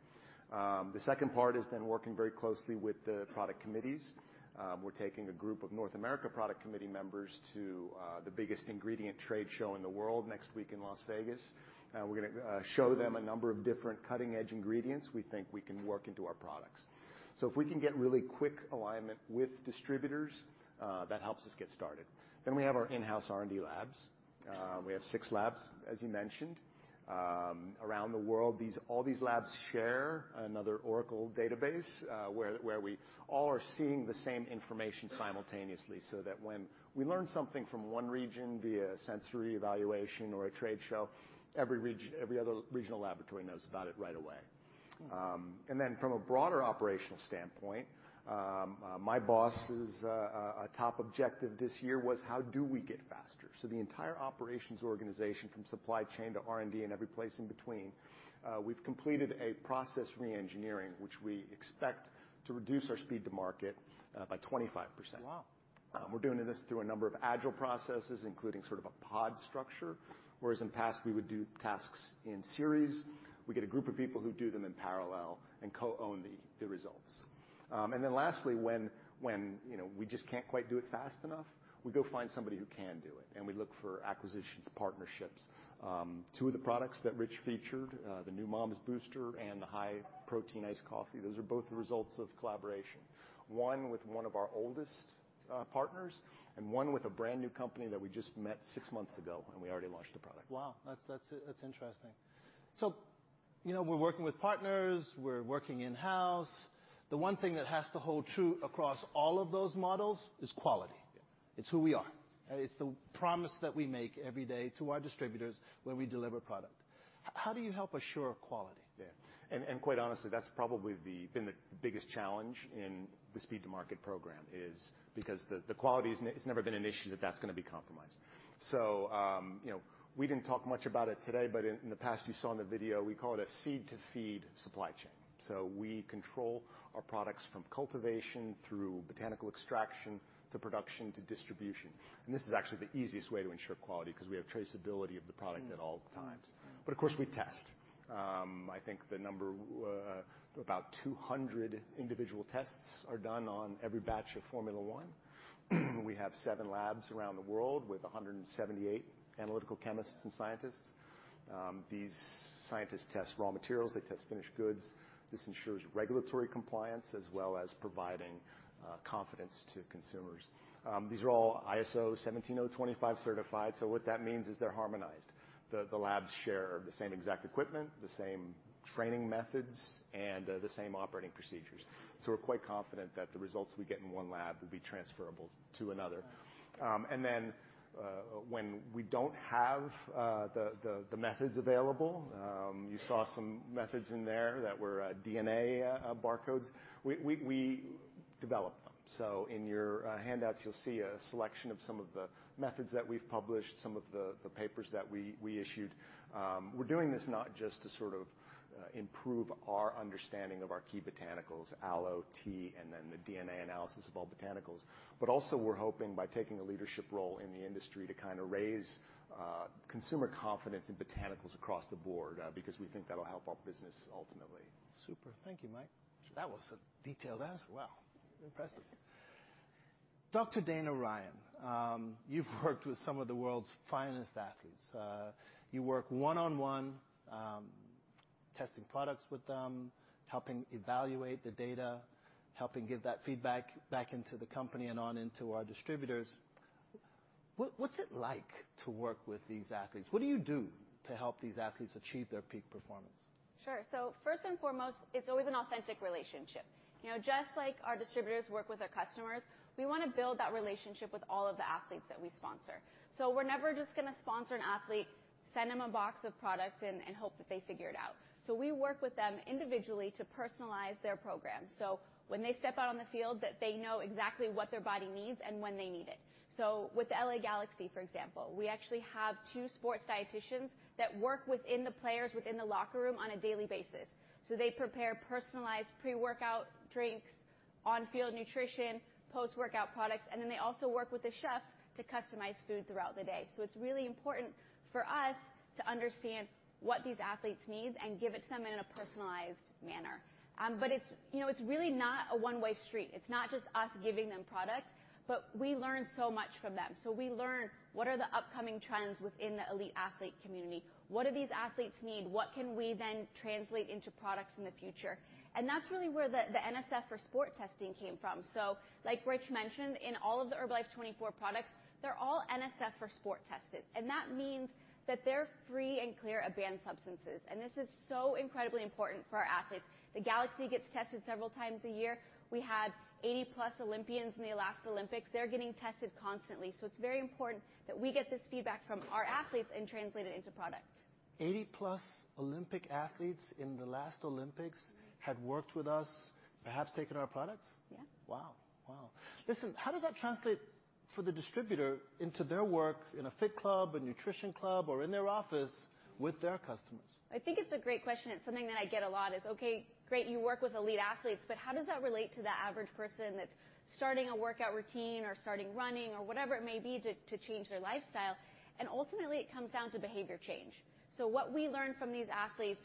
The second part is working very closely with the product committees. We're taking a group of North America product committee members to the biggest ingredient trade show in the world next week in Las Vegas. We're going to show them a number of different cutting-edge ingredients we think we can work into our products. If we can get really quick alignment with distributors, that helps us get started. We have our in-house R&D labs. We have six labs, as you mentioned, around the world. All these labs share another Oracle database, where we all are seeing the same information simultaneously, so that when we learn something from one region via sensory evaluation or a trade show, every other regional laboratory knows about it right away. From a broader operational standpoint, my boss' top objective this year was how do we get faster? The entire operations organization, from supply chain to R&D and every place in between, we've completed a process re-engineering, which we expect to reduce our speed to market by 25%. Wow. We're doing this through a number of agile processes, including sort of a pod structure. Whereas in past we would do tasks in series, we get a group of people who do them in parallel and co-own the results. Lastly, when we just can't quite do it fast enough, we go find somebody who can do it, and we look for acquisitions, partnerships. Two of the products that Rich featured, the New Mom Booster and the high protein iced coffee, those are both the results of collaboration. One with one of our oldest partners, and one with a brand-new company that we just met six months ago, We already launched a product. Wow, that's interesting. We're working with partners, we're working in-house. The one thing that has to hold true across all of those models is quality. Yeah. It's who we are. It's the promise that we make every day to our distributors when we deliver a product. How do you help assure quality there? Quite honestly, that's probably been the biggest challenge in the speed to market program is because the quality it's never been an issue that's going to be compromised. We didn't talk much about it today, but in the past, you saw in the video, we call it a seed to feed supply chain. We control our products from cultivation through botanical extraction to production to distribution. This is actually the easiest way to ensure quality because we have traceability of the product at all times. Of course, we test. I think the number about 200 individual tests are done on every batch of Formula 1. We have seven labs around the world with 178 analytical chemists and scientists. These scientists test raw materials. They test finished goods. This ensures regulatory compliance as well as providing confidence to consumers. These are all ISO 17025 certified. What that means is they're harmonized. The labs share the same exact equipment, the same training methods, and the same operating procedures. We're quite confident that the results we get in one lab would be transferable to another. Then, when we don't have the methods available, you saw some methods in there that were DNA barcodes. We develop them. In your handouts, you'll see a selection of some of the methods that we've published, some of the papers that we issued. We're doing this not just to sort of improve our understanding of our key botanicals, aloe, tea, and then the DNA analysis of all botanicals, but also we're hoping by taking a leadership role in the industry to kind of raise consumer confidence in botanicals across the board, because we think that'll help our business ultimately. Super. Thank you, Mike. That was detailed as well. Impressive. Dr. Dana Ryan, you've worked with some of the world's finest athletes. You work one-on-one, testing products with them, helping evaluate the data, helping give that feedback back into the company and on into our distributors. What's it like to work with these athletes? What do you do to help these athletes achieve their peak performance? Sure. First and foremost, it's always an authentic relationship. Just like our distributors work with our customers, we want to build that relationship with all of the athletes that we sponsor. We're never just going to sponsor an athlete, send them a box of products, and hope that they figure it out. We work with them individually to personalize their program. When they step out on the field, that they know exactly what their body needs and when they need it. With the LA Galaxy, for example, we actually have two sports dietitians that work within the players within the locker room on a daily basis. They prepare personalized pre-workout drinks. On-field nutrition, post-workout products, and then they also work with the chefs to customize food throughout the day. It's really important for us to understand what these athletes need and give it to them in a personalized manner. It's really not a one-way street. It's not just us giving them products, but we learn so much from them. We learn what are the upcoming trends within the elite athlete community. What do these athletes need? What can we then translate into products in the future? That's really where the NSF for Sport testing came from. Like Rich mentioned, in all of the Herbalife24 products, they're all NSF for Sport tested, and that means that they're free and clear of banned substances. This is so incredibly important for our athletes. The Galaxy gets tested several times a year. We had 80-plus Olympians in the last Olympics. They're getting tested constantly. It's very important that we get this feedback from our athletes and translate it into products. 80-plus Olympic athletes in the last Olympics had worked with us, perhaps taken our products? Yeah. Wow. Listen, how does that translate for the distributor into their work in a fit club, a nutrition club, or in their office with their customers? I think it's a great question. It's something that I get a lot is, okay, great, you work with elite athletes, but how does that relate to the average person that's starting a workout routine or starting running or whatever it may be to change their lifestyle? Ultimately, it comes down to behavior change. What we learn from these athletes,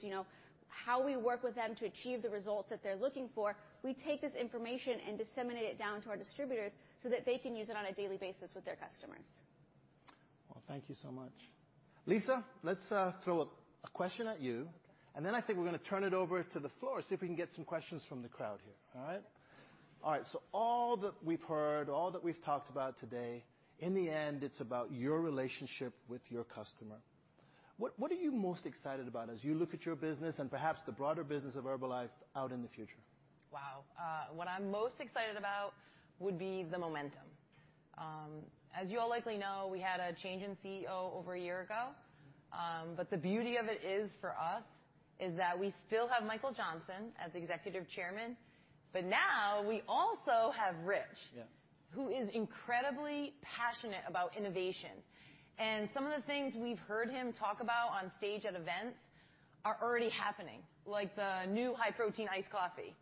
how we work with them to achieve the results that they're looking for, we take this information and disseminate it down to our distributors so that they can use it on a daily basis with their customers. Well, thank you so much. Lisa, let's throw a question at you. Then I think we're going to turn it over to the floor, see if we can get some questions from the crowd here. All right? All right, all that we've heard, all that we've talked about today, in the end, it's about your relationship with your customer. What are you most excited about as you look at your business and perhaps the broader business of Herbalife out in the future? Wow. What I'm most excited about would be the momentum. As you all likely know, we had a change in CEO over a year ago. The beauty of it is for us is that we still have Michael Johnson as Executive Chairman, but now we also have Rich. Yeah Who is incredibly passionate about innovation. Some of the things we've heard him talk about on stage at events are already happening, like the new high-protein iced coffee.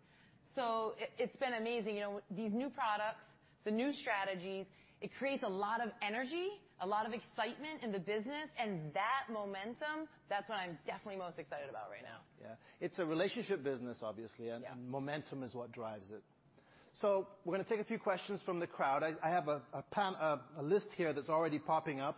It's been amazing, these new products, the new strategies, it creates a lot of energy, a lot of excitement in the business, and that momentum, that's what I'm definitely most excited about right now. Yeah. It's a relationship business, obviously. Yeah Momentum is what drives it. We're going to take a few questions from the crowd. I have a list here that's already popping up,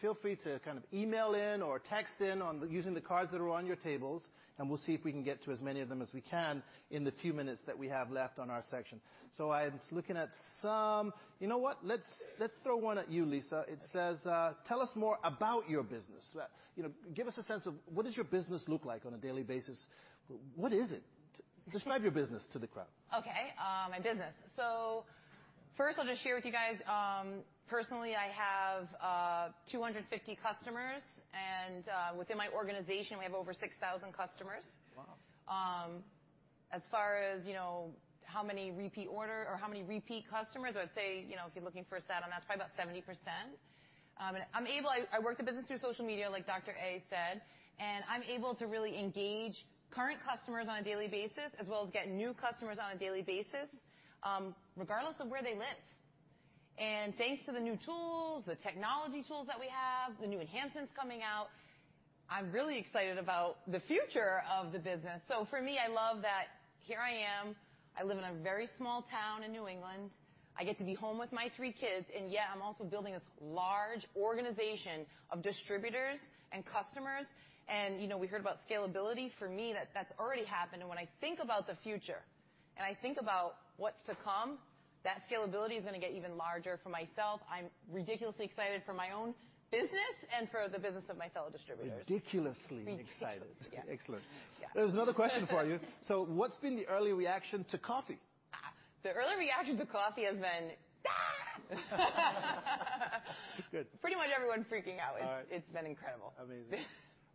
feel free to email in or text in using the cards that are on your tables, and we'll see if we can get to as many of them as we can in the few minutes that we have left on our section. I'm looking at some. You know what? Let's throw one at you, Lisa. It says, "Tell us more about your business." Give us a sense of what does your business look like on a daily basis. What is it? Describe your business to the crowd. Okay. My business. First, I'll just share with you guys, personally, I have 250 customers, and within my organization, we have over 6,000 customers. Wow. As far as how many repeat order or how many repeat customers, I would say, if you're looking for a stat on that, it's probably about 70%. I work the business through social media, like Dr. A said, and I'm able to really engage current customers on a daily basis, as well as get new customers on a daily basis, regardless of where they live. Thanks to the new tools, the technology tools that we have, the new enhancements coming out, I'm really excited about the future of the business. For me, I love that here I am, I live in a very small town in New England. I get to be home with my three kids, and yet I'm also building this large organization of distributors and customers. We heard about scalability. For me, that's already happened. When I think about the future and I think about what's to come, that scalability is going to get even larger for myself. I'm ridiculously excited for my own business and for the business of my fellow distributors. Ridiculously excited. Ridiculously, yeah. Excellent. Yeah. There's another question for you. What's been the early reaction to coffee? The early reaction to coffee has been. Good. Pretty much everyone freaking out. All right. It's been incredible. Amazing.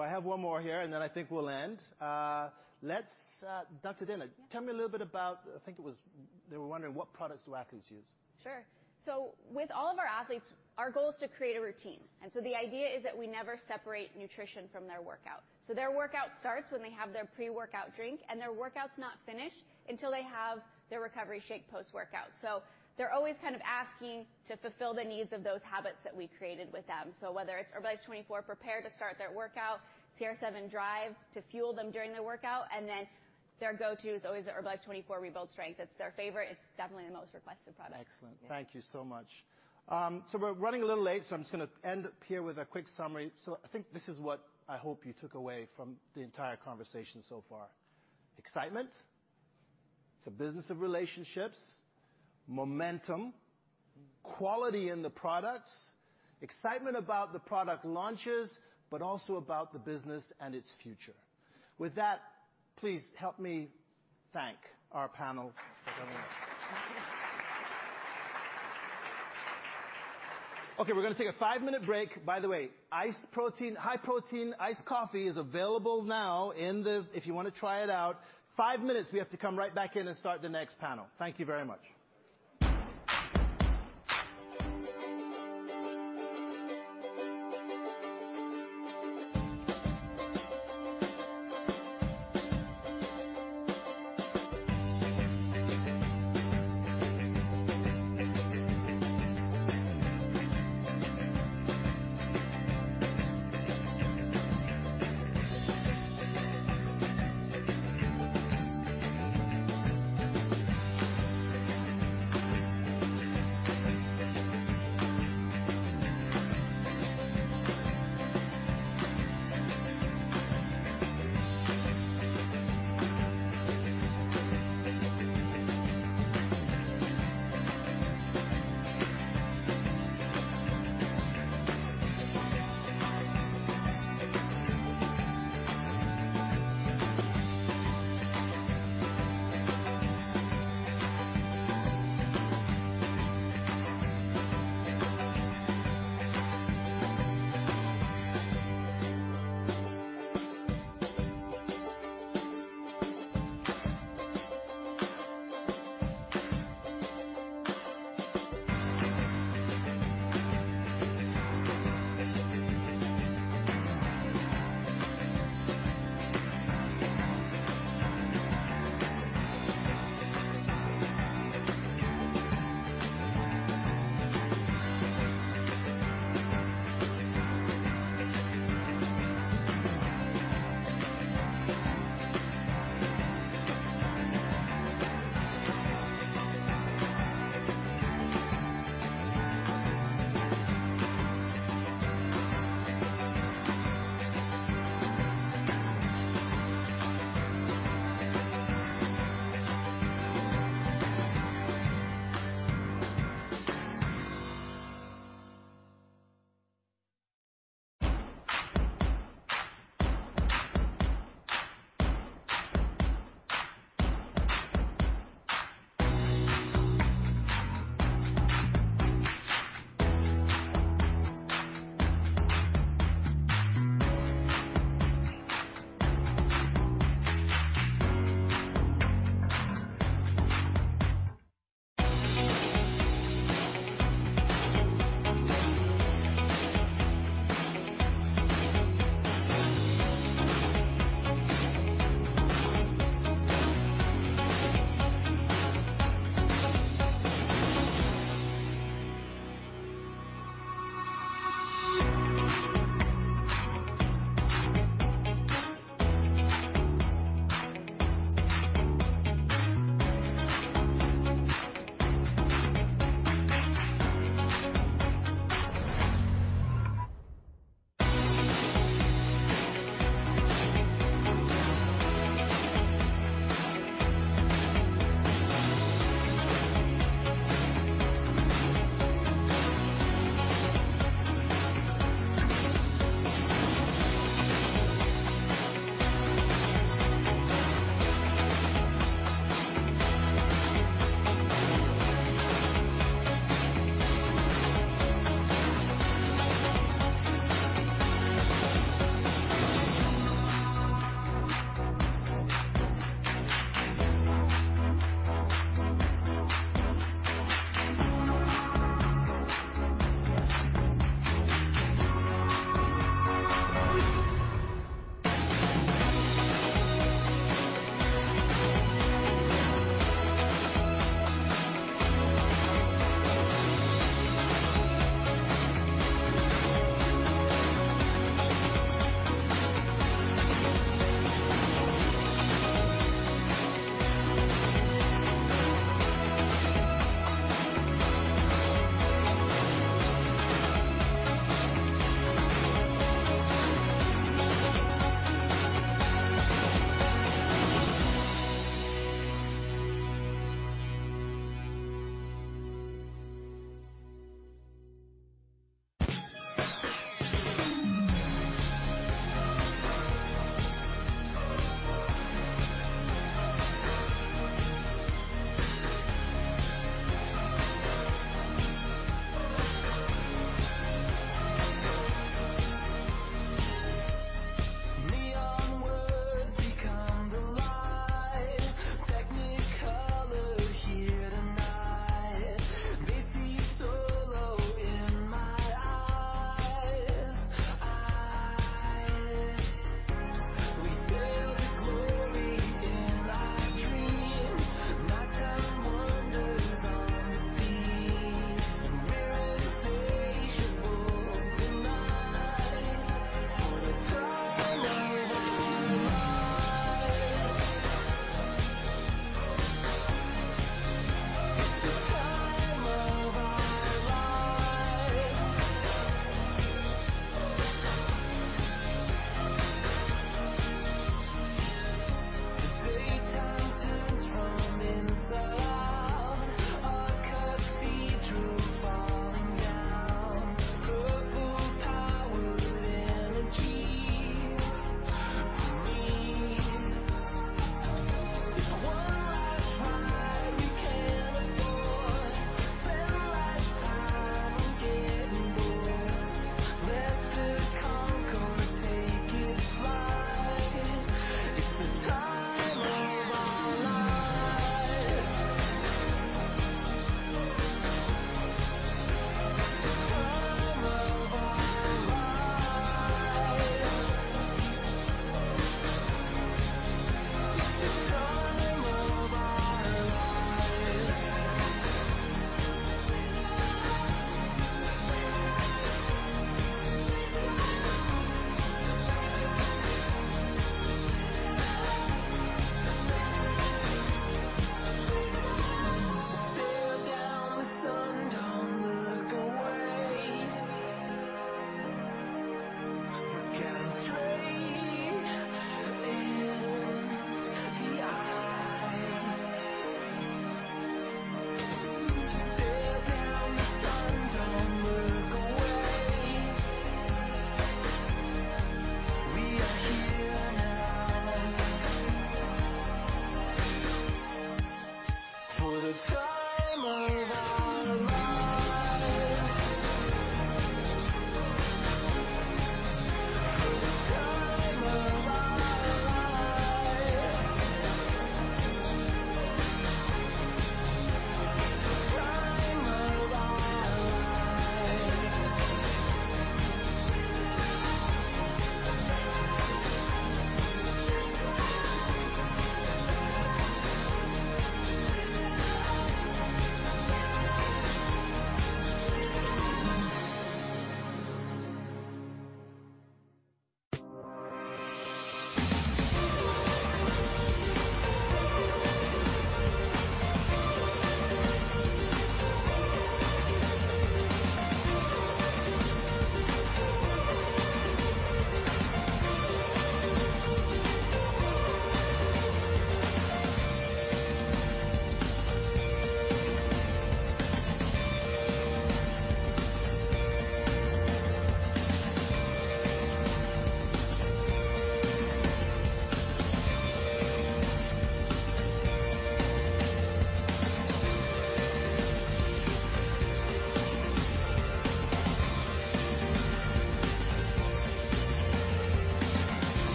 I have one more here, and then I think we'll end. Let's duck to dinner. Tell me a little bit about, I think they were wondering what products do athletes use? Sure. With all of our athletes, our goal is to create a routine. The idea is that we never separate nutrition from their workout. Their workout starts when they have their pre-workout drink, and their workout's not finished until they have their recovery shake post-workout. They're always kind of asking to fulfill the needs of those habits that we created with them. Whether it's Herbalife24 Prepare to start their workout, CR7 Drive to fuel them during their workout, and then their go-to is always the Herbalife24 Rebuild Strength. It's their favorite. It's definitely the most requested product. Excellent. Thank you so much. We're running a little late, I'm just going to end here with a quick summary. I think this is what I hope you took away from the entire conversation so far. Excitement. It's a business of relationships, momentum, quality in the products, excitement about the product launches, but also about the business and its future. With that, please help me thank our panel for coming out. Okay, we're going to take a five-minute break. By the way, high-protein iced coffee is available now if you want to try it out. Five minutes, we have to come right back in and start the next panel. Thank you very much.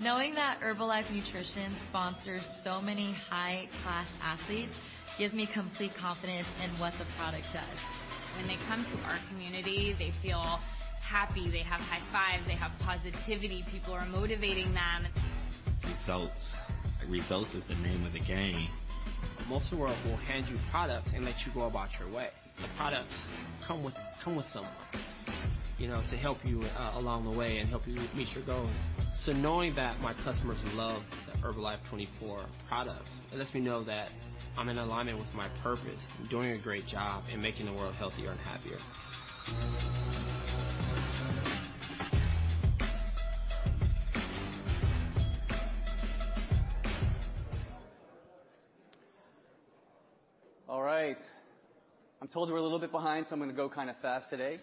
Knowing that Herbalife Nutrition sponsors so many high-class athletes gives me complete confidence in what the product does. When they come to our community, they feel happy. They have high fives. They have positivity. People are motivating them. Results. Results is the name of the game. Most of the world will hand you products and let you go about your way. The products come with someone to help you along the way and help you meet your goals. Knowing that my customers love the Herbalife24 products, it lets me know that I'm in alignment with my purpose. I'm doing a great job and making the world healthier and happier. All right. I'm told we're a little bit behind, I'm going to go kind of fast today.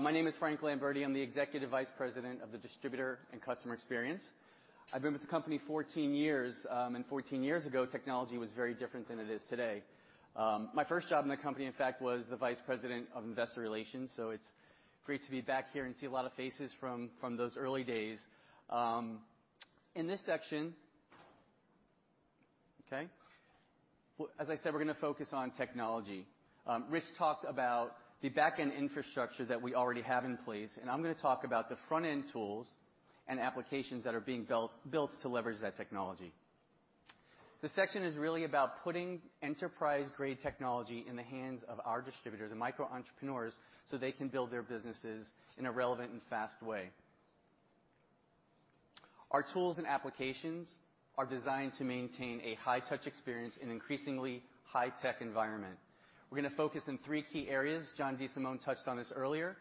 My name is Frank Lamberti. I'm the Executive Vice President of the Distributor and Customer Experience. I've been with the company 14 years. 14 years ago, technology was very different than it is today. My first job in the company, in fact, was the Vice President of Investor Relations. It's great to be back here and see a lot of faces from those early days. In this section, okay, as I said, we're going to focus on technology. Rich talked about the back-end infrastructure that we already have in place, I'm going to talk about the front-end tools and applications that are being built to leverage that technology. The section is really about putting enterprise-grade technology in the hands of our distributors and micro-entrepreneurs so they can build their businesses in a relevant and fast way. Our tools and applications are designed to maintain a high-touch experience in an increasingly high-tech environment. We're going to focus in three key areas. John DeSimone touched on this earlier,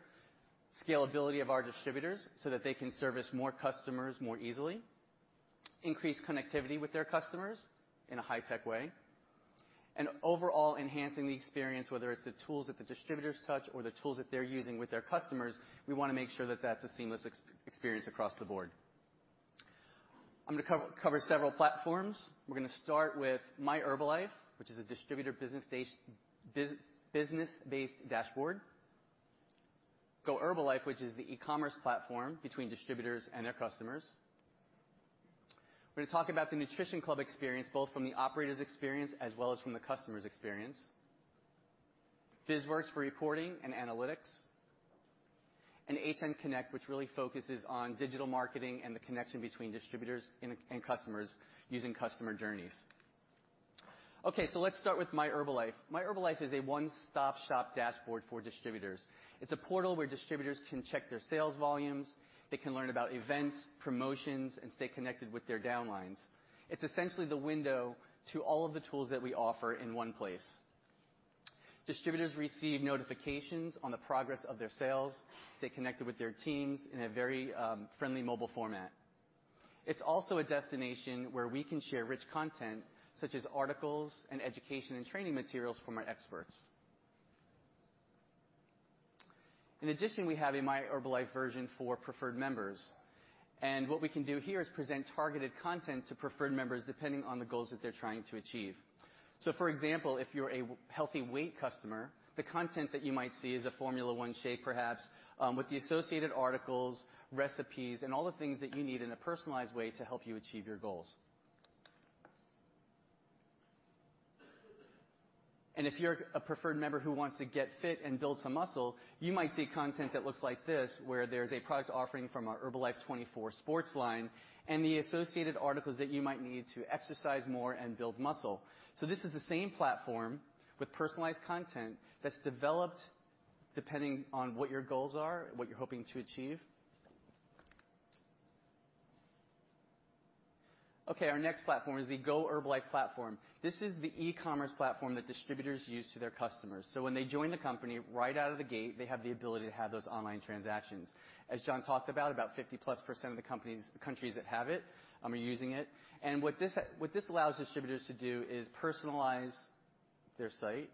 scalability of our distributors so that they can service more customers more easily, increase connectivity with their customers in a high-tech way, and overall enhancing the experience, whether it's the tools that the distributors touch or the tools that they're using with their customers, we want to make sure that that's a seamless experience across the board. I'm going to cover several platforms. We're going to start with MyHerbalife, which is a distributor business-based dashboard, GoHerbalife, which is the e-commerce platform between distributors and their customers. We're going to talk about the Nutrition Club experience, both from the operator's experience as well as from the customer's experience. BizWorks for reporting and analytics, and HN Connect, which really focuses on digital marketing and the connection between distributors and customers using customer journeys. Okay. Let's start with MyHerbalife. MyHerbalife is a one-stop shop dashboard for distributors. It's a portal where distributors can check their sales volumes, they can learn about events, promotions, and stay connected with their downlines. It's essentially the window to all of the tools that we offer in one place. Distributors receive notifications on the progress of their sales. They connect with their teams in a very friendly mobile format. It's also a destination where we can share rich content, such as articles and education and training materials from our experts. In addition, we have a MyHerbalife version for preferred members, and what we can do here is present targeted content to preferred members depending on the goals that they're trying to achieve. For example, if you're a healthy weight customer, the content that you might see is a Formula 1 shake, perhaps, with the associated articles, recipes, and all the things that you need in a personalized way to help you achieve your goals. If you're a preferred member who wants to get fit and build some muscle, you might see content that looks like this, where there's a product offering from our Herbalife24 Sports line and the associated articles that you might need to exercise more and build muscle. This is the same platform with personalized content that's developed depending on what your goals are, what you're hoping to achieve. Okay. Our next platform is the GoHerbalife platform. This is the e-commerce platform that distributors use to their customers. When they join the company, right out of the gate, they have the ability to have those online transactions. As John talked about 50-plus % of the countries that have it are using it. What this allows distributors to do is personalize their site.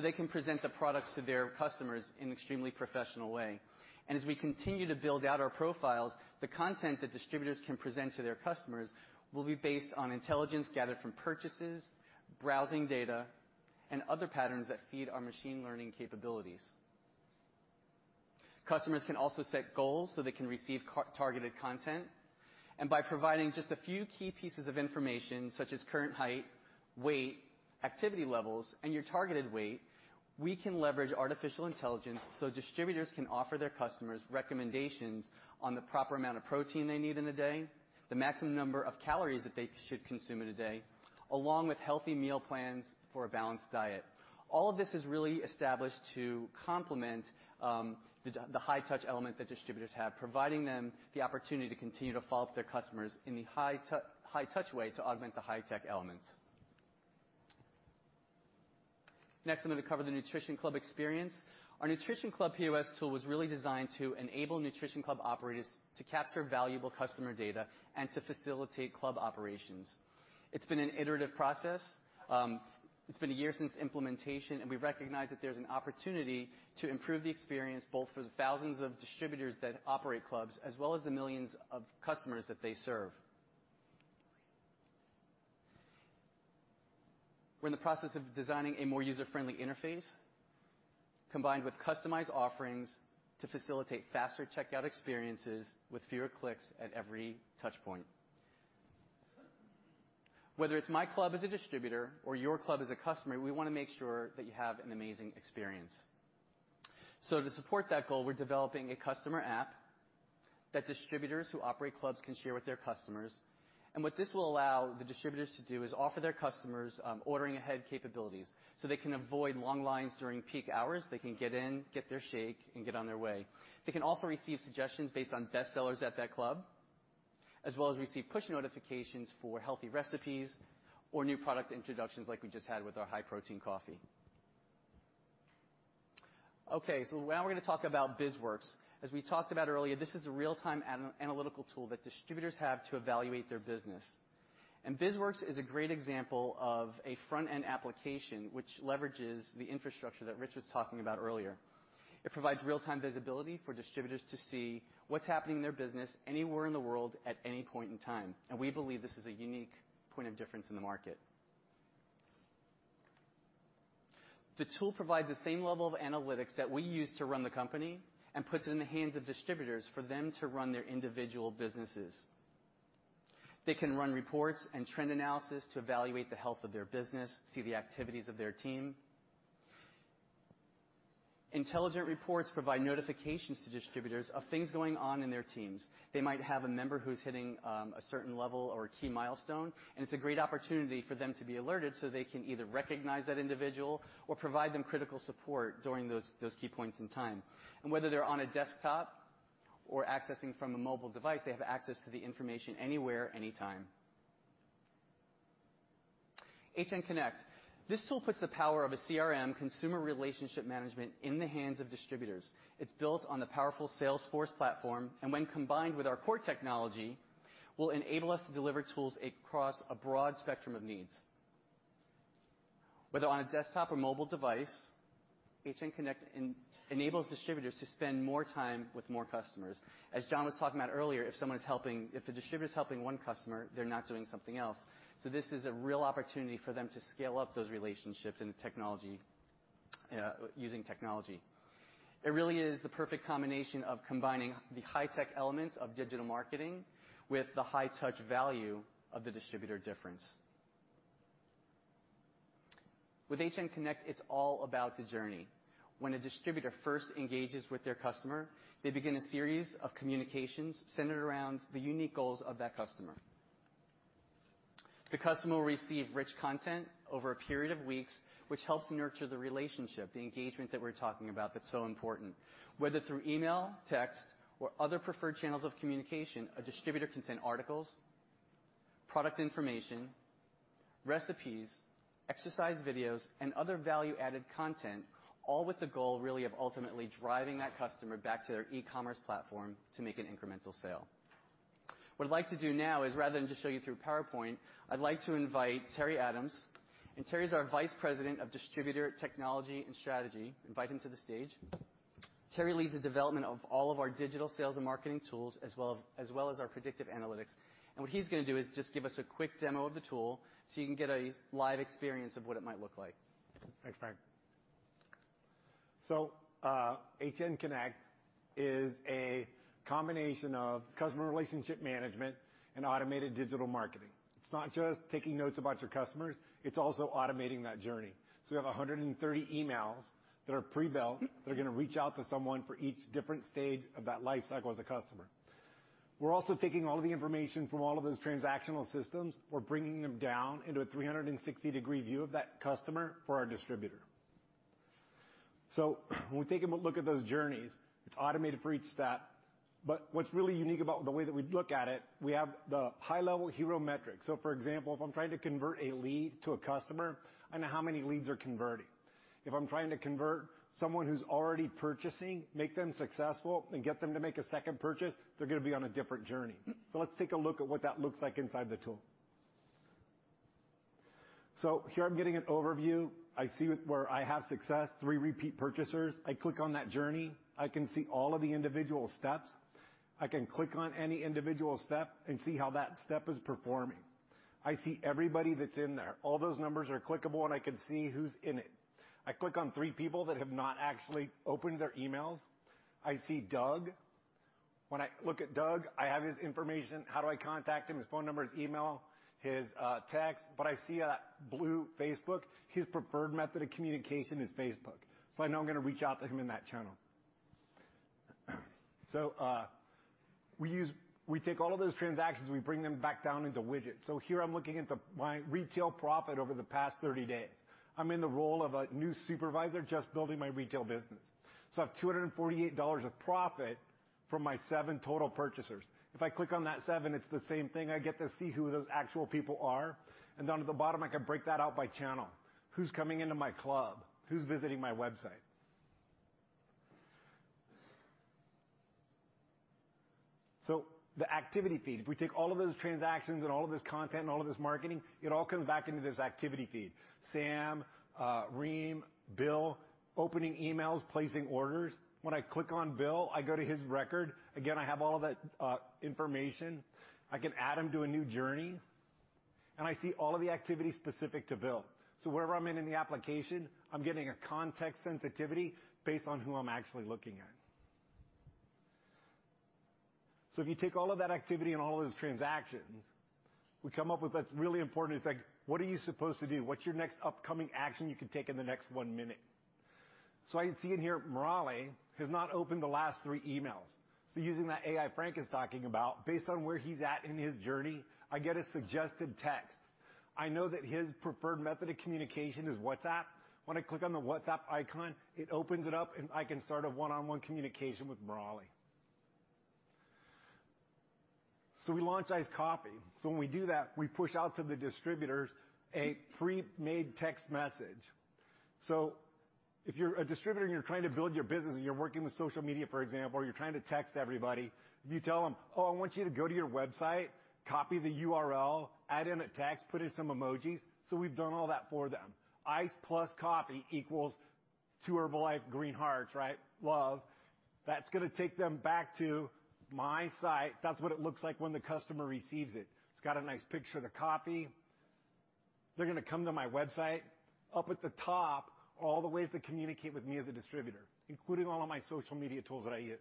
They can present the products to their customers in an extremely professional way. As we continue to build out our profiles, the content that distributors can present to their customers will be based on intelligence gathered from purchases, browsing data, and other patterns that feed our machine learning capabilities. Customers can also set goals so they can receive targeted content. By providing just a few key pieces of information, such as current height, weight, activity levels, and your targeted weight, we can leverage artificial intelligence so distributors can offer their customers recommendations on the proper amount of protein they need in a day, the maximum number of calories that they should consume in a day, along with healthy meal plans for a balanced diet. All of this is really established to complement the high-touch element that distributors have, providing them the opportunity to continue to follow up with their customers in the high-touch way to augment the high-tech elements. Next, I'm going to cover the Nutrition Club experience. Our Nutrition Club POS tool was really designed to enable Nutrition Club operators to capture valuable customer data and to facilitate club operations. It's been an iterative process. It's been a year since implementation. We recognize that there's an opportunity to improve the experience, both for the thousands of distributors that operate clubs as well as the millions of customers that they serve. We're in the process of designing a more user-friendly interface combined with customized offerings to facilitate faster checkout experiences with fewer clicks at every touch point. Whether it's my club as a distributor or your club as a customer, we want to make sure that you have an amazing experience. To support that goal, we're developing a customer app that distributors who operate clubs can share with their customers. What this will allow the distributors to do is offer their customers ordering ahead capabilities so they can avoid long lines during peak hours. They can get in, get their shake, and get on their way. They can also receive suggestions based on best sellers at that club, as well as receive push notifications for healthy recipes or new product introductions like we just had with our high-protein coffee. Now we're going to talk about BizWorks. As we talked about earlier, this is a real-time analytical tool that distributors have to evaluate their business. BizWorks is a great example of a front-end application which leverages the infrastructure that Rich was talking about earlier. It provides real-time visibility for distributors to see what's happening in their business anywhere in the world at any point in time. We believe this is a unique point of difference in the market. The tool provides the same level of analytics that we use to run the company and puts it in the hands of distributors for them to run their individual businesses. They can run reports and trend analysis to evaluate the health of their business, see the activities of their team. Intelligent reports provide notifications to distributors of things going on in their teams. They might have a member who's hitting a certain level or a key milestone. It's a great opportunity for them to be alerted so they can either recognize that individual or provide them critical support during those key points in time. Whether they're on a desktop or accessing from a mobile device, they have access to the information anywhere, anytime. HNConnect. This tool puts the power of a CRM, customer relationship management, in the hands of distributors. It's built on the powerful Salesforce platform. When combined with our core technology, will enable us to deliver tools across a broad spectrum of needs. Whether on a desktop or mobile device, HNConnect enables distributors to spend more time with more customers. As John was talking about earlier, if the distributor's helping one customer, they're not doing something else. This is a real opportunity for them to scale up those relationships using technology. It really is the perfect combination of combining the high-tech elements of digital marketing with the high-touch value of the distributor difference. With HNConnect, it's all about the journey. When a distributor first engages with their customer, they begin a series of communications centered around the unique goals of that customer. The customer will receive rich content over a period of weeks, which helps nurture the relationship, the engagement that we're talking about that's so important. Whether through email, text, or other preferred channels of communication, a distributor can send articles, product information, recipes, exercise videos, and other value-added content, all with the goal really of ultimately driving that customer back to their e-commerce platform to make an incremental sale. What I'd like to do now is rather than just show you through PowerPoint, I'd like to invite Terry Adams, and Terry's our Vice President of Distributor Technology and Strategy, invite him to the stage. Terry leads the development of all of our digital sales and marketing tools, as well as our predictive analytics. What he's going to do is just give us a quick demo of the tool so you can get a live experience of what it might look like. Thanks, Frank. HNConnect is a combination of customer relationship management and automated digital marketing. It's not just taking notes about your customers, it's also automating that journey. We have 130 emails that are pre-built that are going to reach out to someone for each different stage of that life cycle as a customer. We're also taking all the information from all of those transactional systems. We're bringing them down into a 360-degree view of that customer for our distributor. When we take a look at those journeys, it's automated for each step. What's really unique about the way that we look at it, we have the high-level hero metrics. For example, if I'm trying to convert a lead to a customer, I know how many leads are converting. If I'm trying to convert someone who's already purchasing, make them successful, and get them to make a second purchase, they're going to be on a different journey. Let's take a look at what that looks like inside the tool. Here I'm getting an overview. I see where I have success, three repeat purchasers. I click on that journey. I can see all of the individual steps. I can click on any individual step and see how that step is performing. I see everybody that's in there. All those numbers are clickable, and I can see who's in it. I click on three people that have not actually opened their emails. I see Doug. When I look at Doug, I have his information. How do I contact him? His phone number, his email, his text. I see a blue Facebook. His preferred method of communication is Facebook. I know I'm going to reach out to him in that channel. We take all of those transactions, we bring them back down into widgets. Here I'm looking at my retail profit over the past 30 days. I'm in the role of a new supervisor just building my retail business. I have $248 of profit from my seven total purchasers. If I click on that seven, it's the same thing. I get to see who those actual people are, and down at the bottom, I can break that out by channel. Who's coming into my club? Who's visiting my website? The activity feed, if we take all of those transactions and all of this content and all of this marketing, it all comes back into this activity feed. Sam, Reem, Bill, opening emails, placing orders. When I click on Bill, I go to his record. Again, I have all of that information. I can add him to a new journey, and I see all of the activity specific to Bill. Wherever I'm in in the application, I'm getting a context sensitivity based on who I'm actually looking at. If you take all of that activity and all of those transactions, we come up with what's really important is, what are you supposed to do? What's your next upcoming action you can take in the next one minute? I can see in here, Morale has not opened the last three emails. Using that AI Frank is talking about, based on where he's at in his journey, I get a suggested text. I know that his preferred method of communication is WhatsApp. When I click on the WhatsApp icon, it opens it up, and I can start a one-on-one communication with Morale. We launch Ice Coffee. When we do that, we push out to the distributors a pre-made text message. If you're a distributor and you're trying to build your business and you're working with social media, for example, or you're trying to text everybody, if you tell them, "Oh, I want you to go to your website, copy the URL, add in a text, put in some emojis." We've done all that for them. Ice plus coffee equals to Herbalife, green hearts, right? Love. That's going to take them back to my site. That's what it looks like when the customer receives it. It's got a nice picture of the coffee. They're going to come to my website. Up at the top, all the ways to communicate with me as a distributor, including all of my social media tools that I use.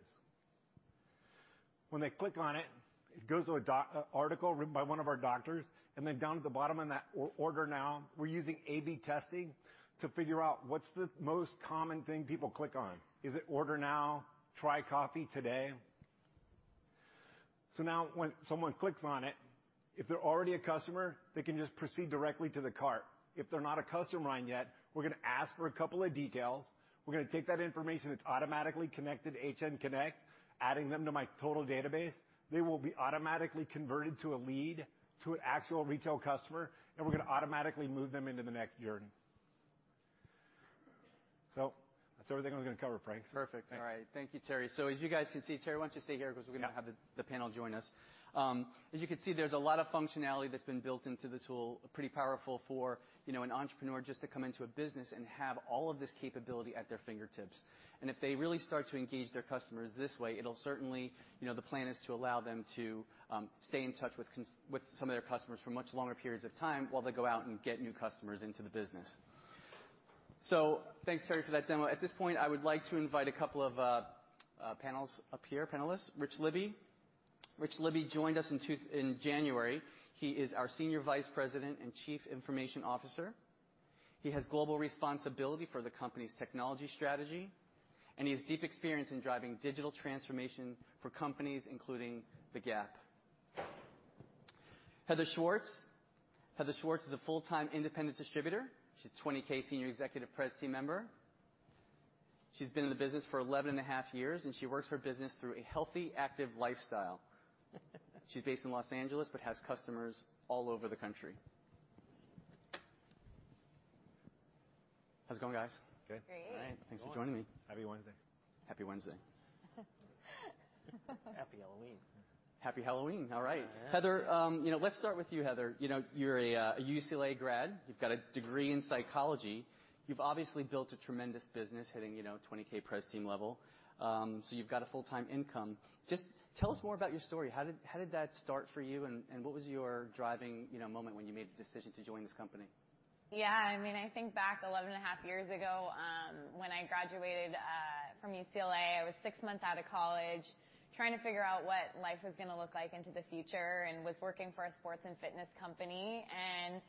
When they click on it goes to an article written by one of our doctors, and then down at the bottom in that Order Now, we're using A/B testing to figure out what's the most common thing people click on. Is it Order Now? Try Coffee Today? Now when someone clicks on it, if they're already a customer, they can just proceed directly to the cart. If they're not a customer yet, we're going to ask for a couple of details. We're going to take that information that's automatically connected HN Connect, adding them to my total database. They will be automatically converted to a lead to an actual retail customer, and we're going to automatically move them into the next journey. That's everything I was going to cover, Frank. Perfect. All right. Thank you, Terry. As you guys can see, Terry, why don't you stay here because we're going to have the panel join us. As you can see, there's a lot of functionality that's been built into the tool. Pretty powerful for an entrepreneur just to come into a business and have all of this capability at their fingertips, and if they really start to engage their customers this way, the plan is to allow them to stay in touch with some of their customers for much longer periods of time while they go out and get new customers into the business. Thanks, Terry, for that demo. At this point, I would like to invite a couple of panels up here, panelists. Rich Libby. Rich Libby joined us in January. He is our Senior Vice President and Chief Information Officer. He has global responsibility for the company's technology strategy, and he has deep experience in driving digital transformation for companies, including Gap. Heather Schwartz. Heather Schwartz is a full-time independent distributor. She's 20K Senior Executive President's Team member. She's been in the business for 11 and a half years, and she works her business through a healthy, active lifestyle. She's based in L.A. but has customers all over the country. How's it going, guys? Good. Great. All right. Thanks for joining me. Happy Wednesday. Happy Wednesday. Happy Halloween. Happy Halloween. All right. Yeah. Heather Schwartz, let's start with you, Heather Schwartz. You're a UCLA grad. You've got a degree in psychology. You've obviously built a tremendous business hitting 20K President's Team level. You've got a full-time income. Just tell us more about your story. How did that start for you, and what was your driving moment when you made the decision to join this company? Yeah. I think back 11 and a half years ago, when I graduated from UCLA, I was six months out of college trying to figure out what life was going to look like into the future and was working for a sports and fitness company and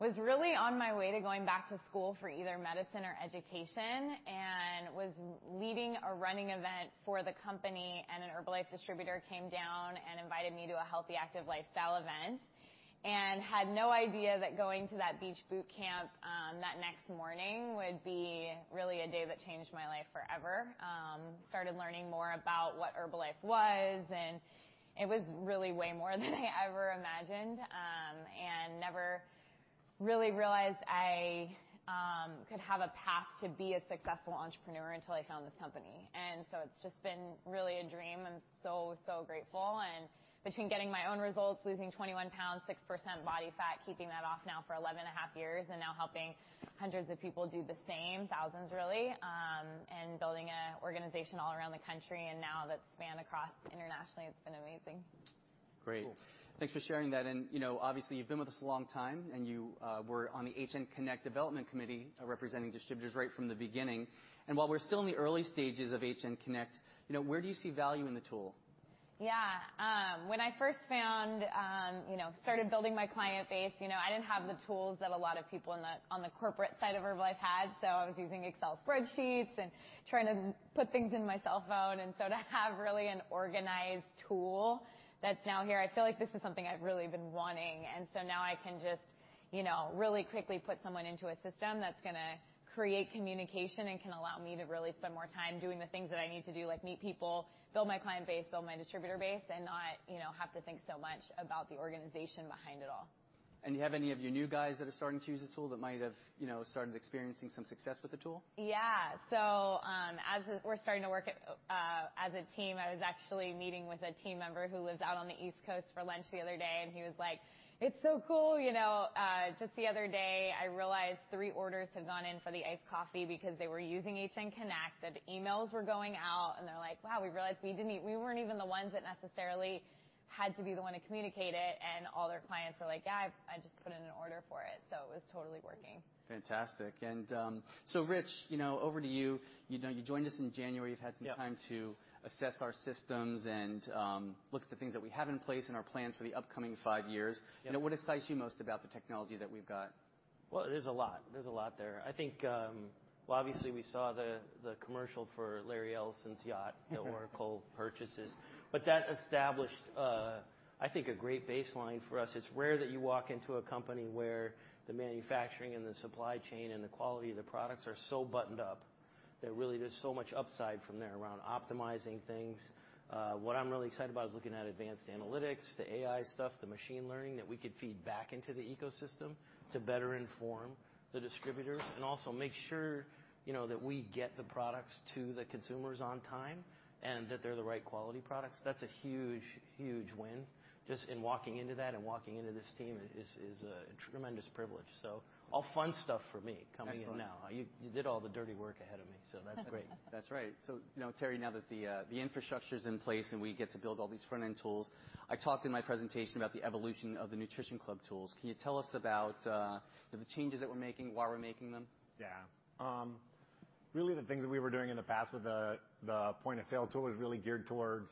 was really on my way to going back to school for either medicine or education and was leading a running event for the company, and an Herbalife distributor came down and invited me to a healthy, active lifestyle event and had no idea that going to that beach boot camp that next morning would be really a day that changed my life forever. Started learning more about what Herbalife was, and it was really way more than I ever imagined and never really realized I could have a path to be a successful entrepreneur until I found this company. It's just been really a dream. I'm so grateful. Between getting my own results, losing 21 pounds, 6% body fat, keeping that off now for 11 and a half years, and now helping hundreds of people do the same, thousands really, and building an organization all around the country, and now that's spanned across internationally, it's been amazing. Great. Cool. Thanks for sharing that. Obviously you've been with us a long time, and you were on the HN Connect development committee representing distributors right from the beginning. While we're still in the early stages of HN Connect, where do you see value in the tool? Yeah, when I first started building my client base, I didn't have the tools that a lot of people on the corporate side of Herbalife had. I was using Excel spreadsheets and trying to put things in my cell phone, to have really an organized tool that's now here, I feel like this is something I've really been wanting. Now I can just really quickly put someone into a system that's going to create communication and can allow me to really spend more time doing the things that I need to do, like meet people, build my client base, build my distributor base, and not have to think so much about the organization behind it all. Do you have any of your new guys that are starting to use this tool that might have started experiencing some success with the tool? Yeah. As we're starting to work as a team, I was actually meeting with a team member who lives out on the East Coast for lunch the other day, and he was like, "It's so cool. Just the other day, I realized three orders had gone in for the iced coffee," because they were using HN Connect. The emails were going out, they're like, "Wow, we realized we weren't even the ones that necessarily had to be the one to communicate it." All their clients were like, "Yeah, I just put in an order for it." It was totally working. Fantastic. Rich, over to you. You joined us in January. Yeah. You've had some time to assess our systems and look at the things that we have in place and our plans for the upcoming five years. Yeah. What excites you most about the technology that we've got? Well, there's a lot. There's a lot there. I think, well, obviously, we saw the commercial for Larry Ellison's yacht that Oracle purchases. That established, I think, a great baseline for us. It's rare that you walk into a company where the manufacturing and the supply chain and the quality of the products are so buttoned up that really there's so much upside from there around optimizing things. What I'm really excited about is looking at advanced analytics, the AI stuff, the machine learning that we could feed back into the ecosystem to better inform the distributors and also make sure that we get the products to the consumers on time, and that they're the right quality products. That's a huge win just in walking into that and walking into this team is a tremendous privilege. All fun stuff for me coming in now. Excellent. You did all the dirty work ahead of me. That's great. That's right. Terry, now that the infrastructure's in place and we get to build all these front end tools, I talked in my presentation about the evolution of the Nutrition Club tools. Can you tell us about the changes that we're making, why we're making them? Really the things that we were doing in the past with the point-of-sale tool was really geared towards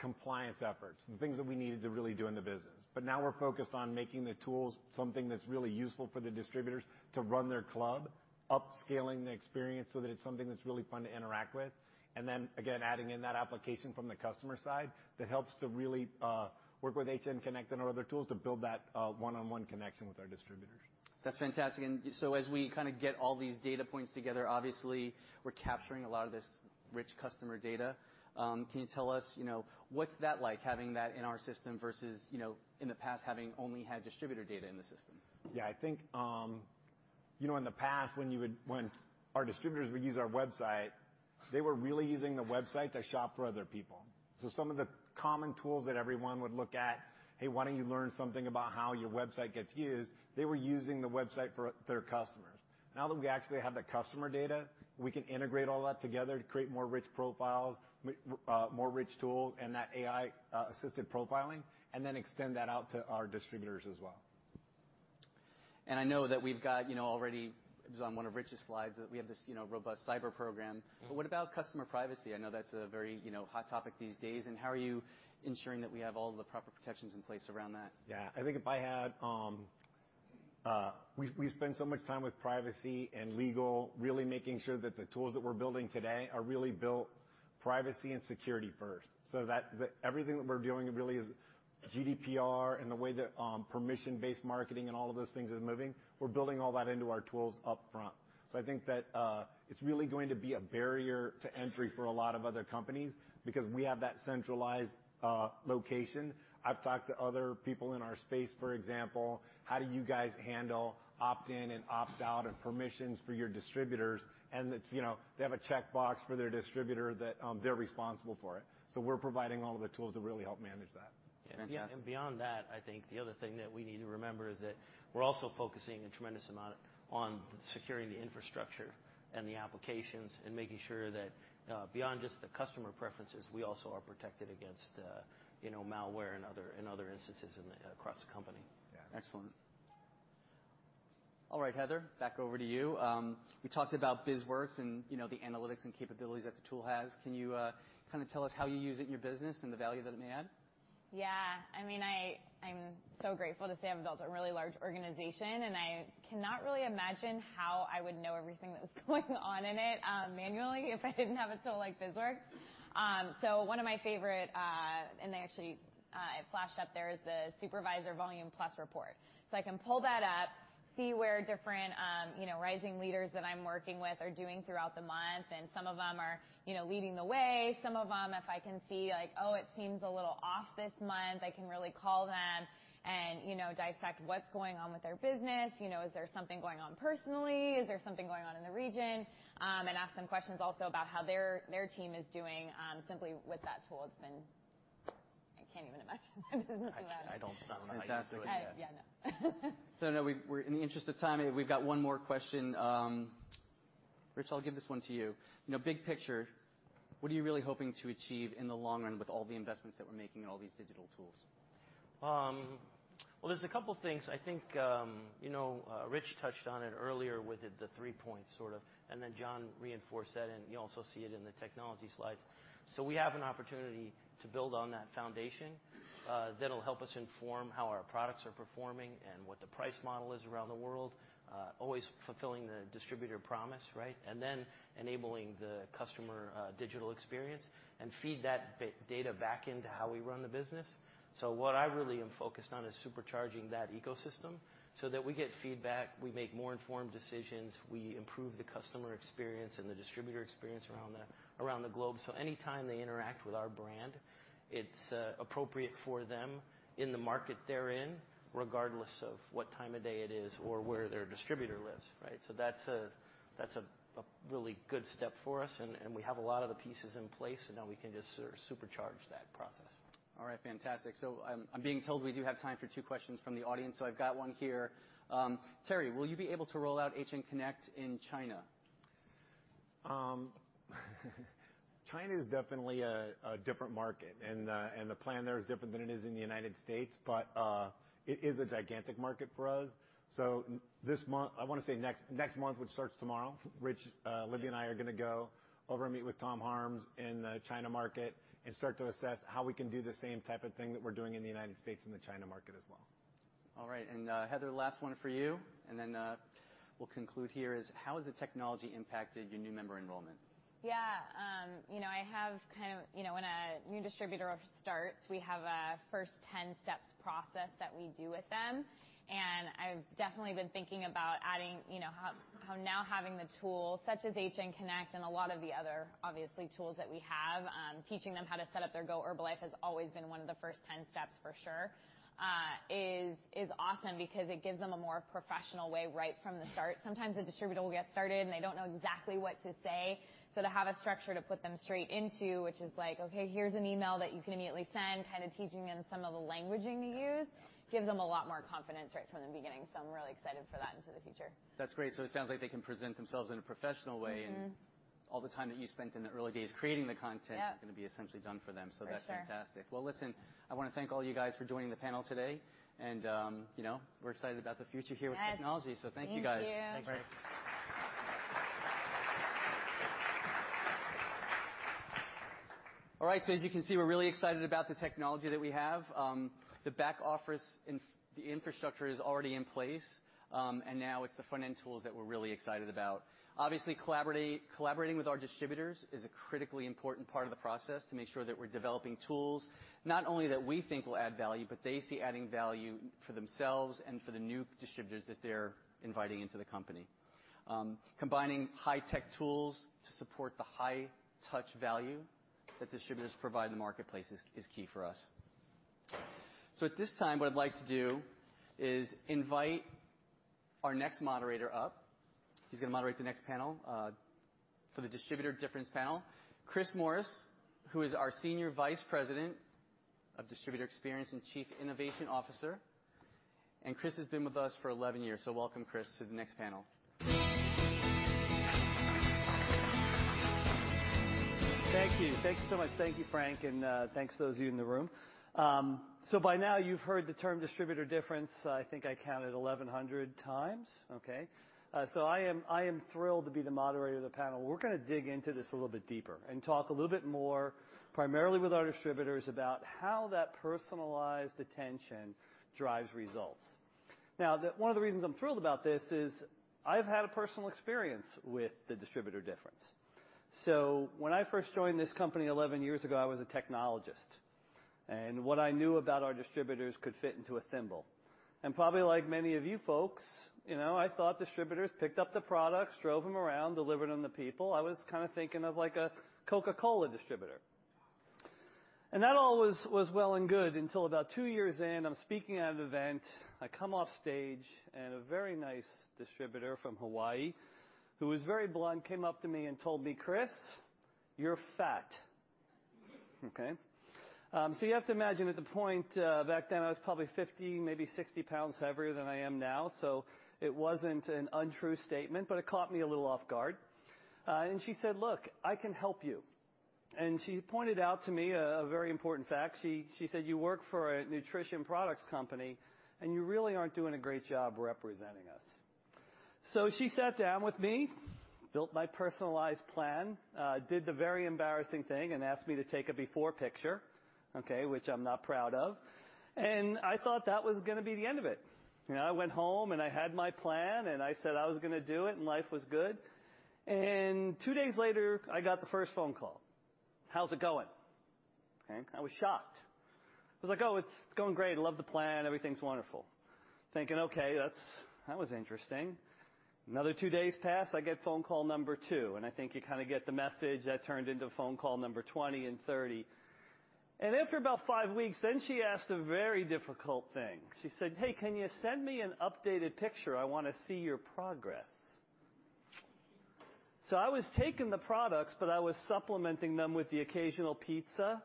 compliance efforts and things that we needed to really do in the business. Now we're focused on making the tools something that's really useful for the distributors to run their club, upscaling the experience so that it's something that's really fun to interact with. Again, adding in that application from the customer side that helps to really work with HN Connect and our other tools to build that one-on-one connection with our distributors. That's fantastic. As we kind of get all these data points together, obviously we're capturing a lot of this rich customer data. Can you tell us what's that like having that in our system versus in the past having only had distributor data in the system? I think, in the past when our distributors would use our website, they were really using the website to shop for other people. Some of the common tools that everyone would look at, hey, why don't you learn something about how your website gets used? They were using the website for their customers. Now that we actually have that customer data, we can integrate all that together to create more rich profiles, more rich tools, and that AI-assisted profiling, extend that out to our distributors as well. I know that we've got already, it was on one of Rich's slides, that we have this robust cyber program. What about customer privacy? I know that's a very hot topic these days, and how are you ensuring that we have all the proper protections in place around that? We spend so much time with privacy and legal, really making sure that the tools that we're building today are really built privacy and security first, so that everything that we're doing really is GDPR in the way that permission-based marketing and all of those things is moving. We're building all that into our tools upfront. I think that it's really going to be a barrier to entry for a lot of other companies because we have that centralized location. I've talked to other people in our space, for example, how do you guys handle opt-in and opt-out and permissions for your distributors? They have a checkbox for their distributor that they're responsible for it. We're providing all of the tools to really help manage that. Fantastic. Beyond that, I think the other thing that we need to remember is that we're also focusing a tremendous amount on securing the infrastructure and the applications and making sure that beyond just the customer preferences, we also are protected against malware and other instances across the company. Yeah. Excellent. All right, Heather, back over to you. We talked about BizWorks and the analytics and capabilities that the tool has. Can you kind of tell us how you use it in your business and the value that it may add? Yeah. I'm so grateful to say I've built a really large organization. I cannot really imagine how I would know everything that was going on in it manually if I didn't have a tool like BizWorks. One of my favorite, and actually it flashed up there, is the supervisor volume plus report. I can pull that up, see where different rising leaders that I'm working with are doing throughout the month. Some of them are leading the way. Some of them if I can see, like, oh, it seems a little off this month, I can really call them and dissect what's going on with their business. Is there something going on personally? Is there something going on in the region? Ask them questions also about how their team is doing simply with that tool. I can't even imagine how business would be without it. I don't know how you do it yet. Yeah, no. No, in the interest of time, we've got one more question. Rich, I'll give this one to you. Big picture, what are you really hoping to achieve in the long run with all the investments that we're making in all these digital tools? Well, there's a couple things. I think Rich touched on it earlier with the three points sort of. John reinforced that. You also see it in the technology slides. We have an opportunity to build on that foundation that'll help us inform how our products are performing and what the price model is around the world, always fulfilling the distributor promise, right? Enabling the customer digital experience and feed that data back into how we run the business. What I really am focused on is supercharging that ecosystem so that we get feedback, we make more informed decisions, we improve the customer experience and the distributor experience around the globe, so anytime they interact with our brand, it's appropriate for them in the market they're in, regardless of what time of day it is or where their distributor lives. Right? That's a really good step for us. We have a lot of the pieces in place. Now we can just supercharge that process. All right. Fantastic. I'm being told we do have time for two questions from the audience, I've got one here. Terry, will you be able to roll out HN Connect in China? China is definitely a different market, and the plan there is different than it is in the United States, but it is a gigantic market for us. This month, I want to say next month, which starts tomorrow, Rich Libby and I are going to go over and meet with Thomas Harms in the China market and start to assess how we can do the same type of thing that we're doing in the United States in the China market as well. All right. Heather, last one for you, and then we'll conclude here, is how has the technology impacted your new member enrollment? Yeah. When a new distributor starts, we have a first 10 steps process that we do with them, and I've definitely been thinking about adding, how now having the tools such as HN Connect and a lot of the other, obviously, tools that we have, teaching them how to set up their GoHerbalife has always been one of the first 10 steps for sure, is awesome because it gives them a more professional way right from the start. Sometimes the distributor will get started, and they don't know exactly what to say, to have a structure to put them straight into, which is like, okay, here's an email that you can immediately send, kind of teaching them some of the languaging to use, gives them a lot more confidence right from the beginning. I'm really excited for that into the future. That's great. It sounds like they can present themselves in a professional way. All the time that you spent in the early days creating the content. Yeah is going to be essentially done for them. For sure. That's fantastic. Well, listen, I want to thank all you guys for joining the panel today, and we're excited about the future here with technology. Yes. Thank you, guys. Thank you. Thanks. All right, as you can see, we're really excited about the technology that we have. The back office infrastructure is already in place, and now it's the front end tools that we're really excited about. Obviously, collaborating with our distributors is a critically important part of the process to make sure that we're developing tools, not only that we think will add value, but they see adding value for themselves and for the new distributors that they're inviting into the company. Combining high tech tools to support the high touch value that distributors provide in the marketplace is key for us. At this time, what I'd like to do is invite our next moderator up. He's going to moderate the next panel, for the Distributor Difference panel. Chris Morris, who is our Senior Vice President of Distributor Experience and Chief Innovation Officer, Chris has been with us for 11 years. Welcome, Chris, to the next panel. Thank you. Thank you so much. Thank you, Frank, and thanks to those of you in the room. By now, you've heard the term distributor difference, I think I counted 1,100 times. Okay? I am thrilled to be the moderator of the panel. We're going to dig into this a little bit deeper and talk a little bit more, primarily with our distributors, about how that personalized attention drives results. Now, one of the reasons I'm thrilled about this is I've had a personal experience with the distributor difference. When I first joined this company 11 years ago, I was a technologist, what I knew about our distributors could fit into a thimble. Probably like many of you folks, I thought distributors picked up the products, drove them around, delivered them to people. I was kind of thinking of like a Coca-Cola distributor. That all was well and good until about two years in, I'm speaking at an event, I come offstage, and a very nice distributor from Hawaii, who was very blunt, came up to me and told me, "Chris, you're fat." Okay? You have to imagine, at the point back then, I was probably 50, maybe 60 pounds heavier than I am now, so it wasn't an untrue statement, but it caught me a little off guard. She said, "Look, I can help you." She pointed out to me a very important fact. She said, "You work for a nutrition products company, you really aren't doing a great job representing us." She sat down with me, built my personalized plan, did the very embarrassing thing, asked me to take a before picture, okay, which I'm not proud of, I thought that was going to be the end of it. I went home, I had my plan, I said I was going to do it, life was good. Two days later, I got the first phone call. "How's it going?" Okay? I was shocked. I was like, "Oh, it's going great. Love the plan. Everything's wonderful, thinking, okay, that was interesting." Another two days pass, I get phone call number 2, I think you get the message that turned into phone call number 20 and 30. After about five weeks, she asked a very difficult thing. She said, "Hey, can you send me an updated picture? I want to see your progress." I was taking the products, but I was supplementing them with the occasional pizza,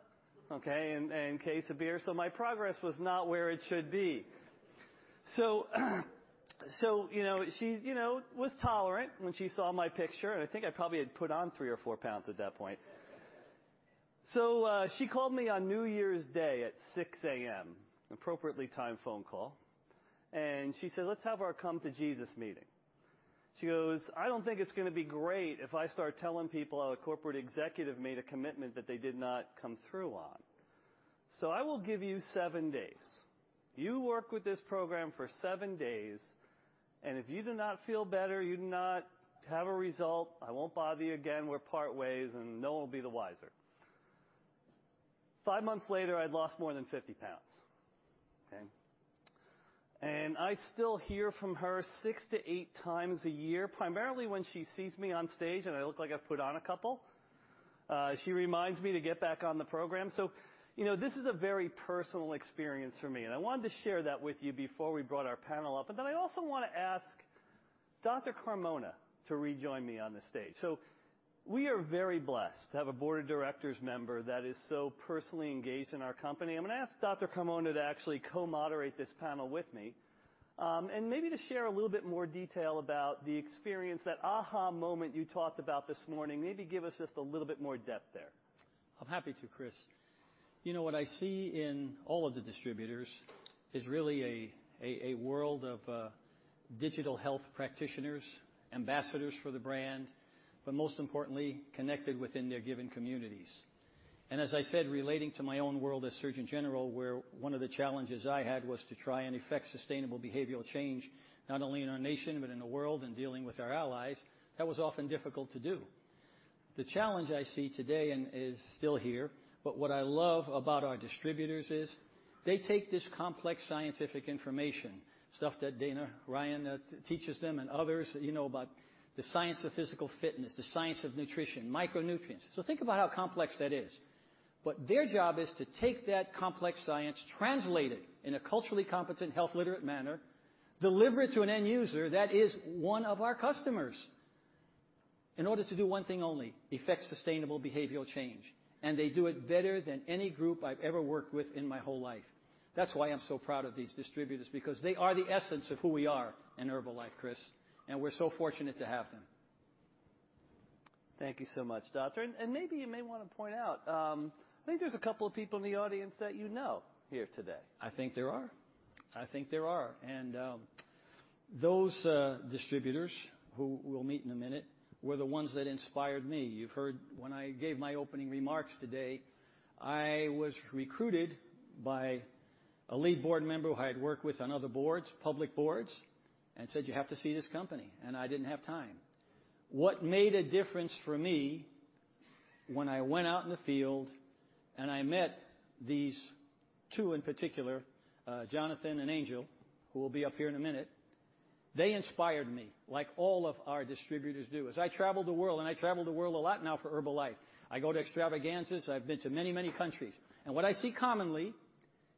okay, and case of beer, my progress was not where it should be. She was tolerant when she saw my picture, and I think I probably had put on three or four pounds at that point. She called me on New Year's Day at 6:00 A.M., appropriately timed phone call, she said, "Let's have our come to Jesus meeting." She goes, "I don't think it's going to be great if I start telling people how a corporate executive made a commitment that they did not come through on. I will give you seven days. You work with this program for seven days, and if you do not feel better, you do not have a result, I won't bother you again, we'll part ways, and no one will be the wiser." Five months later, I'd lost more than 50 pounds. Okay? I still hear from her six to eight times a year, primarily when she sees me on stage, and I look like I've put on a couple. She reminds me to get back on the program. This is a very personal experience for me, and I wanted to share that with you before we brought our panel up. I also want to ask Dr. Carmona to rejoin me on the stage. We are very blessed to have a board of directors member that is so personally engaged in our company. I'm going to ask Dr. Carmona to actually co-moderate this panel with me, and maybe to share a little bit more detail about the experience, that aha moment you talked about this morning. Maybe give us just a little bit more depth there. I'm happy to, Chris. What I see in all of the distributors is really a world of digital health practitioners, ambassadors for the brand, but most importantly, connected within their given communities. As I said, relating to my own world as Surgeon General, where one of the challenges I had was to try and effect sustainable behavioral change, not only in our nation but in the world and dealing with our allies, that was often difficult to do. The challenge I see today and is still here, but what I love about our distributors is they take this complex scientific information, stuff that Dana Ryan teaches them and others about the science of physical fitness, the science of nutrition, micronutrients. Think about how complex that is. Their job is to take that complex science, translate it in a culturally competent, health literate manner, deliver it to an end user that is one of our customers in order to do one thing only, effect sustainable behavioral change, and they do it better than any group I've ever worked with in my whole life. That's why I'm so proud of these distributors, because they are the essence of who we are in Herbalife, Chris, and we're so fortunate to have them. Thank you so much, Doctor, Maybe you may want to point out, I think there's a couple of people in the audience that you know here today. I think there are. Those distributors who we'll meet in a minute, were the ones that inspired me. You've heard when I gave my opening remarks today, I was recruited by a lead board member who I had worked with on other boards, public boards, and said, "You have to see this company." I didn't have time. What made a difference for me when I went out in the field and I met these two in particular, Jonathan and Angel, who will be up here in a minute, they inspired me, like all of our distributors do. As I travel the world, and I travel the world a lot now for Herbalife. I go to extravaganzas. I've been to many, many countries. What I see commonly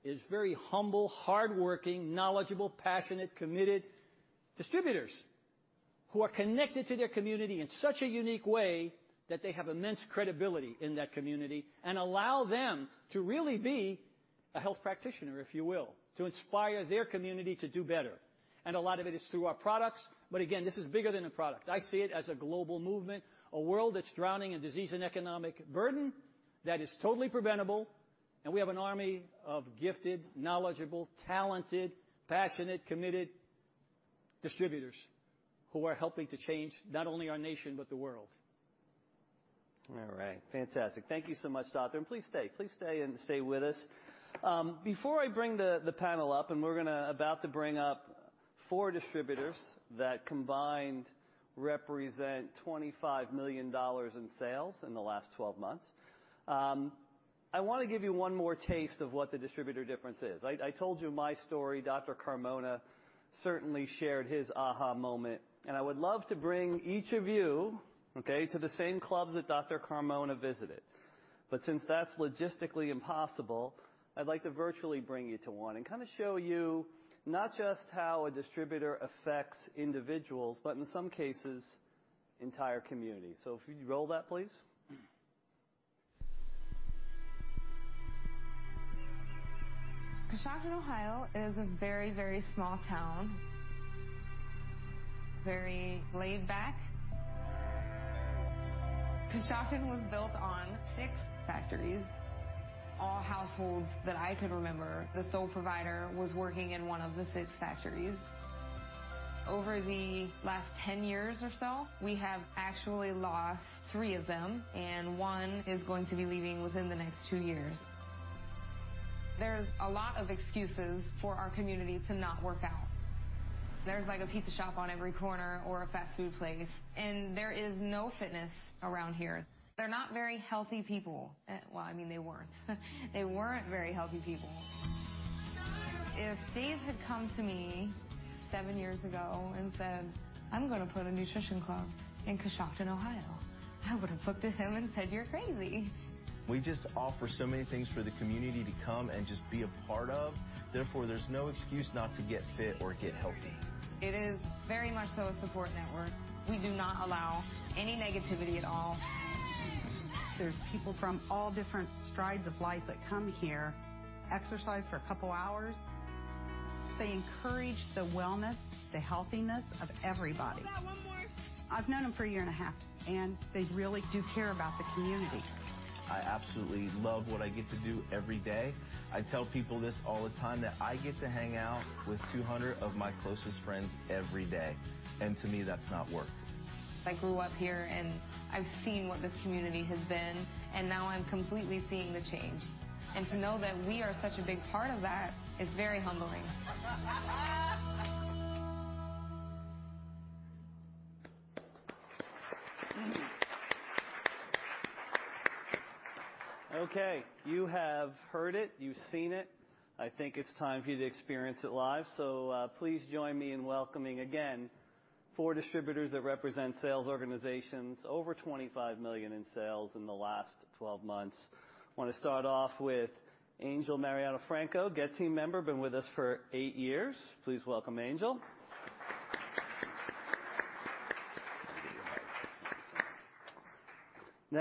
is very humble, hardworking, knowledgeable, passionate, committed distributors who are connected to their community in such a unique way that they have immense credibility in that community and allow them to really be a health practitioner, if you will, to inspire their community to do better. A lot of it is through our products. Again, this is bigger than a product. I see it as a global movement, a world that's drowning in disease and economic burden that is totally preventable, and we have an army of gifted, knowledgeable, talented, passionate, committed distributors who are helping to change not only our nation but the world. All right. Fantastic. Thank you so much, Doctor, and please stay. Please stay and stay with us. Before I bring the panel up, we're about to bring up four distributors that combined represent $25 million in sales in the last 12 months. I want to give you one more taste of what the distributor difference is. I told you my story. Dr. Carmona certainly shared his aha moment. I would love to bring each of you, okay, to the same clubs that Dr. Carmona visited. Since that's logistically impossible, I'd like to virtually bring you to one and show you not just how a distributor affects individuals, but in some cases, entire communities. If you'd roll that, please. Coshocton, Ohio is a very small town. Very laid back. Coshocton was built on six factories. All households that I could remember, the sole provider was working in one of the six factories. Over the last 10 years or so, we have actually lost three of them, and one is going to be leaving within the next two years. There's a lot of excuses for our community to not work out. There's a pizza shop on every corner or a fast food place. There is no fitness around here. They're not very healthy people. Well, I mean, they weren't. They weren't very healthy people. If Steve had come to me seven years ago and said, "I'm going to put a nutrition club in Coshocton, Ohio," I would've looked at him and said, "You're crazy. We just offer so many things for the community to come and just be a part of, therefore, there's no excuse not to get fit or get healthy. It is very much so a support network. We do not allow any negativity at all. There's people from all different strides of life that come here, exercise for a couple hours. They encourage the wellness, the healthiness of everybody. You got one more. I've known them for a year and a half. They really do care about the community. I absolutely love what I get to do every day. I tell people this all the time, that I get to hang out with 200 of my closest friends every day. To me, that's not work. I grew up here, I've seen what this community has been, and now I'm completely seeing the change. To know that we are such a big part of that is very humbling. You have heard it, you've seen it. I think it's time for you to experience it live. Please join me in welcoming again, 4 distributors that represent sales organizations over $25 million in sales in the last 12 months. I want to start off with Angel Mariano Franco, GET Team member, been with us for 8 years. Please welcome Angel.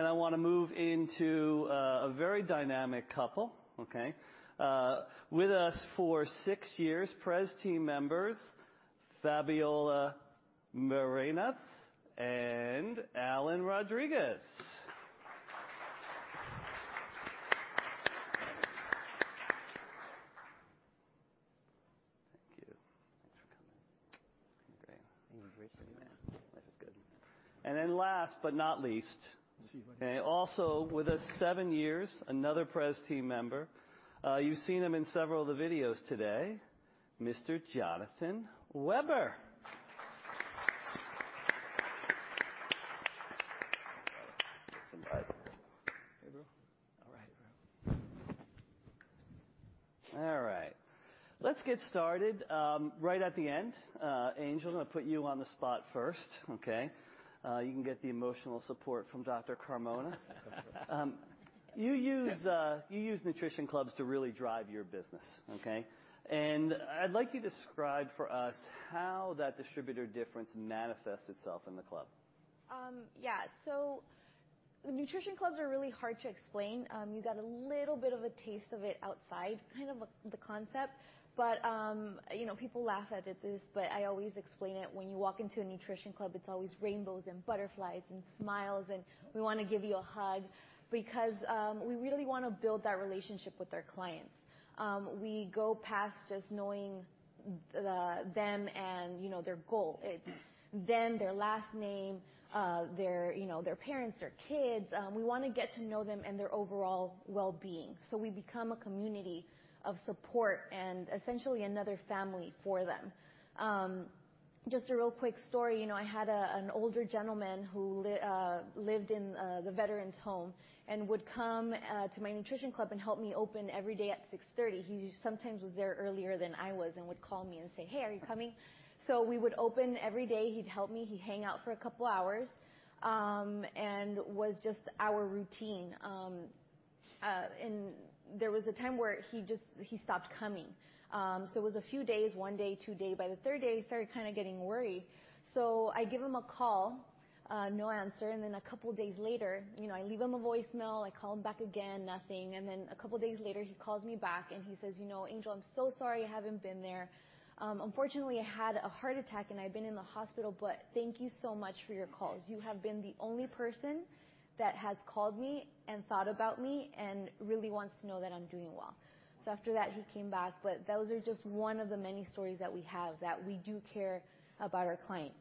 I want to move into a very dynamic couple. With us for 6 years, President's Team members, Fabiola Barinas and Alan Rodriguez. Thank you. Thanks for coming. Great. Life is good. Last but not least, also with us 7 years, another President's Team member. You've seen him in several of the videos today, Mr. Jonathan Weber. All right. Let's get started. Right at the end, Angel, I'm going to put you on the spot first. You can get the emotional support from Dr. Carmona. You use Nutrition Clubs to really drive your business. I'd like you to describe for us how that distributor difference manifests itself in the club. Nutrition Clubs are really hard to explain. You got a little bit of a taste of it outside, kind of the concept. People laugh at this, I always explain it, when you walk into a Nutrition Club, it's always rainbows and butterflies and smiles, we want to give you a hug because we really want to build that relationship with our clients. We go past just knowing them and their goal. It's them, their last name, their parents, their kids. We want to get to know them and their overall wellbeing. We become a community of support and essentially another family for them. Just a real quick story. I had an older gentleman who lived in the veterans home and would come to my Nutrition Club and help me open every day at 6:30 A.M. He sometimes was there earlier than I was and would call me and say, "Hey, are you coming?" We would open every day. He'd help me. He'd hang out for a couple hours, and was just our routine. There was a time where he stopped coming. It was a few days, one day, two day. By the third day, I started kind of getting worried. I give him a call, no answer, then a couple days later, I leave him a voicemail, I call him back again, nothing. Then a couple days later, he calls me back and he says, "You know, Angel, I'm so sorry I haven't been there. Unfortunately, I had a heart attack, and I've been in the hospital, but thank you so much for your calls. You have been the only person that has called me and thought about me and really wants to know that I'm doing well." After that, he came back, those are just one of the many stories that we have, that we do care about our clients.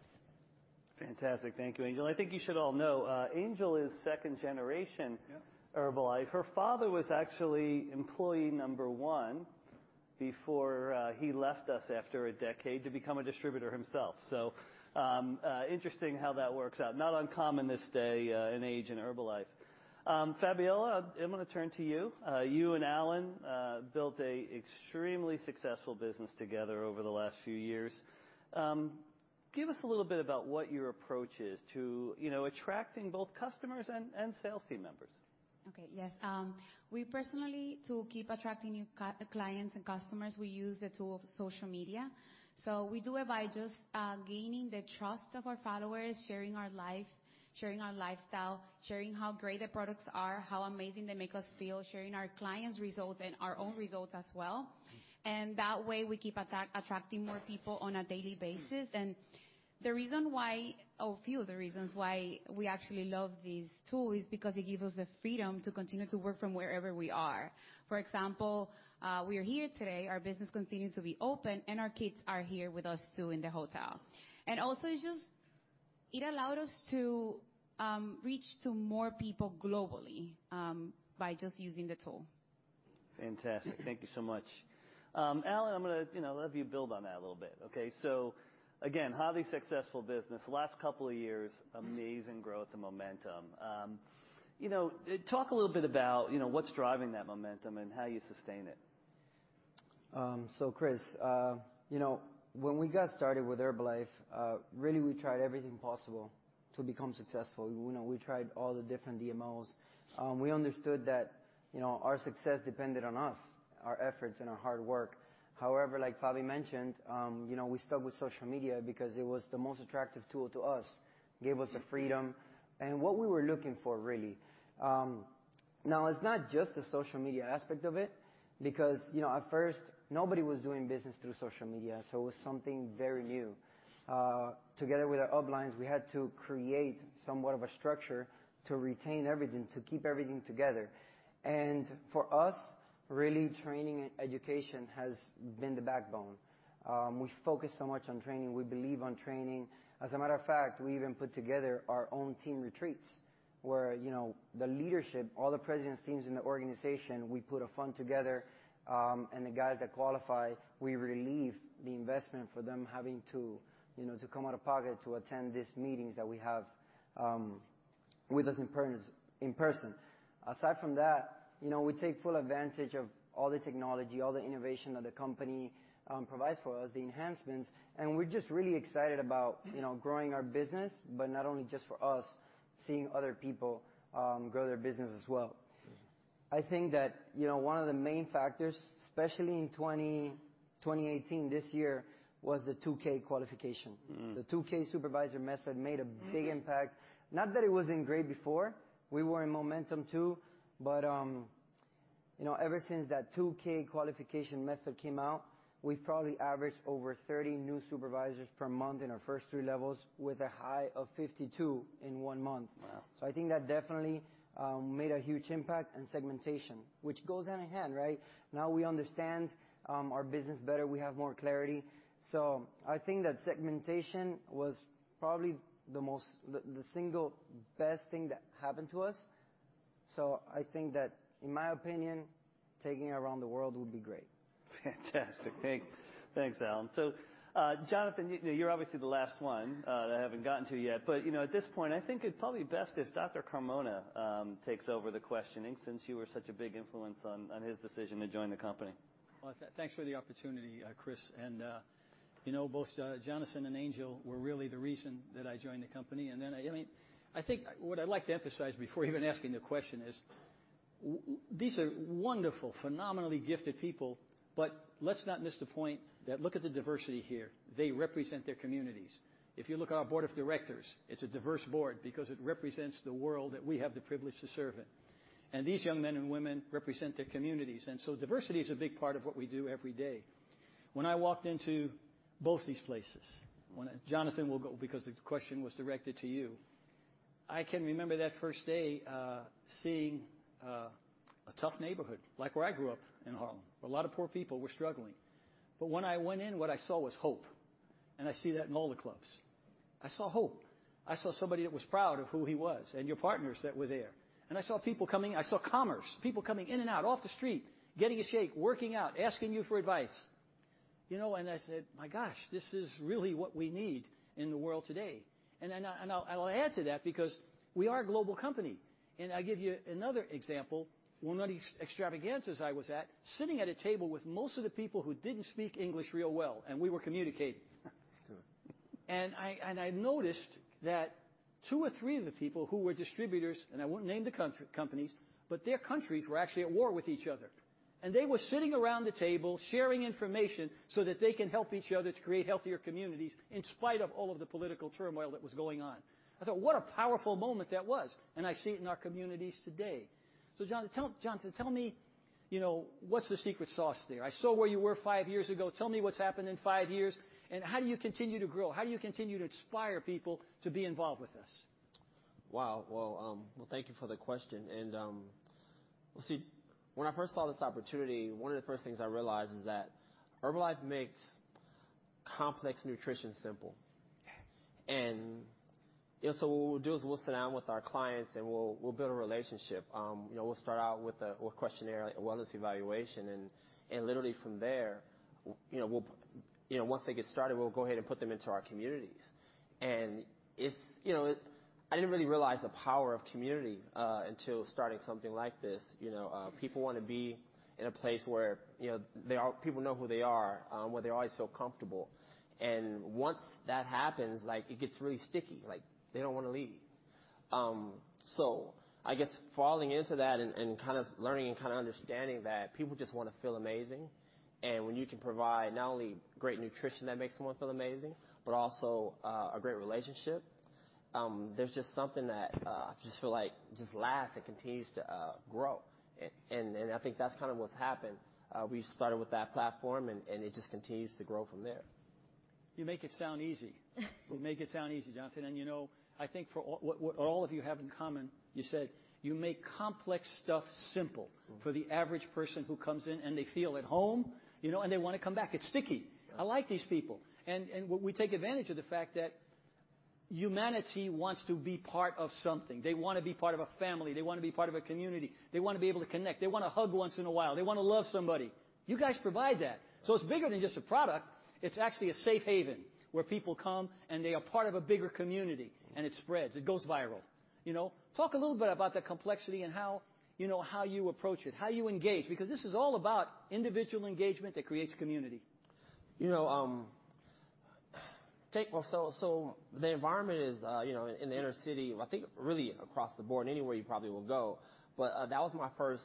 Fantastic. Thank you, Angel. I think you should all know, Angel is second generation Herbalife. Her father was actually employee number one before he left us after a decade to become a distributor himself. Interesting how that works out. Not uncommon this day in age in Herbalife. Fabiola, I'm going to turn to you. You and Alan built a extremely successful business together over the last few years. Give us a little bit about what your approach is to attracting both customers and sales team members. Okay. Yes. We personally, to keep attracting new clients and customers, we use the tool of social media. We do it by just gaining the trust of our followers, sharing our life, sharing our lifestyle, sharing how great the products are, how amazing they make us feel, sharing our clients' results and our own results as well. That way, we keep attracting more people on a daily basis. A few of the reasons why we actually love this tool is because it gives us the freedom to continue to work from wherever we are. For example, we are here today, our business continues to be open, and our kids are here with us, too, in the hotel. Also, it's just it allowed us to reach to more people globally by just using the tool. Fantastic. Thank you so much. Alan, I'm going to let you build on that a little bit. Again, highly successful business. Last couple of years, amazing growth and momentum. Talk a little bit about what's driving that momentum and how you sustain it. Chris, when we got started with Herbalife, really we tried everything possible to become successful. We tried all the different DMOs. We understood that our success depended on us, our efforts, and our hard work. However, like Fabi mentioned, we stuck with social media because it was the most attractive tool to us. It gave us the freedom and what we were looking for, really. Now it's not just the social media aspect of it, because at first, nobody was doing business through social media, it was something very new. Together with our uplines, we had to create somewhat of a structure to retain everything, to keep everything together. For us, really, training and education has been the backbone. We focus so much on training. We believe on training. As a matter of fact, we even put together our own team retreats where the leadership, all the President's Teams in the organization, we put a fund together, the guys that qualify, we relieve the investment for them having to come out of pocket to attend these meetings that we have with us in person. Aside from that, we take full advantage of all the technology, all the innovation that the company provides for us, the enhancements, we're just really excited about growing our business, but not only just for us, seeing other people grow their business as well. I think that one of the main factors, especially in 2018, this year, was the 2K qualification. The 2K supervisor method made a big impact. Not that it wasn't great before. We were in momentum too, ever since that 2K qualification method came out, we've probably averaged over 30 new supervisors per month in our first three levels with a high of 52 in one month. Wow. I think that definitely made a huge impact and segmentation, which goes hand in hand, right? Now we understand our business better. We have more clarity. I think that segmentation was probably the single best thing that happened to us. I think that in my opinion, taking it around the world would be great. Fantastic. Thanks, Alan. Jonathan, you're obviously the last one that I haven't gotten to yet. At this point, I think it's probably best if Dr. Carmona takes over the questioning since you were such a big influence on his decision to join the company. Well, thanks for the opportunity, Chris. Both Jonathan and Angel were really the reason that I joined the company. I think what I'd like to emphasize before even asking the question is these are wonderful, phenomenally gifted people, but let's not miss the point that look at the diversity here. They represent their communities. If you look at our board of directors, it's a diverse board because it represents the world that we have the privilege to serve in. These young men and women represent their communities. Diversity is a big part of what we do every day. When I walked into both these places, Jonathan, we'll go because the question was directed to you. I can remember that first day seeing a tough neighborhood like where I grew up in Harlem, where a lot of poor people were struggling. When I went in, what I saw was hope. I see that in all the clubs. I saw hope. I saw somebody that was proud of who he was and your partners that were there. I saw people coming. I saw commerce, people coming in and out off the street, getting a shake, working out, asking you for advice. I said, "My gosh. This is really what we need in the world today." I'll add to that because we are a global company. I give you another example. One of these extravaganzas I was at, sitting at a table with most of the people who didn't speak English real well, and we were communicating. That's good. I noticed that two or three of the people who were distributors, and I won't name the companies, but their countries were actually at war with each other. They were sitting around the table sharing information so that they can help each other to create healthier communities in spite of all of the political turmoil that was going on. I thought what a powerful moment that was, and I see it in our communities today. Jonathan, tell me what's the secret sauce there? I saw where you were five years ago. Tell me what's happened in five years and how do you continue to grow? How do you continue to inspire people to be involved with this? Wow. Well, thank you for the question. Well, see, when I first saw this opportunity, one of the first things I realized is that Herbalife makes complex nutrition simple. Yes. What we'll do is we'll sit down with our clients, and we'll build a relationship. We'll start out with a questionnaire, a wellness evaluation, and literally from there, once they get started, we'll go ahead and put them into our communities. I didn't really realize the power of community until starting something like this. People want to be in a place where people know who they are, where they always feel comfortable. Once that happens, it gets really sticky. They don't want to leave. I guess falling into that and kind of learning and kind of understanding that people just want to feel amazing. When you can provide not only great nutrition that makes someone feel amazing but also a great relationship, there's just something that I just feel like lasts and continues to grow. I think that's kind of what's happened. We started with that platform, and it just continues to grow from there. You make it sound easy. You make it sound easy, Jonathan. I think what all of you have in common, you said you make complex stuff simple for the average person who comes in, and they feel at home, and they want to come back. It's sticky. I like these people. We take advantage of the fact that humanity wants to be part of something. They want to be part of a family. They want to be part of a community. They want to be able to connect. They want to hug once in a while. They want to love somebody. You guys provide that. It's bigger than just a product. It's actually a safe haven where people come and they are part of a bigger community, and it spreads. It goes viral. Talk a little bit about the complexity and how you approach it, how you engage, because this is all about individual engagement that creates community. The environment is, in the inner city, I think really across the board anywhere you probably will go, but that was my first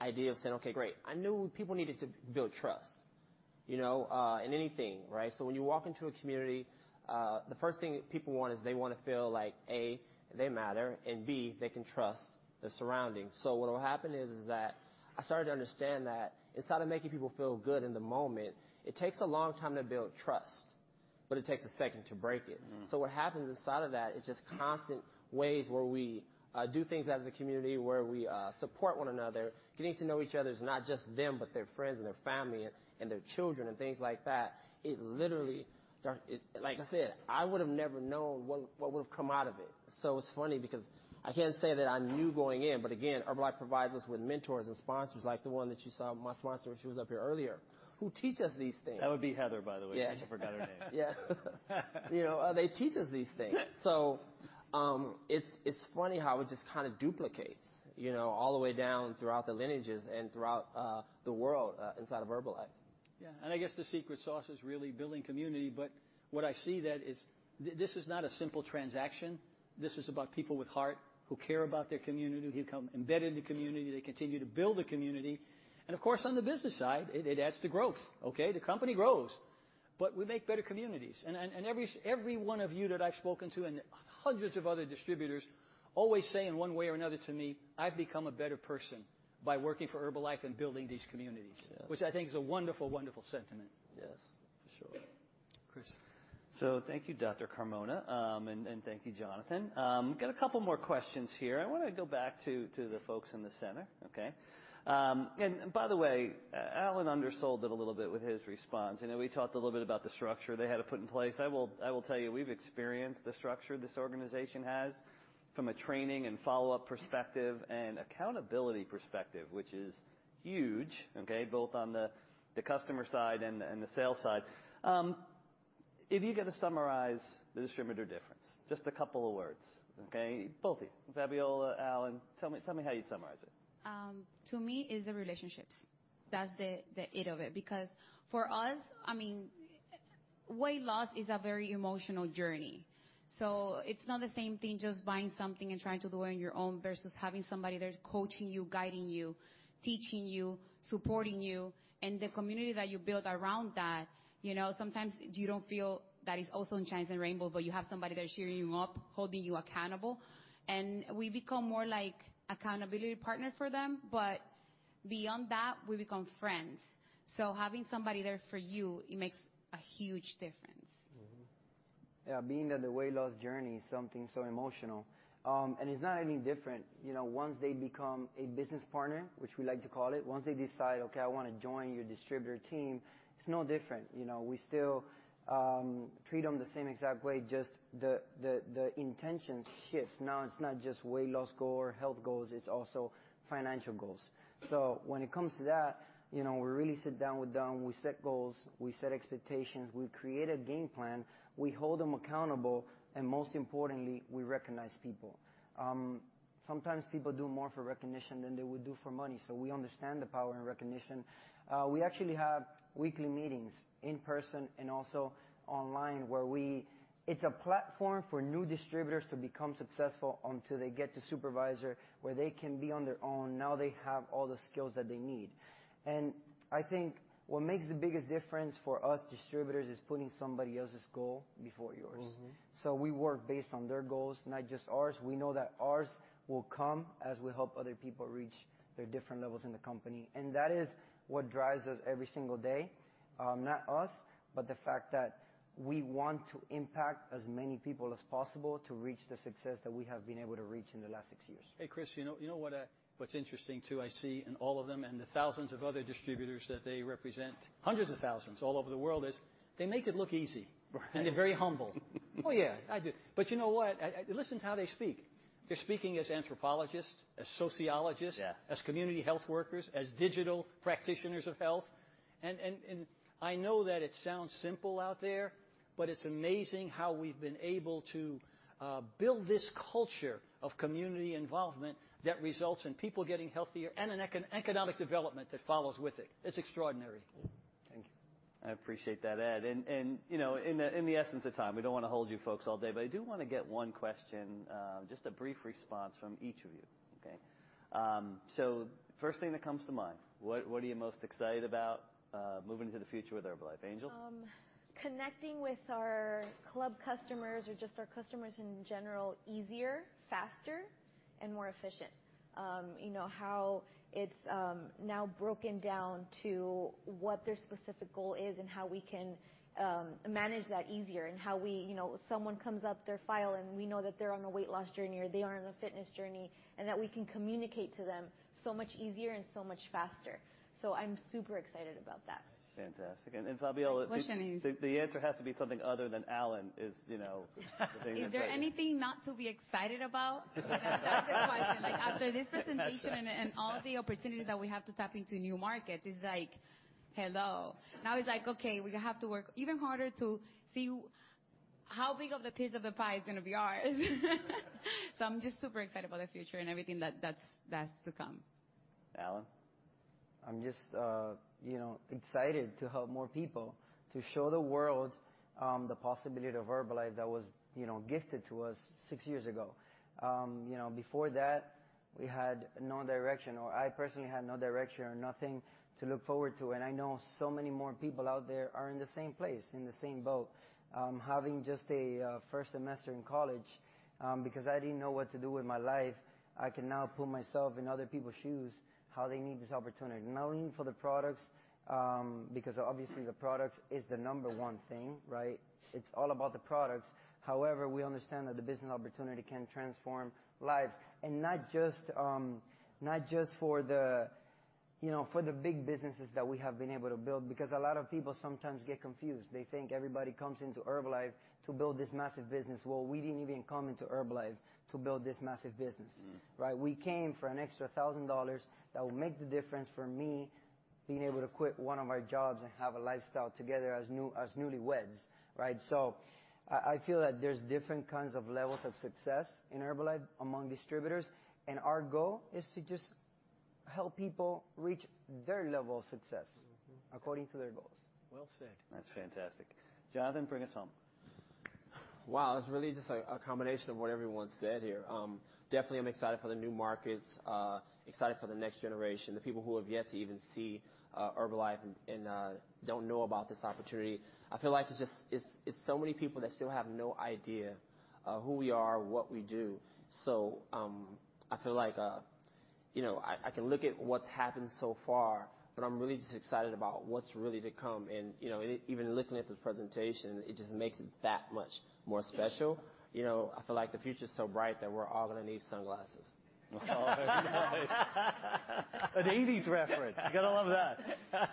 idea of saying, okay, great. I knew people needed to build trust in anything, right? When you walk into a community, the first thing people want is they want to feel like, A, they matter, and B, they can trust the surroundings. What will happen is that I started to understand that inside of making people feel good in the moment, it takes a long time to build trust, but it takes a second to break it. What happens inside of that is just constant ways where we do things as a community, where we support one another, getting to know each other as not just them, but their friends and their family and their children and things like that. It literally starts, like I said, I would have never known what would've come out of it. It's funny because I can't say that I knew going in, but again, Herbalife provides us with mentors and sponsors like the one that you saw, my sponsor, she was up here earlier, who teach us these things. That would be Heather, by the way. Yeah. In case you forgot her name. Yeah. They teach us these things. Yeah. It's funny how it just kind of duplicates all the way down throughout the lineages and throughout the world inside of Herbalife. Yeah. I guess the secret sauce is really building community, but what I see that is this is not a simple transaction. This is about people with heart who care about their community, who become embedded in the community. They continue to build the community, and of course, on the business side, it adds to growth. Okay? The company grows, but we make better communities. Every one of you that I've spoken to and hundreds of other distributors always say in one way or another to me, "I've become a better person by working for Herbalife and building these communities. Yeah. Which I think is a wonderful sentiment. Yes. For sure. Chris. Thank you, Dr. Carmona, and thank you, Jonathan. Got a couple more questions here. I want to go back to the folks in the center. Okay? By the way, Alan undersold it a little bit with his response. We talked a little bit about the structure they had to put in place. I will tell you, we've experienced the structure this organization has from a training and follow-up perspective and accountability perspective, which is huge, okay, both on the customer side and the sales side. If you get to summarize the distributor difference, just a couple of words, okay? Both of you, Fabiola, Alan, tell me how you'd summarize it. To me, it's the relationships. That's the it of it. For us, weight loss is a very emotional journey. It's not the same thing just buying something and trying to do it on your own versus having somebody there coaching you, guiding you, teaching you, supporting you, and the community that you build around that. Sometimes you don't feel that it's all sunshine and rainbow, but you have somebody there cheering you up, holding you accountable. We become more like accountability partner for them. Beyond that, we become friends. Having somebody there for you, it makes a huge difference. Yeah. Being that the weight loss journey is something so emotional, it's not any different. Once they become a business partner, which we like to call it, once they decide, okay, I want to join your distributor team, it's no different. We still treat them the same exact way, just the intention shifts. Now it's not just weight loss goal or health goals, it's also financial goals. When it comes to that, we really sit down with them. We set goals, we set expectations, we create a game plan, we hold them accountable, and most importantly, we recognize people. Sometimes people do more for recognition than they would do for money. We understand the power in recognition. We actually have weekly meetings in person and also online where it's a platform for new distributors to become successful until they get to supervisor, where they can be on their own. Now they have all the skills that they need. I think what makes the biggest difference for us distributors is putting somebody else's goal before yours. We work based on their goals, not just ours. We know that ours will come as we help other people reach their different levels in the company. That is what drives us every single day. Not us, but the fact that we want to impact as many people as possible to reach the success that we have been able to reach in the last 6 years. Chris, you know what's interesting, too, I see in all of them and the thousands of other distributors that they represent, hundreds of thousands all over the world, is they make it look easy. Right. They're very humble. Oh, yeah, I do. You know what? Listen to how they speak. They're speaking as anthropologists, as sociologists. Yeah as community health workers, as digital practitioners of health. I know that it sounds simple out there, but it's amazing how we've been able to build this culture of community involvement that results in people getting healthier and an economic development that follows with it. It's extraordinary. Thank you. I appreciate that, Ed. In the essence of time, we don't want to hold you folks all day, I do want to get one question, just a brief response from each of you. Okay? First thing that comes to mind, what are you most excited about moving into the future with Herbalife? Angel? Connecting with our club customers or just our customers in general easier, faster, and more efficient. It's now broken down to what their specific goal is and how we can manage that easier and how someone comes up their file and we know that they're on a weight loss journey or they are on a fitness journey, and that we can communicate to them so much easier and so much faster. I'm super excited about that. Fantastic. Fabiola- Good questioning The answer has to be something other than Alan is, you know. Is there anything not to be excited about? That's the question. After this presentation and all the opportunities that we have to tap into new markets, it's like, hello. Now it's like, okay, we have to work even harder to see how big of the piece of the pie is going to be ours. I'm just super excited about the future and everything that's to come. Alan? I'm just excited to help more people, to show the world the possibility of Herbalife that was gifted to us six years ago. Before that, we had no direction, or I personally had no direction or nothing to look forward to. I know so many more people out there are in the same place, in the same boat. Having just a first semester in college, because I didn't know what to do with my life, I can now put myself in other people's shoes, how they need this opportunity, not only for the products, because obviously the products is the number 1 thing, right? It's all about the products. However, we understand that the business opportunity can transform lives, and not just for the big businesses that we have been able to build, because a lot of people sometimes get confused. They think everybody comes into Herbalife to build this massive business. Well, we didn't even come into Herbalife to build this massive business. We came for an extra $1,000 that would make the difference for me being able to quit one of our jobs and have a lifestyle together as newlyweds. I feel that there's different kinds of levels of success in Herbalife among distributors, and our goal is to just help people reach their level of success according to their goals. Well said. That's fantastic. Jonathan, bring us home. Wow. It's really just a combination of what everyone said here. Definitely I'm excited for the new markets, excited for the next generation, the people who have yet to even see Herbalife and don't know about this opportunity. I feel like it's so many people that still have no idea of who we are or what we do. I feel like I can look at what's happened so far, but I'm really just excited about what's really to come and even looking at this presentation, it just makes it that much more special. I feel like the future's so bright that we're all gonna need sunglasses. An '80s reference. You gotta love that.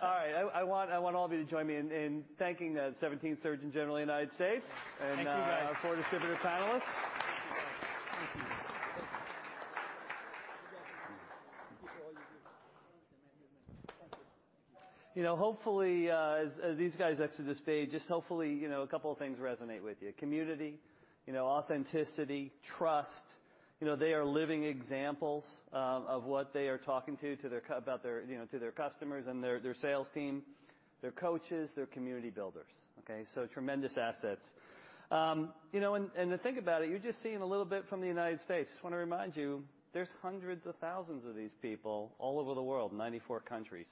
All right. I want all of you to join me in thanking the 17th Surgeon General of the United States- Thank you guys Our four distributor panelists. Thank you. Hopefully, as these guys exit the stage, just hopefully a couple of things resonate with you. Community, authenticity, trust. They are living examples of what they are talking to their customers and their sales team, their coaches, their community builders. Tremendous assets. To think about it, you're just seeing a little bit from the U.S. Just want to remind you, there's hundreds of thousands of these people all over the world, 94 countries.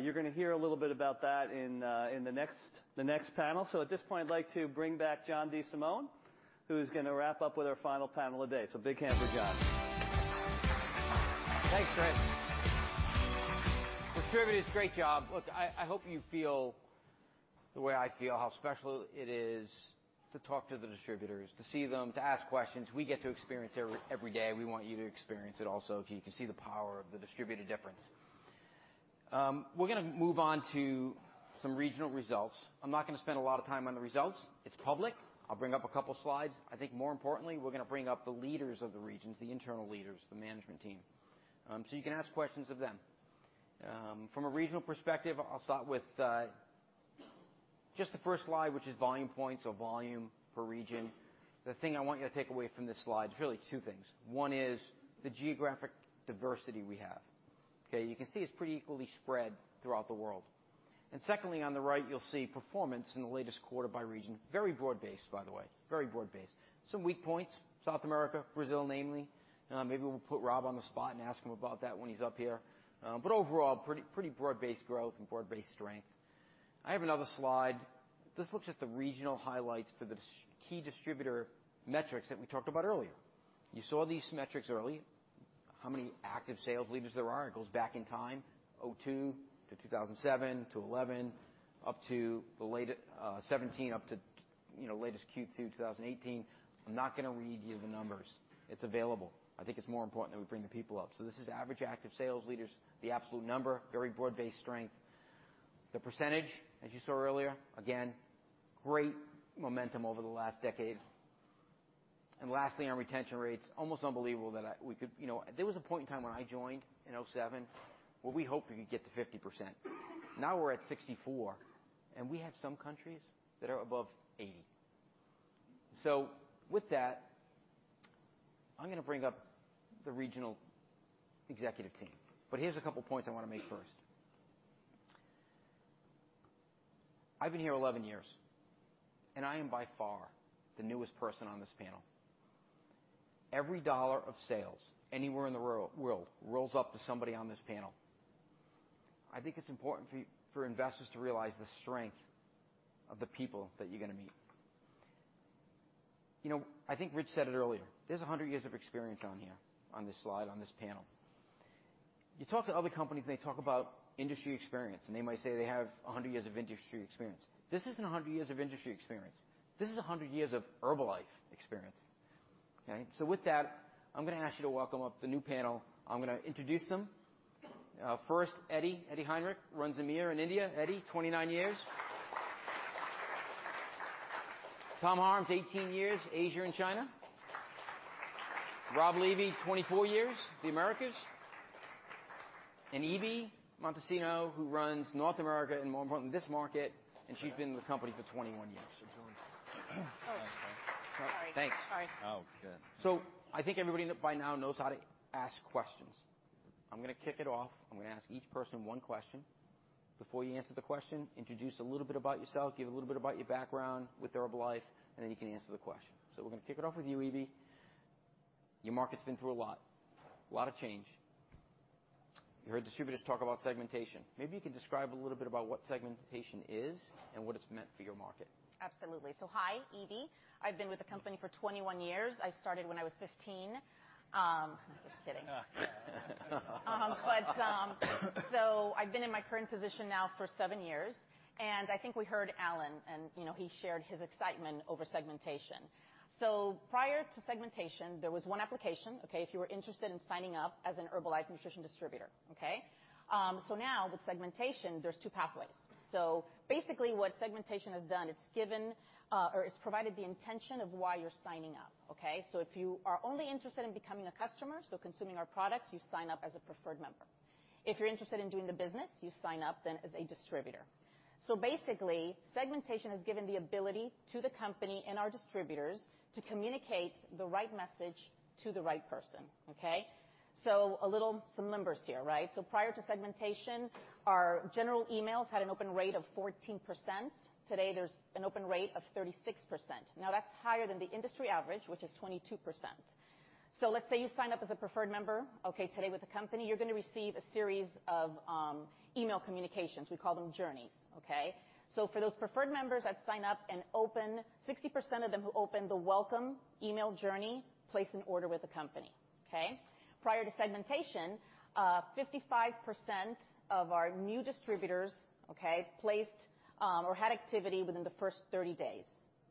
You're gonna hear a little bit about that in the next panel. At this point, I'd like to bring back John DeSimone, who's gonna wrap up with our final panel of the day. Big hand for John. Thanks, Chris. Distributors, great job. Look, I hope you feel the way I feel, how special it is to talk to the distributors, to see them, to ask questions. We get to experience it every day. We want you to experience it also, so you can see the power of the distributor difference. We're gonna move on to some regional results. I'm not gonna spend a lot of time on the results. It's public. I'll bring up a couple slides. I think more importantly, we're gonna bring up the leaders of the regions, the internal leaders, the management team, so you can ask questions of them. From a regional perspective, I'll start with just the first slide, which is Volume Points or volume per region. The thing I want you to take away from this slide is really two things. One is the geographic diversity we have. You can see it's pretty equally spread throughout the world. Secondly, on the right, you'll see performance in the latest quarter by region. Very broad-based, by the way. Very broad-based. Some weak points. South America, Brazil namely. Maybe we'll put Rob on the spot and ask him about that when he's up here. Overall, pretty broad-based growth and broad-based strength. I have another slide. This looks at the regional highlights for the key distributor metrics that we talked about earlier. You saw these metrics earlier. How many active sales leaders there are. It goes back in time, 2002 to 2007 to 2011, 2017 up to latest Q2 2018. I'm not gonna read you the numbers. It's available. I think it's more important that we bring the people up. This is average active sales leaders, the absolute number, very broad-based strength. The percentage, as you saw earlier, again, great momentum over the last decade. Lastly, our retention rates, almost unbelievable that we could. There was a point in time when I joined in 2007 where we hoped we could get to 50%. Now we're at 64%, and we have some countries that are above 80%. With that, I'm gonna bring up the regional executive team. Here's a couple points I wanna make first. I've been here 11 years, and I am by far the newest person on this panel. Every dollar of sales anywhere in the world rolls up to somebody on this panel. I think it's important for investors to realize the strength of the people that you're gonna meet. I think Rich said it earlier. There's 100 years of experience on here, on this slide, on this panel. You talk to other companies. They talk about industry experience, and they might say they have 100 years of industry experience. This isn't 100 years of industry experience. This is 100 years of Herbalife experience. Okay? With that, I'm going to ask you to welcome up the new panel. I'm going to introduce them. First, Eddie. Edi Heinrich runs EMEA and India. Eddie, 29 years. Thomas Harms, 18 years, Asia and China. Rob Levy, 24 years, the Americas. Ibi Montesino, who runs North America, and more importantly, this market, and she's been with the company for 21 years. Sorry. Thanks. Sorry. Oh, good. I think everybody by now knows how to ask questions. I'm going to kick it off. I'm going to ask each person one question. Before you answer the question, introduce a little bit about yourself, give a little bit about your background with Herbalife, then you can answer the question. We're going to kick it off with you, Ibi. Your market's been through a lot. A lot of change. You heard distributors talk about segmentation. Maybe you can describe a little bit about what segmentation is and what it's meant for your market. Hi, Ibi. I've been with the company for 21 years. I started when I was 15. I'm just kidding. I've been in my current position now for seven years, and I think we heard Alan, and he shared his excitement over segmentation. Prior to segmentation, there was one application, okay, if you were interested in signing up as an Herbalife Nutrition distributor. Okay? Now with segmentation, there's two pathways. Basically what segmentation has done, it's provided the intention of why you're signing up. Okay? If you are only interested in becoming a customer, so consuming our products, you sign up as a preferred member. If you're interested in doing the business, you sign up then as a distributor. Basically, segmentation has given the ability to the company and our distributors to communicate the right message to the right person. Okay? Some numbers here, right? Prior to segmentation, our general emails had an open rate of 14%. Today, there's an open rate of 36%. Now that's higher than the industry average, which is 22%. Let's say you sign up as a preferred member today with the company, you're going to receive a series of email communications. We call them journeys. Okay? For those preferred members that sign up, 60% of them who open the welcome email journey place an order with the company. Okay? Prior to segmentation, 55% of our new distributors placed or had activity within the first 30 days.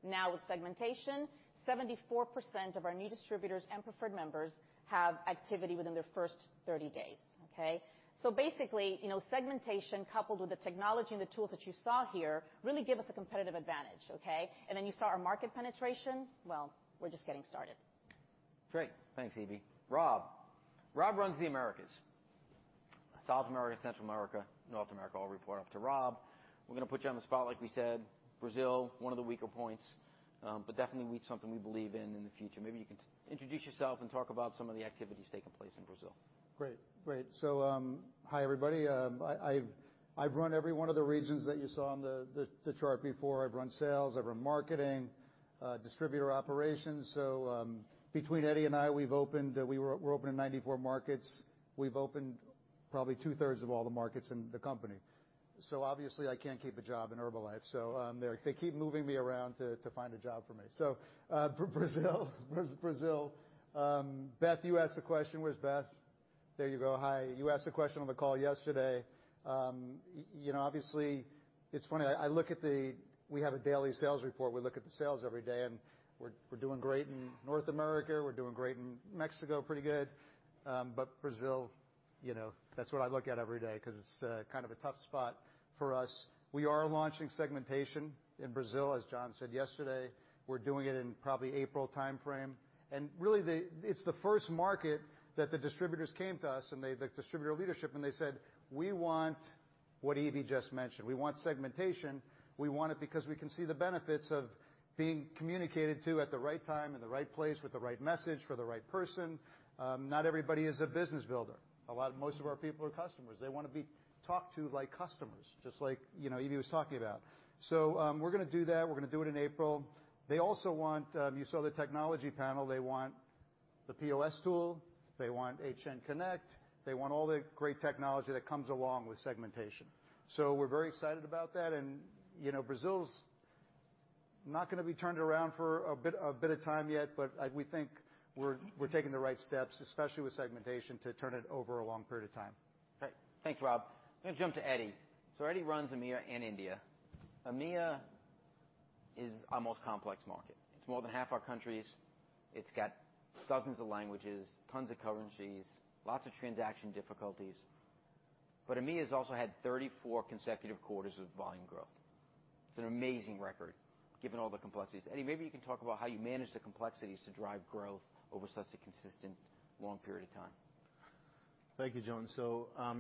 Now with segmentation, 74% of our new distributors and preferred members have activity within their first 30 days. Okay? Basically, segmentation coupled with the technology and the tools that you saw here really give us a competitive advantage. Okay? You saw our market penetration. Well, we're just getting started. Great. Thanks, Ibi. Rob. Rob runs the Americas. South America, Central America, North America, all report up to Rob. We're going to put you on the spot like we said. Brazil, one of the weaker points. Definitely something we believe in in the future. Maybe you can introduce yourself and talk about some of the activities taking place in Brazil. Great. Hi, everybody. I've run every one of the regions that you saw on the chart before. I've run sales, I've run marketing, distributor operations. Between Edi and I, we're open in 94 markets. We've opened probably two-thirds of all the markets in the company. Obviously I can't keep a job in Herbalife. They keep moving me around to find a job for me. For Brazil, Beth, you asked a question. Where's Beth? There you go. Hi. You asked a question on the call yesterday. Obviously, it's funny, we have a daily sales report. We look at the sales every day, and we're doing great in North America, we're doing great in Mexico, pretty good. Brazil, that's what I look at every day because it's kind of a tough spot for us. We are launching segmentation in Brazil, as John said yesterday. We're doing it in probably April timeframe. Really, it's the first market that the distributors came to us, the distributor leadership, and they said, "We want what Ibi just mentioned. We want segmentation. We want it because we can see the benefits of being communicated to at the right time, in the right place, with the right message, for the right person." Not everybody is a business builder. Most of our people are customers. They want to be talked to like customers, just like Ibi was talking about. We're going to do that. We're going to do it in April. You saw the technology panel. They want the POS tool. They want HN Connect. They want all the great technology that comes along with segmentation. We're very excited about that, and Brazil's not going to be turned around for a bit of time yet, but we think we're taking the right steps, especially with segmentation, to turn it over a long period of time. Great. Thanks, Rob. I'm going to jump to Edi. Edi runs EMEA and India. EMEA is our most complex market. It's more than half our countries. It's got dozens of languages, tons of currencies, lots of transaction difficulties. EMEA has also had 34 consecutive quarters of volume growth. It's an amazing record given all the complexities. Edi, maybe you can talk about how you manage the complexities to drive growth over such a consistent long period of time. Thank you, John.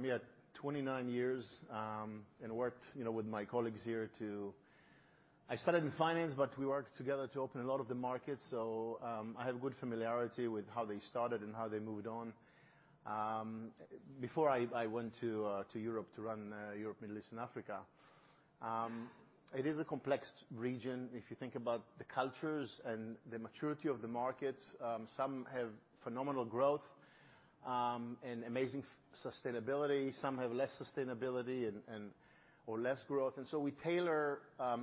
Yeah, 29 years, I worked with my colleagues here too. I started in finance, we worked together to open a lot of the markets, I have good familiarity with how they started and how they moved on. Before I went to Europe to run Europe, Middle East, and Africa. It is a complex region. If you think about the cultures and the maturity of the markets, some have phenomenal growth and amazing sustainability. Some have less sustainability or less growth. We tailor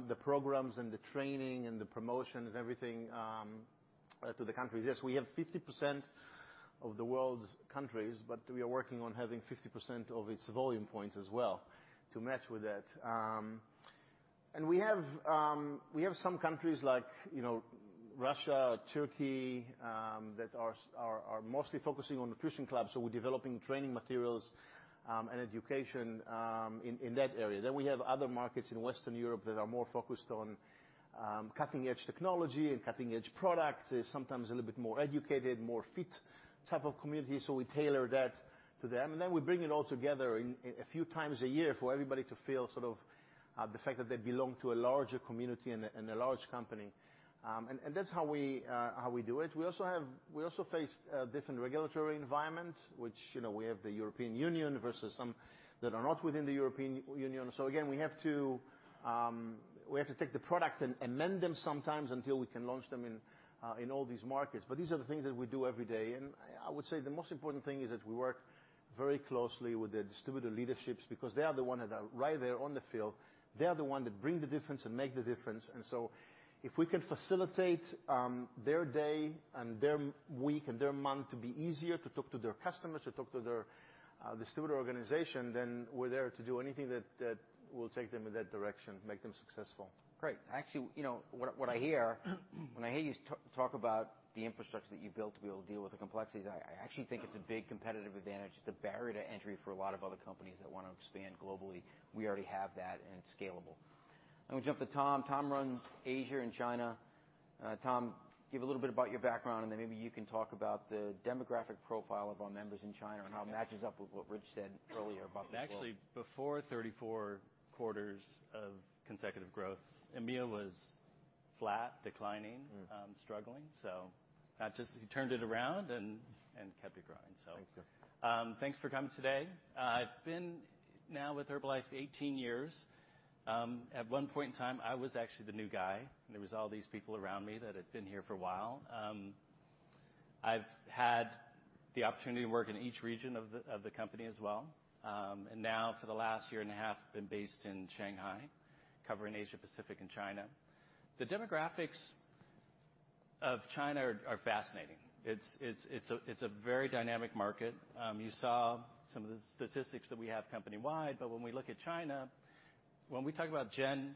the programs and the training and the promotion and everything to the countries. Yes, we have 50% of the world's countries, we are working on having 50% of its Volume Points as well to match with that. We have some countries like Russia or Turkey that are mostly focusing on nutrition clubs, we're developing training materials and education in that area. We have other markets in Western Europe that are more focused on cutting-edge technology and cutting-edge product. They're sometimes a little bit more educated, more fit type of community, we tailor that to them. We bring it all together a few times a year for everybody to feel sort of the fact that they belong to a larger community and a large company. That's how we do it. We also face a different regulatory environment, which we have the European Union versus some that are not within the European Union. Again, we have to take the product and amend them sometimes until we can launch them in all these markets. These are the things that we do every day. I would say the most important thing is that we work very closely with the distributor leaderships because they are the ones that are right there on the field. They are the ones that bring the difference and make the difference. If we can facilitate their day and their week and their month to be easier to talk to their customers, to talk to their distributor organization, we're there to do anything that will take them in that direction, make them successful. Great. Actually, what I hear when I hear you talk about the infrastructure that you've built to be able to deal with the complexities, I actually think it's a big competitive advantage. It's a barrier to entry for a lot of other companies that want to expand globally. We already have that, it's scalable. I'm going to jump to Tom. Tom runs Asia and China. Tom, give a little bit about your background, maybe you can talk about the demographic profile of our members in China and how it matches up with what Rich said earlier about the flow. Actually, before 34 quarters of consecutive growth, EMEA was flat, declining. Struggling. I just turned it around and kept it growing. Thank you. Thanks for coming today. I've been now with Herbalife 18 years. At one point in time, I was actually the new guy, and there was all these people around me that had been here for a while. I've had the opportunity to work in each region of the company as well. Now for the last year and a half, been based in Shanghai, covering Asia Pacific and China. The demographics of China are fascinating. It's a very dynamic market. You saw some of the statistics that we have company-wide, but when we look at China, when we talk about Gen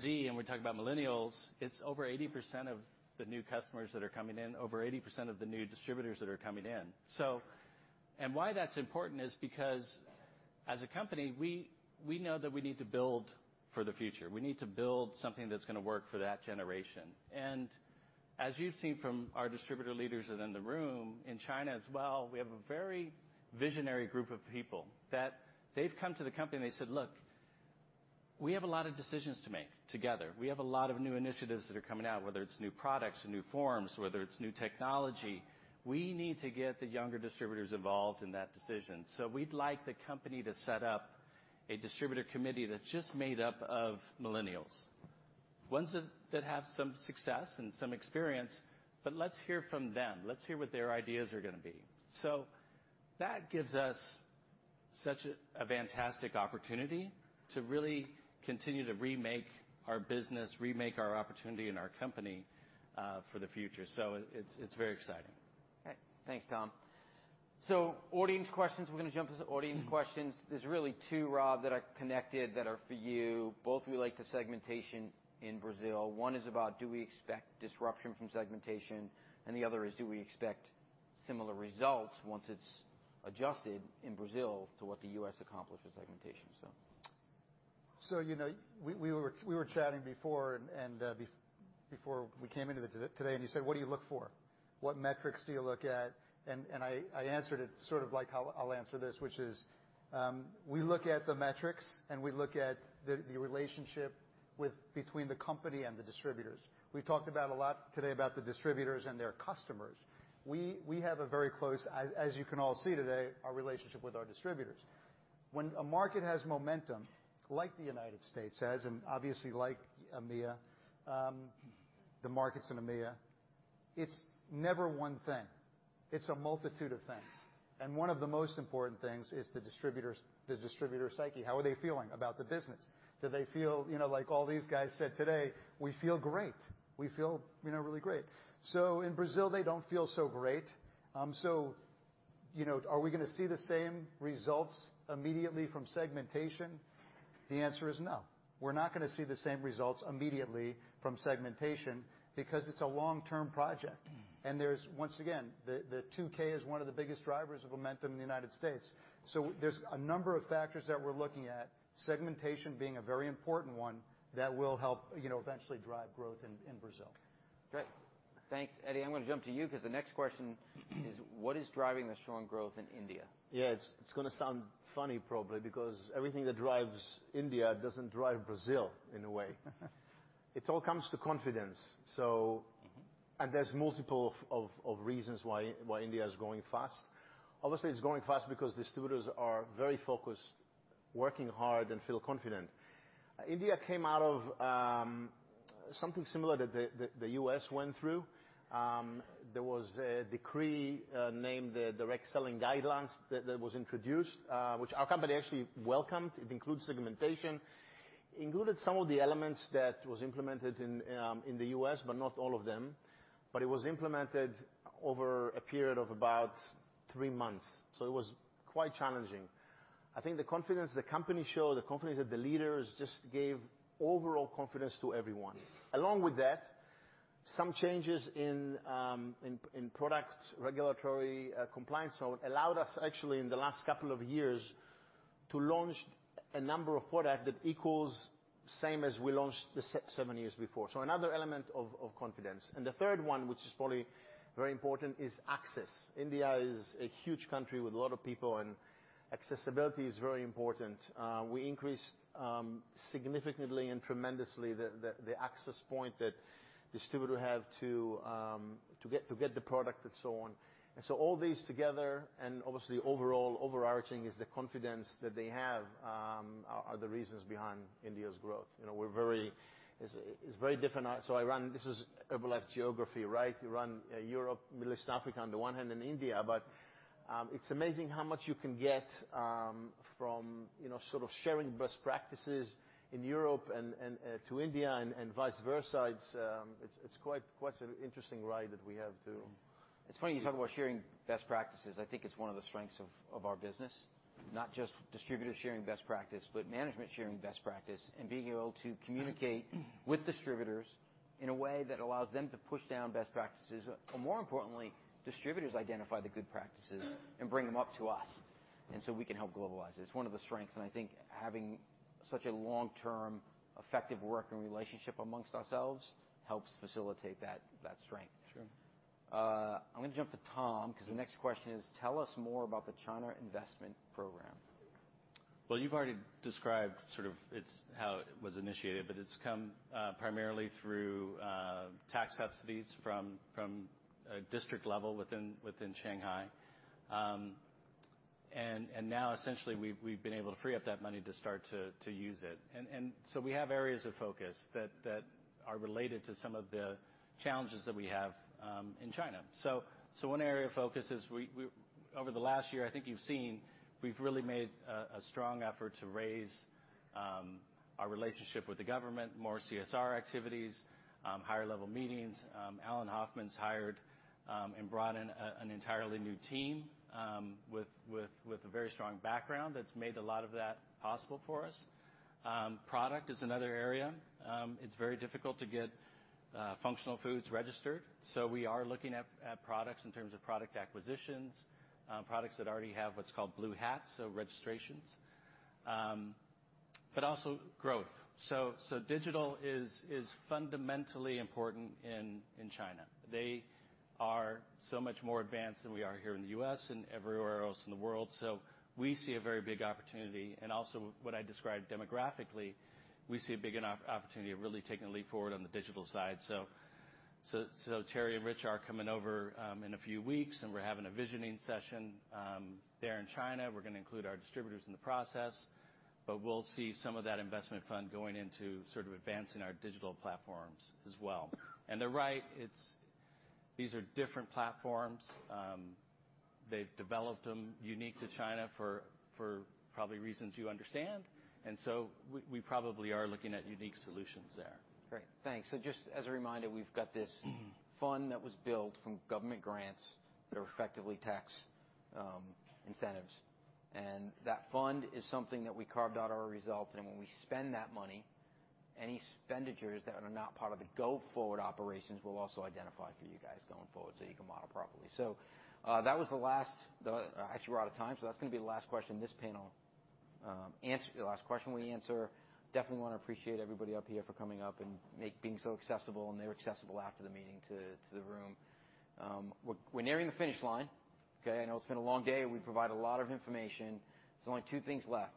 Z, and we talk about millennials, it's over 80% of the new customers that are coming in, over 80% of the new distributors that are coming in. Why that's important is because as a company, we know that we need to build for the future. We need to build something that's going to work for that generation. As you've seen from our distributor leaders that are in the room, in China as well, we have a very visionary group of people that they've come to the company and they said, "Look, we have a lot of decisions to make together. We have a lot of new initiatives that are coming out, whether it's new products or new forms, whether it's new technology. We need to get the younger distributors involved in that decision. We'd like the company to set up a distributor committee that's just made up of millennials, ones that have some success and some experience, but let's hear from them. Let's hear what their ideas are going to be." That gives us such a fantastic opportunity to really continue to remake our business, remake our opportunity and our company for the future. It's very exciting. Great. Thanks, Tom. Audience questions, we're going to jump to some audience questions. There's really two, Rob, that are connected that are for you. Both relate to segmentation in Brazil. One is about do we expect disruption from segmentation, and the other is do we expect similar results once it's adjusted in Brazil to what the U.S. accomplished with segmentation? We were chatting before and before we came into today, and you said, "What do you look for? What metrics do you look at?" I answered it sort of like how I'll answer this, which is we look at the metrics, and we look at the relationship between the company and the distributors. We talked about a lot today about the distributors and their customers. We have a very close, as you can all see today, our relationship with our distributors. When a market has momentum like the United States has, and obviously like EMEA, the markets in EMEA, it's never one thing. It's a multitude of things. One of the most important things is the distributor's psyche. How are they feeling about the business? Do they feel like all these guys said today, "We feel great. We feel really great. In Brazil, they don't feel so great. Are we going to see the same results immediately from segmentation? The answer is no. We're not going to see the same results immediately from segmentation because it's a long-term project. There's, once again, the 2K is one of the biggest drivers of momentum in the U.S. There's a number of factors that we're looking at, segmentation being a very important one that will help eventually drive growth in Brazil. Great. Thanks. Edi, I'm going to jump to you because the next question is, what is driving the strong growth in India? It's going to sound funny probably because everything that drives India doesn't drive Brazil in a way. It all comes to confidence. There's multiple of reasons why India is growing fast. Obviously, it's growing fast because distributors are very focused. Working hard and feel confident. India came out of something similar that the U.S. went through. There was a decree named the Direct Selling Guidelines that was introduced, which our company actually welcomed. It includes segmentation, included some of the elements that was implemented in the U.S., but not all of them. It was implemented over a period of about three months, so it was quite challenging. I think the confidence the company showed, the confidence of the leaders just gave overall confidence to everyone. Along with that, some changes in product regulatory compliance allowed us actually in the last couple of years to launch a number of products that equals same as we launched the seven years before. Another element of confidence. The third one, which is probably very important, is access. India is a huge country with a lot of people, and accessibility is very important. We increased significantly and tremendously the access point that distributor have to get the product and so on. All these together and obviously overall overarching is the confidence that they have are the reasons behind India's growth. It's very different. This is Herbalife geography, right? You run Europe, Middle East, Africa on the one hand and India. It's amazing how much you can get from sort of sharing best practices in Europe and to India and vice versa. It's quite an interesting ride that we have too. It's funny you talk about sharing best practices. I think it's one of the strengths of our business. Not just distributors sharing best practice, but management sharing best practice and being able to communicate with distributors in a way that allows them to push down best practices, or more importantly, distributors identify the good practices and bring them up to us, we can help globalize it. It's one of the strengths, and I think having such a long-term effective working relationship amongst ourselves helps facilitate that strength. Sure. I'm going to jump to Tom because the next question is tell us more about the China investment program. Well, you've already described sort of how it was initiated, but it's come primarily through tax subsidies from a district level within Shanghai. Now essentially we've been able to free up that money to start to use it. We have areas of focus that are related to some of the challenges that we have in China. One area of focus is over the last year, I think you've seen, we've really made a strong effort to raise our relationship with the government, more CSR activities, higher-level meetings. Alan Hoffman's hired and brought in an entirely new team with a very strong background that's made a lot of that possible for us. Product is another area. It's very difficult to get functional foods registered, so we are looking at products in terms of product acquisitions, products that already have what's called Blue Hats, so registrations. Also growth. Digital is fundamentally important in China. They are so much more advanced than we are here in the U.S. and everywhere else in the world. We see a very big opportunity and also what I described demographically, we see a big enough opportunity of really taking a leap forward on the digital side. Terry and Rich are coming over in a few weeks, and we're having a visioning session there in China. We're going to include our distributors in the process, but we'll see some of that investment fund going into sort of advancing our digital platforms as well. They're right, these are different platforms. They've developed them unique to China for probably reasons you understand, we probably are looking at unique solutions there. Great. Thanks. Just as a reminder, we've got this fund that was built from government grants that are effectively tax incentives, that fund is something that we carved out our results, when we spend that money, any expenditures that are not part of the go-forward operations, we'll also identify for you guys going forward so you can model properly. We're out of time, that's going to be the last question this panel, last question we answer. We definitely want to appreciate everybody up here for coming up and being so accessible, they're accessible after the meeting to the room. We're nearing the finish line, okay? I know it's been a long day. We provided a lot of information. There's only two things left.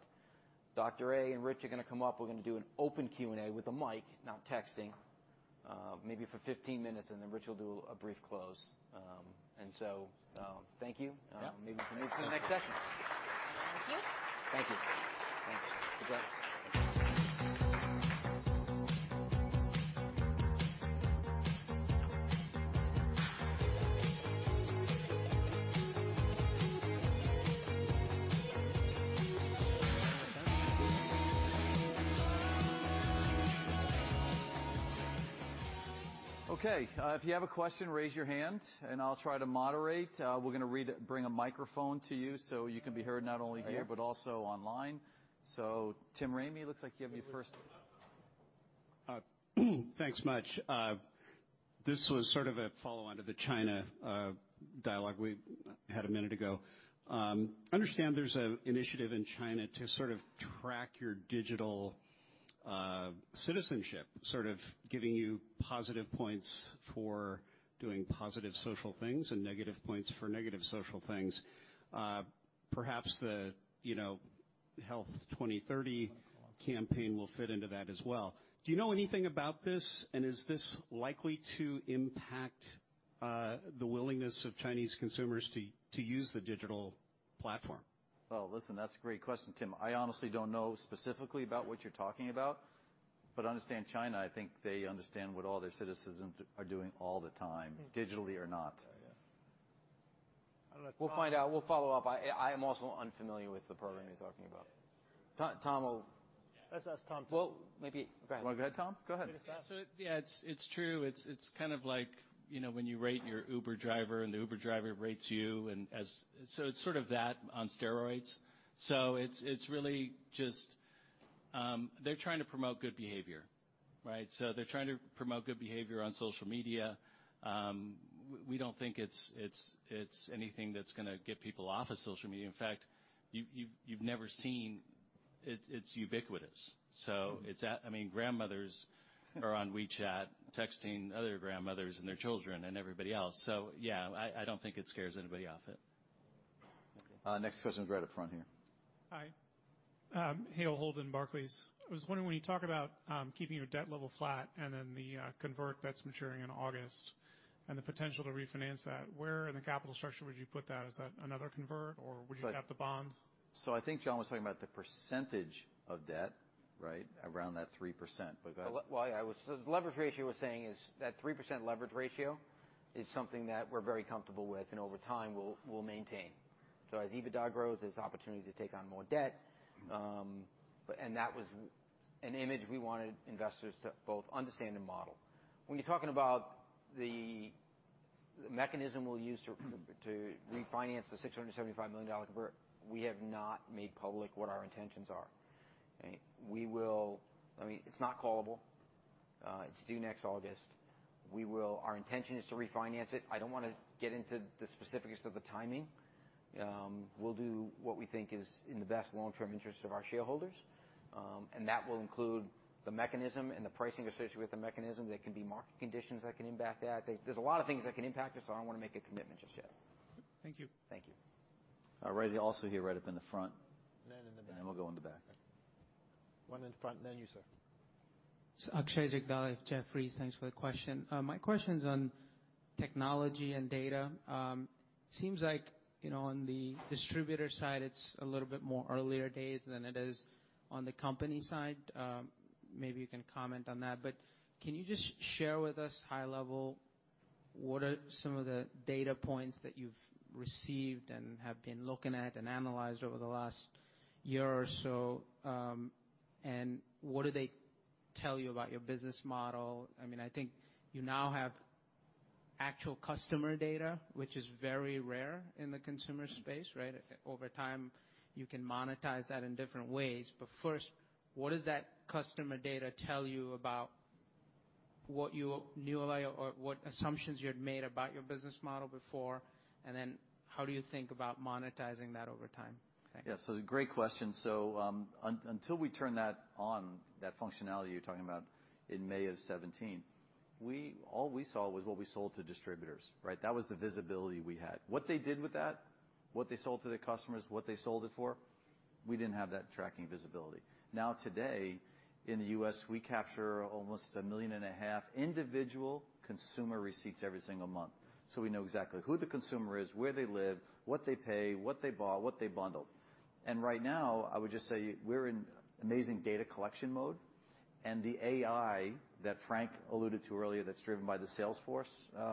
Dr. A and Rich are going to come up. We're going to do an open Q&A with a mic, not texting, maybe for 15 minutes, then Rich will do a brief close. Thank you. Yeah. Maybe we can move to the next session. Thank you. Thank you. Thanks. God bless. Okay. If you have a question, raise your hand, and I'll try to moderate. We're going to bring a microphone to you so you can be heard not only here, but also online. Tim Ramey, looks like you have your first- Thanks much. This was sort of a follow-on to the China dialogue we had a minute ago. Understand there's an initiative in China to sort of track your digital citizenship, sort of giving you positive points for doing positive social things and negative points for negative social things. Perhaps the Health 2030 campaign will fit into that as well. Do you know anything about this, and is this likely to impact- The willingness of Chinese consumers to use the digital platform. Well, listen, that's a great question, Tim. I honestly don't know specifically about what you're talking about, but understand China, I think they understand what all their citizens are doing all the time, digitally or not. Oh, yeah. I don't know. We'll find out. We'll follow up. I am also unfamiliar with the program you're talking about. Tom will- Let's ask Tom. Well, maybe Go ahead. You want to go ahead, Tom? Go ahead. Yeah, it's true. It's kind of like when you rate your Uber driver and the Uber driver rates you. It's sort of that on steroids. It's really just, they're trying to promote good behavior, right? They're trying to promote good behavior on social media. We don't think it's anything that's going to get people off of social media. In fact, you've never seen It's ubiquitous. I mean, grandmothers are on WeChat texting other grandmothers and their children and everybody else. Yeah, I don't think it scares anybody off it. Okay. Next question is right up front here. Hi. Hale Holden, Barclays. I was wondering, when you talk about keeping your debt level flat and then the convert that's maturing in August and the potential to refinance that, where in the capital structure would you put that? Is that another convert, or would you cap the bond? I think John was talking about the percentage of debt, right? Around that 3%. Go ahead. Yeah. The leverage ratio we're saying is that 3% leverage ratio is something that we're very comfortable with and over time we'll maintain. As EBITDA grows, there's opportunity to take on more debt. That was an image we wanted investors to both understand and model. When you're talking about the mechanism we'll use to refinance the $675 million convert, we have not made public what our intentions are. Okay. It's not callable. It's due next August. Our intention is to refinance it. I don't want to get into the specifics of the timing. We'll do what we think is in the best long-term interest of our shareholders. That will include the mechanism and the pricing associated with the mechanism. There can be market conditions that can impact that. There's a lot of things that can impact it, so I don't want to make a commitment just yet. Thank you. Thank you. All right. Also here, right up in the front. In the back. We'll go in the back. One in front, and then you, sir. Akshay Jagdale, Jefferies. Thanks for the question. My question's on technology and data. Seems like, on the distributor side, it's a little bit more earlier days than it is on the company side. Maybe you can comment on that, but can you just share with us high level, what are some of the data points that you've received and have been looking at and analyzed over the last year or so? What do they tell you about your business model? I think you now have actual customer data, which is very rare in the consumer space, right? Over time, you can monetize that in different ways. First, what does that customer data tell you about what you knew about or what assumptions you had made about your business model before? How do you think about monetizing that over time? Thanks. Yeah. Great question. Until we turn that on, that functionality you're talking about in May of 2017, all we saw was what we sold to distributors, right? That was the visibility we had. What they did with that, what they sold to their customers, what they sold it for, we didn't have that tracking visibility. Now today, in the U.S., we capture almost 1.5 million individual consumer receipts every single month. We know exactly who the consumer is, where they live, what they pay, what they bought, what they bundled. Right now, I would just say we're in amazing data collection mode, and the AI that Frank alluded to earlier that's driven by the Salesforce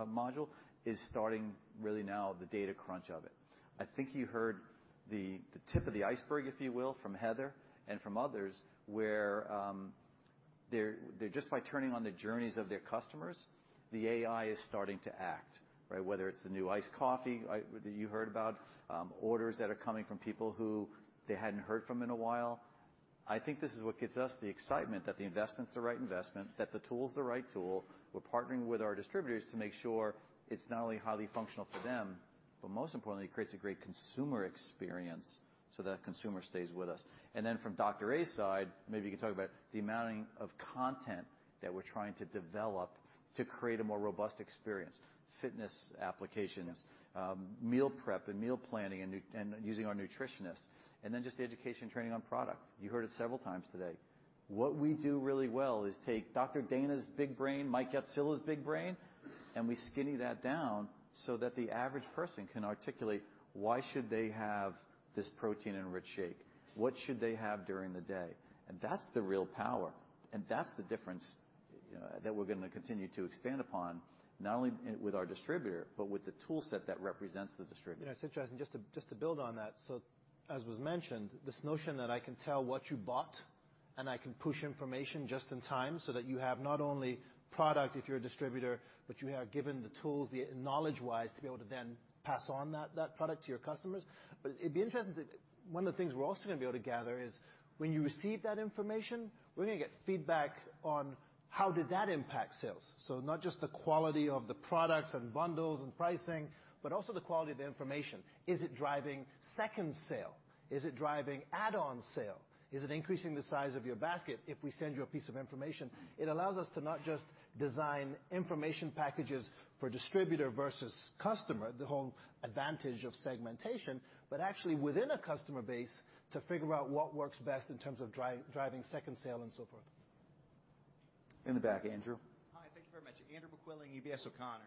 module is starting really now the data crunch of it. I think you heard the tip of the iceberg, if you will, from Heather and from others, where just by turning on the journeys of their customers, the AI is starting to act, right? Whether it's the new iced coffee that you heard about, orders that are coming from people who they hadn't heard from in a while. I think this is what gets us the excitement that the investment's the right investment, that the tool's the right tool. We're partnering with our distributors to make sure it's not only highly functional for them, but most importantly, creates a great consumer experience so that consumer stays with us. From Dr. A's side, maybe you can talk about the amount of content that we're trying to develop to create a more robust experience. Fitness applications, meal prep and meal planning and using our nutritionists. Just the education training on product. You heard it several times today. What we do really well is take Dr. Dana's big brain, Mike Yatcilla's big brain, and we skinny that down so that the average person can articulate why should they have this protein-enriched shake. What should they have during the day? That's the real power. That's the difference that we're going to continue to expand upon, not only with our distributor, but with the tool set that represents the distributor. It's interesting. Just to build on that, as was mentioned, this notion that I can tell what you bought and I can push information just in time so that you have not only product if you're a distributor, but you are given the tools, knowledge-wise, to be able to then pass on that product to your customers. It'd be interesting, one of the things we're also going to be able to gather is when you receive that information, we're going to get feedback on how did that impact sales. Not just the quality of the products and bundles and pricing, but also the quality of the information. Is it driving second sale? Is it driving add-on sale? Is it increasing the size of your basket if we send you a piece of information? It allows us to not just design information packages for distributor versus customer, the whole advantage of segmentation, but actually within a customer base to figure out what works best in terms of driving second sale and so forth. In the back, Andrew. Hi, thank you very much. Andrew McQuillan, UBS O'Connor.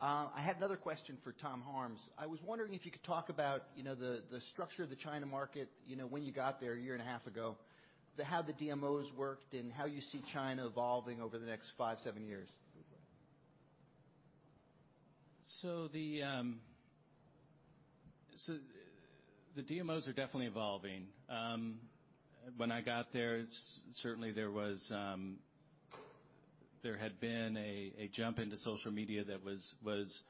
I had another question for Tom Harms. I was wondering if you could talk about the structure of the China market when you got there a year and a half ago, how the DMOs worked, and how you see China evolving over the next 5-7 years. DMOs are definitely evolving. When I got there, certainly there had been a jump into social media that was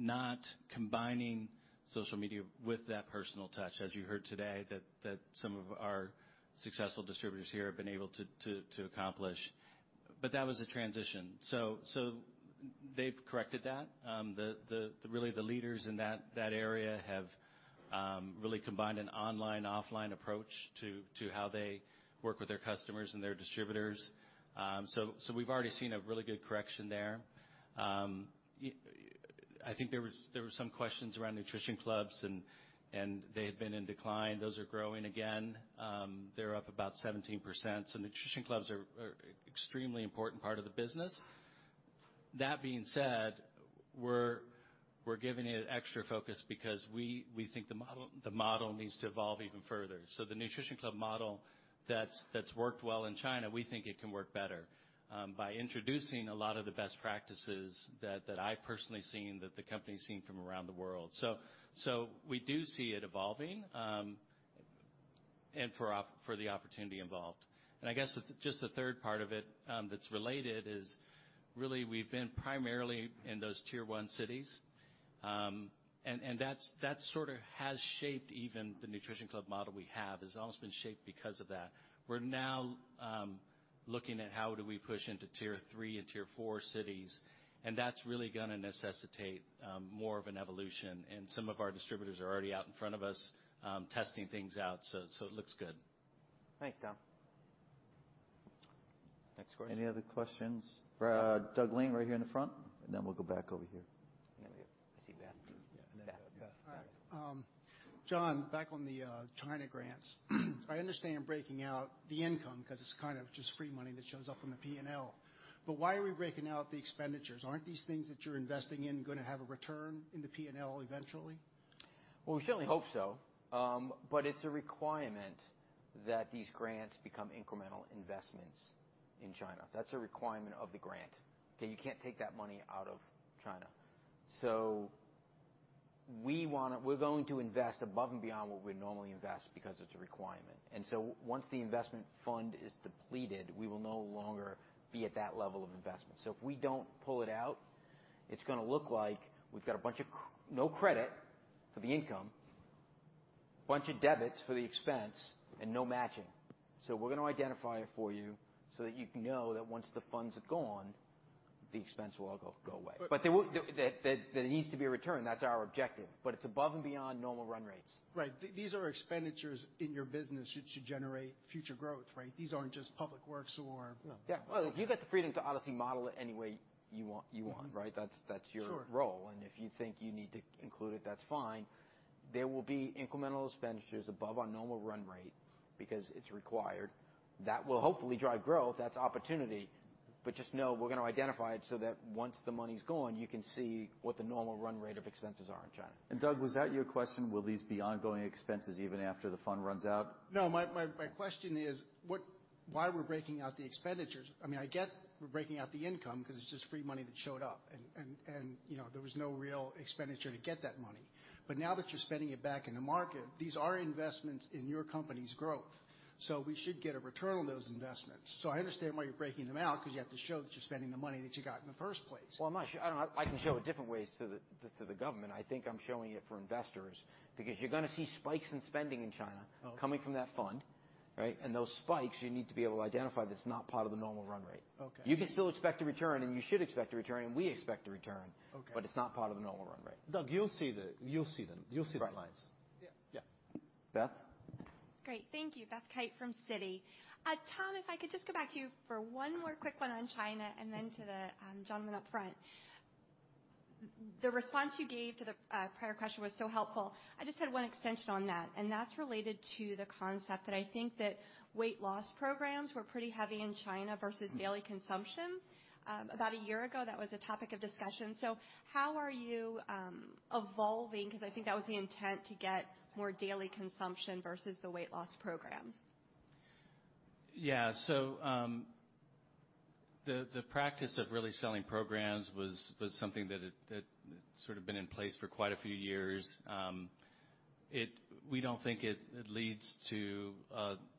not combining social media with that personal touch, as you heard today, that some of our successful distributors here have been able to accomplish. That was a transition. They've corrected that. Really, the leaders in that area have really combined an online, offline approach to how they work with their customers and their distributors. We've already seen a really good correction there. I think there were some questions around nutrition clubs and they had been in decline. Those are growing again. They're up about 17%, so nutrition clubs are extremely important part of the business. That being said, we're giving it extra focus because we think the model needs to evolve even further. The nutrition club model that's worked well in China, we think it can work better by introducing a lot of the best practices that I've personally seen, that the company's seen from around the world. We do see it evolving, and for the opportunity involved. I guess just the third part of it that's related is really we've been primarily in those tier 1 cities, and that sort of has shaped even the nutrition club model we have. It's almost been shaped because of that. We're now looking at how do we push into tier 3 and tier 4 cities, and that's really going to necessitate more of an evolution, and some of our distributors are already out in front of us, testing things out. It looks good. Thanks, Tom. Next question. Any other questions? Douglas Lane, right here in the front, and then we'll go back over here. I see Beth. Yeah. Then Beth. All right. John, back on the China grants. I understand breaking out the income because it's kind of just free money that shows up on the P&L. Why are we breaking out the expenditures? Aren't these things that you're investing in going to have a return in the P&L eventually? Well, we certainly hope so. It's a requirement that these grants become incremental investments in China. That's a requirement of the grant, okay? You can't take that money out of China. We're going to invest above and beyond what we normally invest because it's a requirement. Once the investment fund is depleted, we will no longer be at that level of investment. If we don't pull it out, it's going to look like we've got no credit for the income, a bunch of debits for the expense, and no matching. We're going to identify it for you so that you can know that once the funds have gone, the expense will all go away. There needs to be a return, that's our objective, but it's above and beyond normal run rates. Right. These are expenditures in your business that should generate future growth, right? These aren't just public works. No. Yeah. Well, you've got the freedom to honestly model it any way you want. Right? Sure. That's your role, and if you think you need to include it, that's fine. There will be incremental expenditures above our normal run rate because it's required. That will hopefully drive growth. That's opportunity. Just know we're going to identify it so that once the money's gone, you can see what the normal run rate of expenses are in China. Doug, was that your question, will these be ongoing expenses even after the fund runs out? My question is why we're breaking out the expenditures. I get we're breaking out the income because it's just free money that showed up, and there was no real expenditure to get that money. Now that you're spending it back in the market, these are investments in your company's growth. We should get a return on those investments. I understand why you're breaking them out because you have to show that you're spending the money that you got in the first place. I can show it different ways to the government. I think I'm showing it for investors because you're going to see spikes in spending in China- Okay coming from that fund. Right? Those spikes, you need to be able to identify that it's not part of the normal run rate. Okay. You can still expect a return, and you should expect a return, and we expect a return. Okay It's not part of the normal run rate. Doug, you'll see the lines. Yeah. Yeah. Beth? Great. Thank you. Beth Kite from Citi. Tom, if I could just go back to you for one more quick one on China, and then to the gentleman up front. The response you gave to the prior question was so helpful. I just had one extension on that, and that's related to the concept that I think that weight loss programs were pretty heavy in China versus daily consumption. About a year ago, that was a topic of discussion. How are you evolving, because I think that was the intent, to get more daily consumption versus the weight loss programs? Yeah. The practice of really selling programs was something that had sort of been in place for quite a few years. We don't think it leads to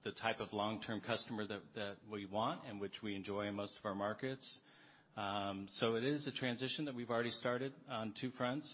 the type of long-term customer that we want and which we enjoy in most of our markets. It is a transition that we've already started on two fronts.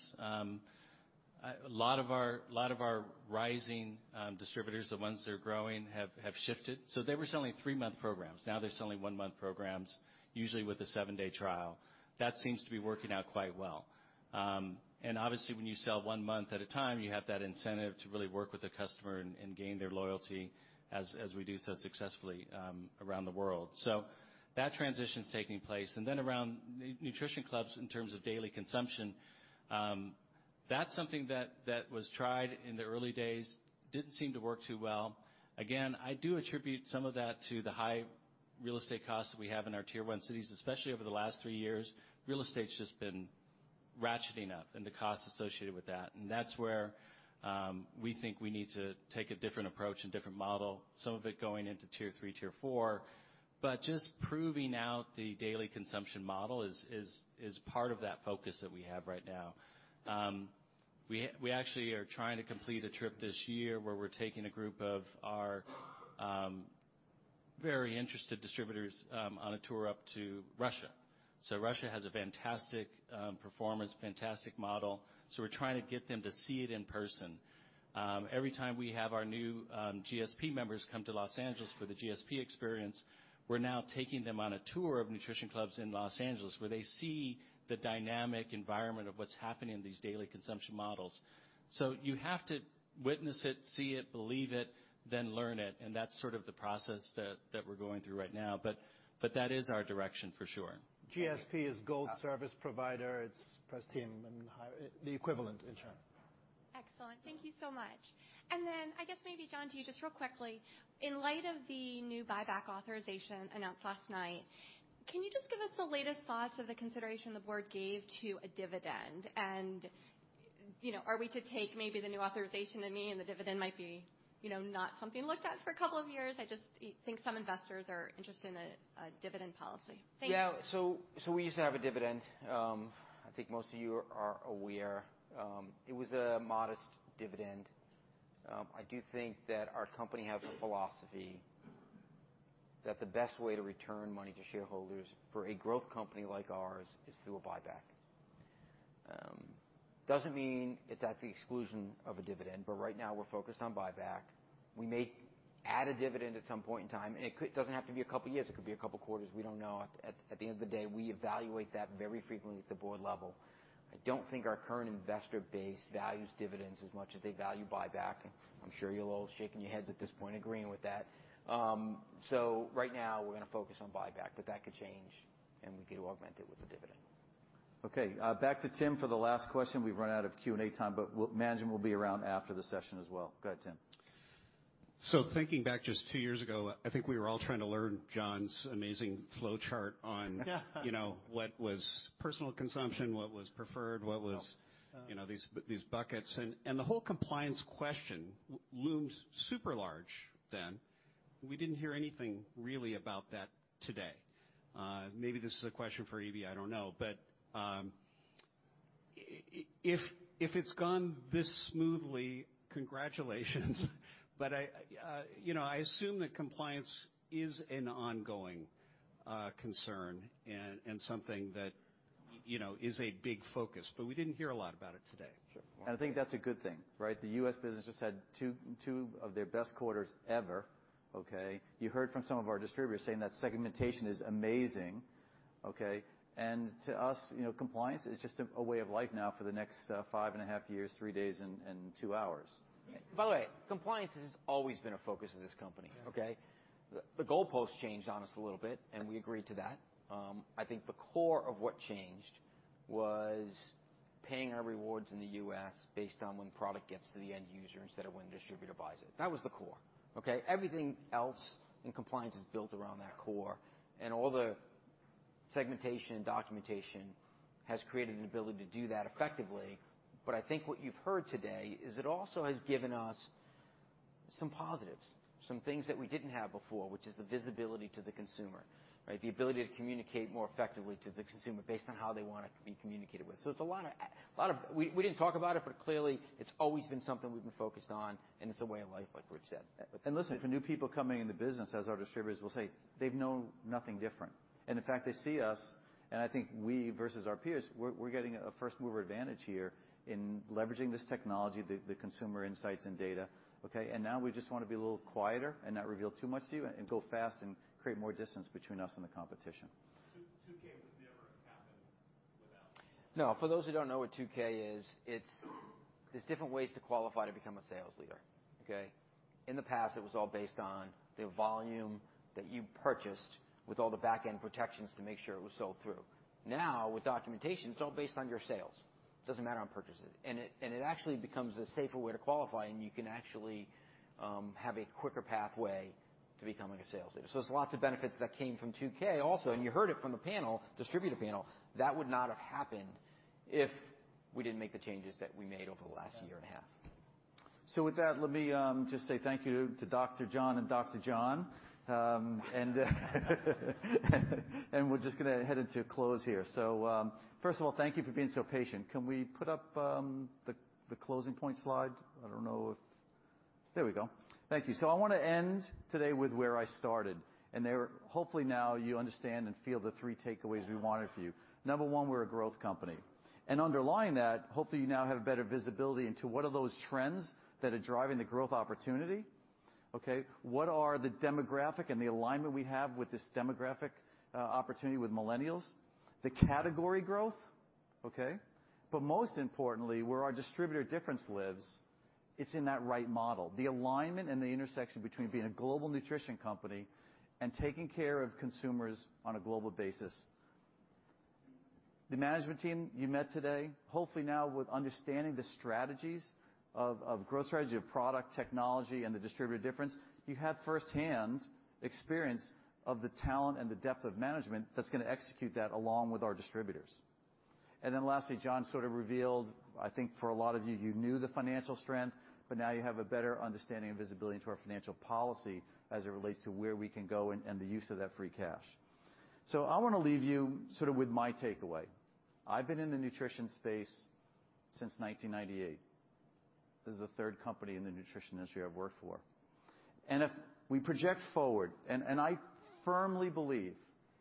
A lot of our rising distributors, the ones that are growing, have shifted. They were selling three-month programs. Now they're selling one-month programs, usually with a seven-day trial. That seems to be working out quite well. Obviously, when you sell one month at a time, you have that incentive to really work with the customer and gain their loyalty as we do so successfully around the world. That transition's taking place. Then around Nutrition Clubs, in terms of daily consumption. That's something that was tried in the early days. Didn't seem to work too well. Again, I do attribute some of that to the high real estate costs we have in our Tier 1 cities, especially over the last three years. Real estate's just been ratcheting up and the costs associated with that. That's where we think we need to take a different approach and different model, some of it going into tier 3, tier 4. Just proving out the daily consumption model is part of that focus that we have right now. We actually are trying to complete a trip this year where we're taking a group of our very interested distributors on a tour up to Russia. Russia has a fantastic performance, fantastic model, we're trying to get them to see it in person. Every time we have our new GSP members come to Los Angeles for the GSP experience, we're now taking them on a tour of Nutrition Clubs in Los Angeles, where they see the dynamic environment of what's happening in these daily consumption models. You have to witness it, see it, believe it, then learn it, that's sort of the process that we're going through right now. That is our direction for sure. GSP is gold service provider. It's pristine and the equivalent in China. Excellent. Thank you so much. I guess maybe John to you just real quickly. In light of the new buyback authorization announced last night, can you just give us the latest thoughts of the consideration the board gave to a dividend? Are we to take maybe the new authorization to mean the dividend might be not something looked at for a couple of years? I just think some investors are interested in a dividend policy. Thank you. We used to have a dividend. I think most of you are aware. It was a modest dividend. I do think that our company has a philosophy that the best way to return money to shareholders for a growth company like ours is through a buyback. Doesn't mean it's at the exclusion of a dividend, but right now we're focused on buyback. We may add a dividend at some point in time, it doesn't have to be a couple of years. It could be a couple of quarters, we don't know. At the end of the day, we evaluate that very frequently at the board level. I don't think our current investor base values dividends as much as they value buyback. I'm sure you're all shaking your heads at this point, agreeing with that. Right now we're going to focus on buyback, but that could change and we could augment it with a dividend. Back to Tim for the last question. We've run out of Q&A time, but management will be around after the session as well. Go ahead, Tim. Thinking back just two years ago, I think we were all trying to learn John's amazing flowchart what was personal consumption, what was preferred, what was these buckets. The whole compliance question looms super large then. We didn't hear anything really about that today. Maybe this is a question for EV, I don't know. If it's gone this smoothly, congratulations. I assume that compliance is an ongoing concern and something that is a big focus, but we didn't hear a lot about it today. Sure. I think that's a good thing, right? The U.S. business just had two of their best quarters ever. Okay. You heard from some of our distributors saying that segmentation is amazing. Okay? To us, compliance is just a way of life now for the next five and a half years, three days and two hours. By the way, compliance has always been a focus of this company, okay? The goalpost changed on us a little bit, we agreed to that. I think the core of what changed was paying our rewards in the U.S. based on when product gets to the end user instead of when the distributor buys it. That was the core, okay? Everything else in compliance is built around that core, all the segmentation and documentation has created an ability to do that effectively. I think what you've heard today is it also has given us some positives, some things that we didn't have before, which is the visibility to the consumer, right? The ability to communicate more effectively to the consumer based on how they want it to be communicated with. We didn't talk about it, but clearly it's always been something we've been focused on, and it's a way of life, like Rich said. Listen, for new people coming in the business, as our distributors will say, they've known nothing different. In fact, they see us, and I think we versus our peers, we're getting a first-mover advantage here in leveraging this technology, the consumer insights and data, okay? Now we just want to be a little quieter and not reveal too much to you and go fast and create more distance between us and the competition. 2K would never have happened without- No. For those who don't know what 2K is, there's different ways to qualify to become a sales leader, okay? In the past, it was all based on the volume that you purchased with all the back-end protections to make sure it was sold through. Now, with documentation, it's all based on your sales. It doesn't matter on purchases. It actually becomes a safer way to qualify, and you can actually have a quicker pathway to becoming a sales leader. There's lots of benefits that came from 2K also, and you heard it from the distributor panel. That would not have happened if we didn't make the changes that we made over the last year and a half. With that, let me just say thank you to Dr. John and Dr. John. We're just going to head into close here. First of all, thank you for being so patient. Can we put up the closing point slide? There we go. Thank you. I want to end today with where I started, hopefully now you understand and feel the three takeaways we wanted for you. Number 1, we're a growth company. Underlying that, hopefully you now have better visibility into what are those trends that are driving the growth opportunity, okay? What are the demographic and the alignment we have with this demographic opportunity with Millennials? The category growth, okay? Most importantly, where our distributor difference lives. It's in that right model. The alignment and the intersection between being a global nutrition company and taking care of consumers on a global basis. The management team you met today, hopefully now with understanding the strategies of growth strategy, of product technology, and the distributor difference, you have firsthand experience of the talent and the depth of management that's going to execute that along with our distributors. Lastly, John sort of revealed, I think for a lot of you knew the financial strength, but now you have a better understanding and visibility into our financial policy as it relates to where we can go and the use of that free cash. I want to leave you sort of with my takeaway. I've been in the nutrition space since 1998. This is the third company in the nutrition industry I've worked for. If we project forward, I firmly believe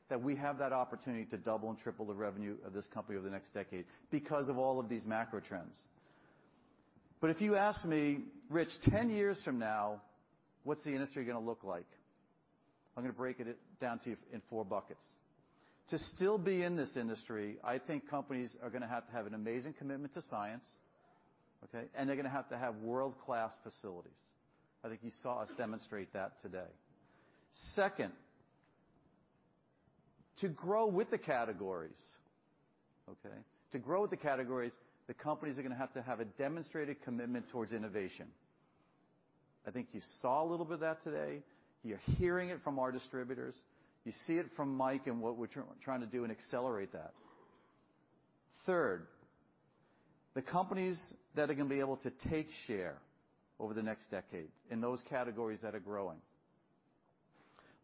that we have that opportunity to double and triple the revenue of this company over the next decade because of all of these macro trends. If you ask me, "Rich, 10 years from now, what's the industry going to look like?" I'm going to break it down to you in four buckets. To still be in this industry, I think companies are going to have to have an amazing commitment to science, okay? They're going to have to have world-class facilities. I think you saw us demonstrate that today. Second, to grow with the categories, okay? To grow with the categories, the companies are going to have to have a demonstrated commitment towards innovation. I think you saw a little bit of that today. You're hearing it from our distributors. You see it from Mike and what we're trying to do and accelerate that. Third, the companies that are going to be able to take share over the next decade in those categories that are growing,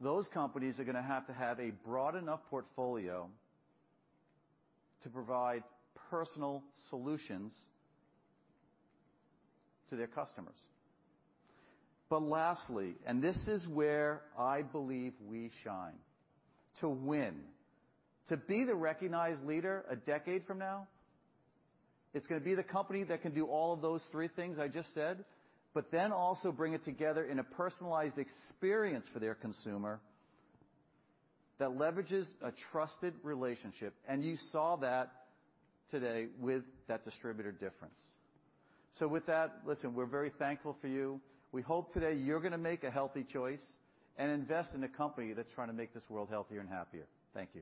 those companies are going to have to have a broad enough portfolio to provide personal solutions to their customers. Lastly, this is where I believe we shine. To win, to be the recognized leader a decade from now, it's going to be the company that can do all of those three things I just said, also bring it together in a personalized experience for their consumer that leverages a trusted relationship. You saw that today with that distributor difference. With that, listen, we're very thankful for you. We hope today you're going to make a healthy choice and invest in a company that's trying to make this world healthier and happier. Thank you.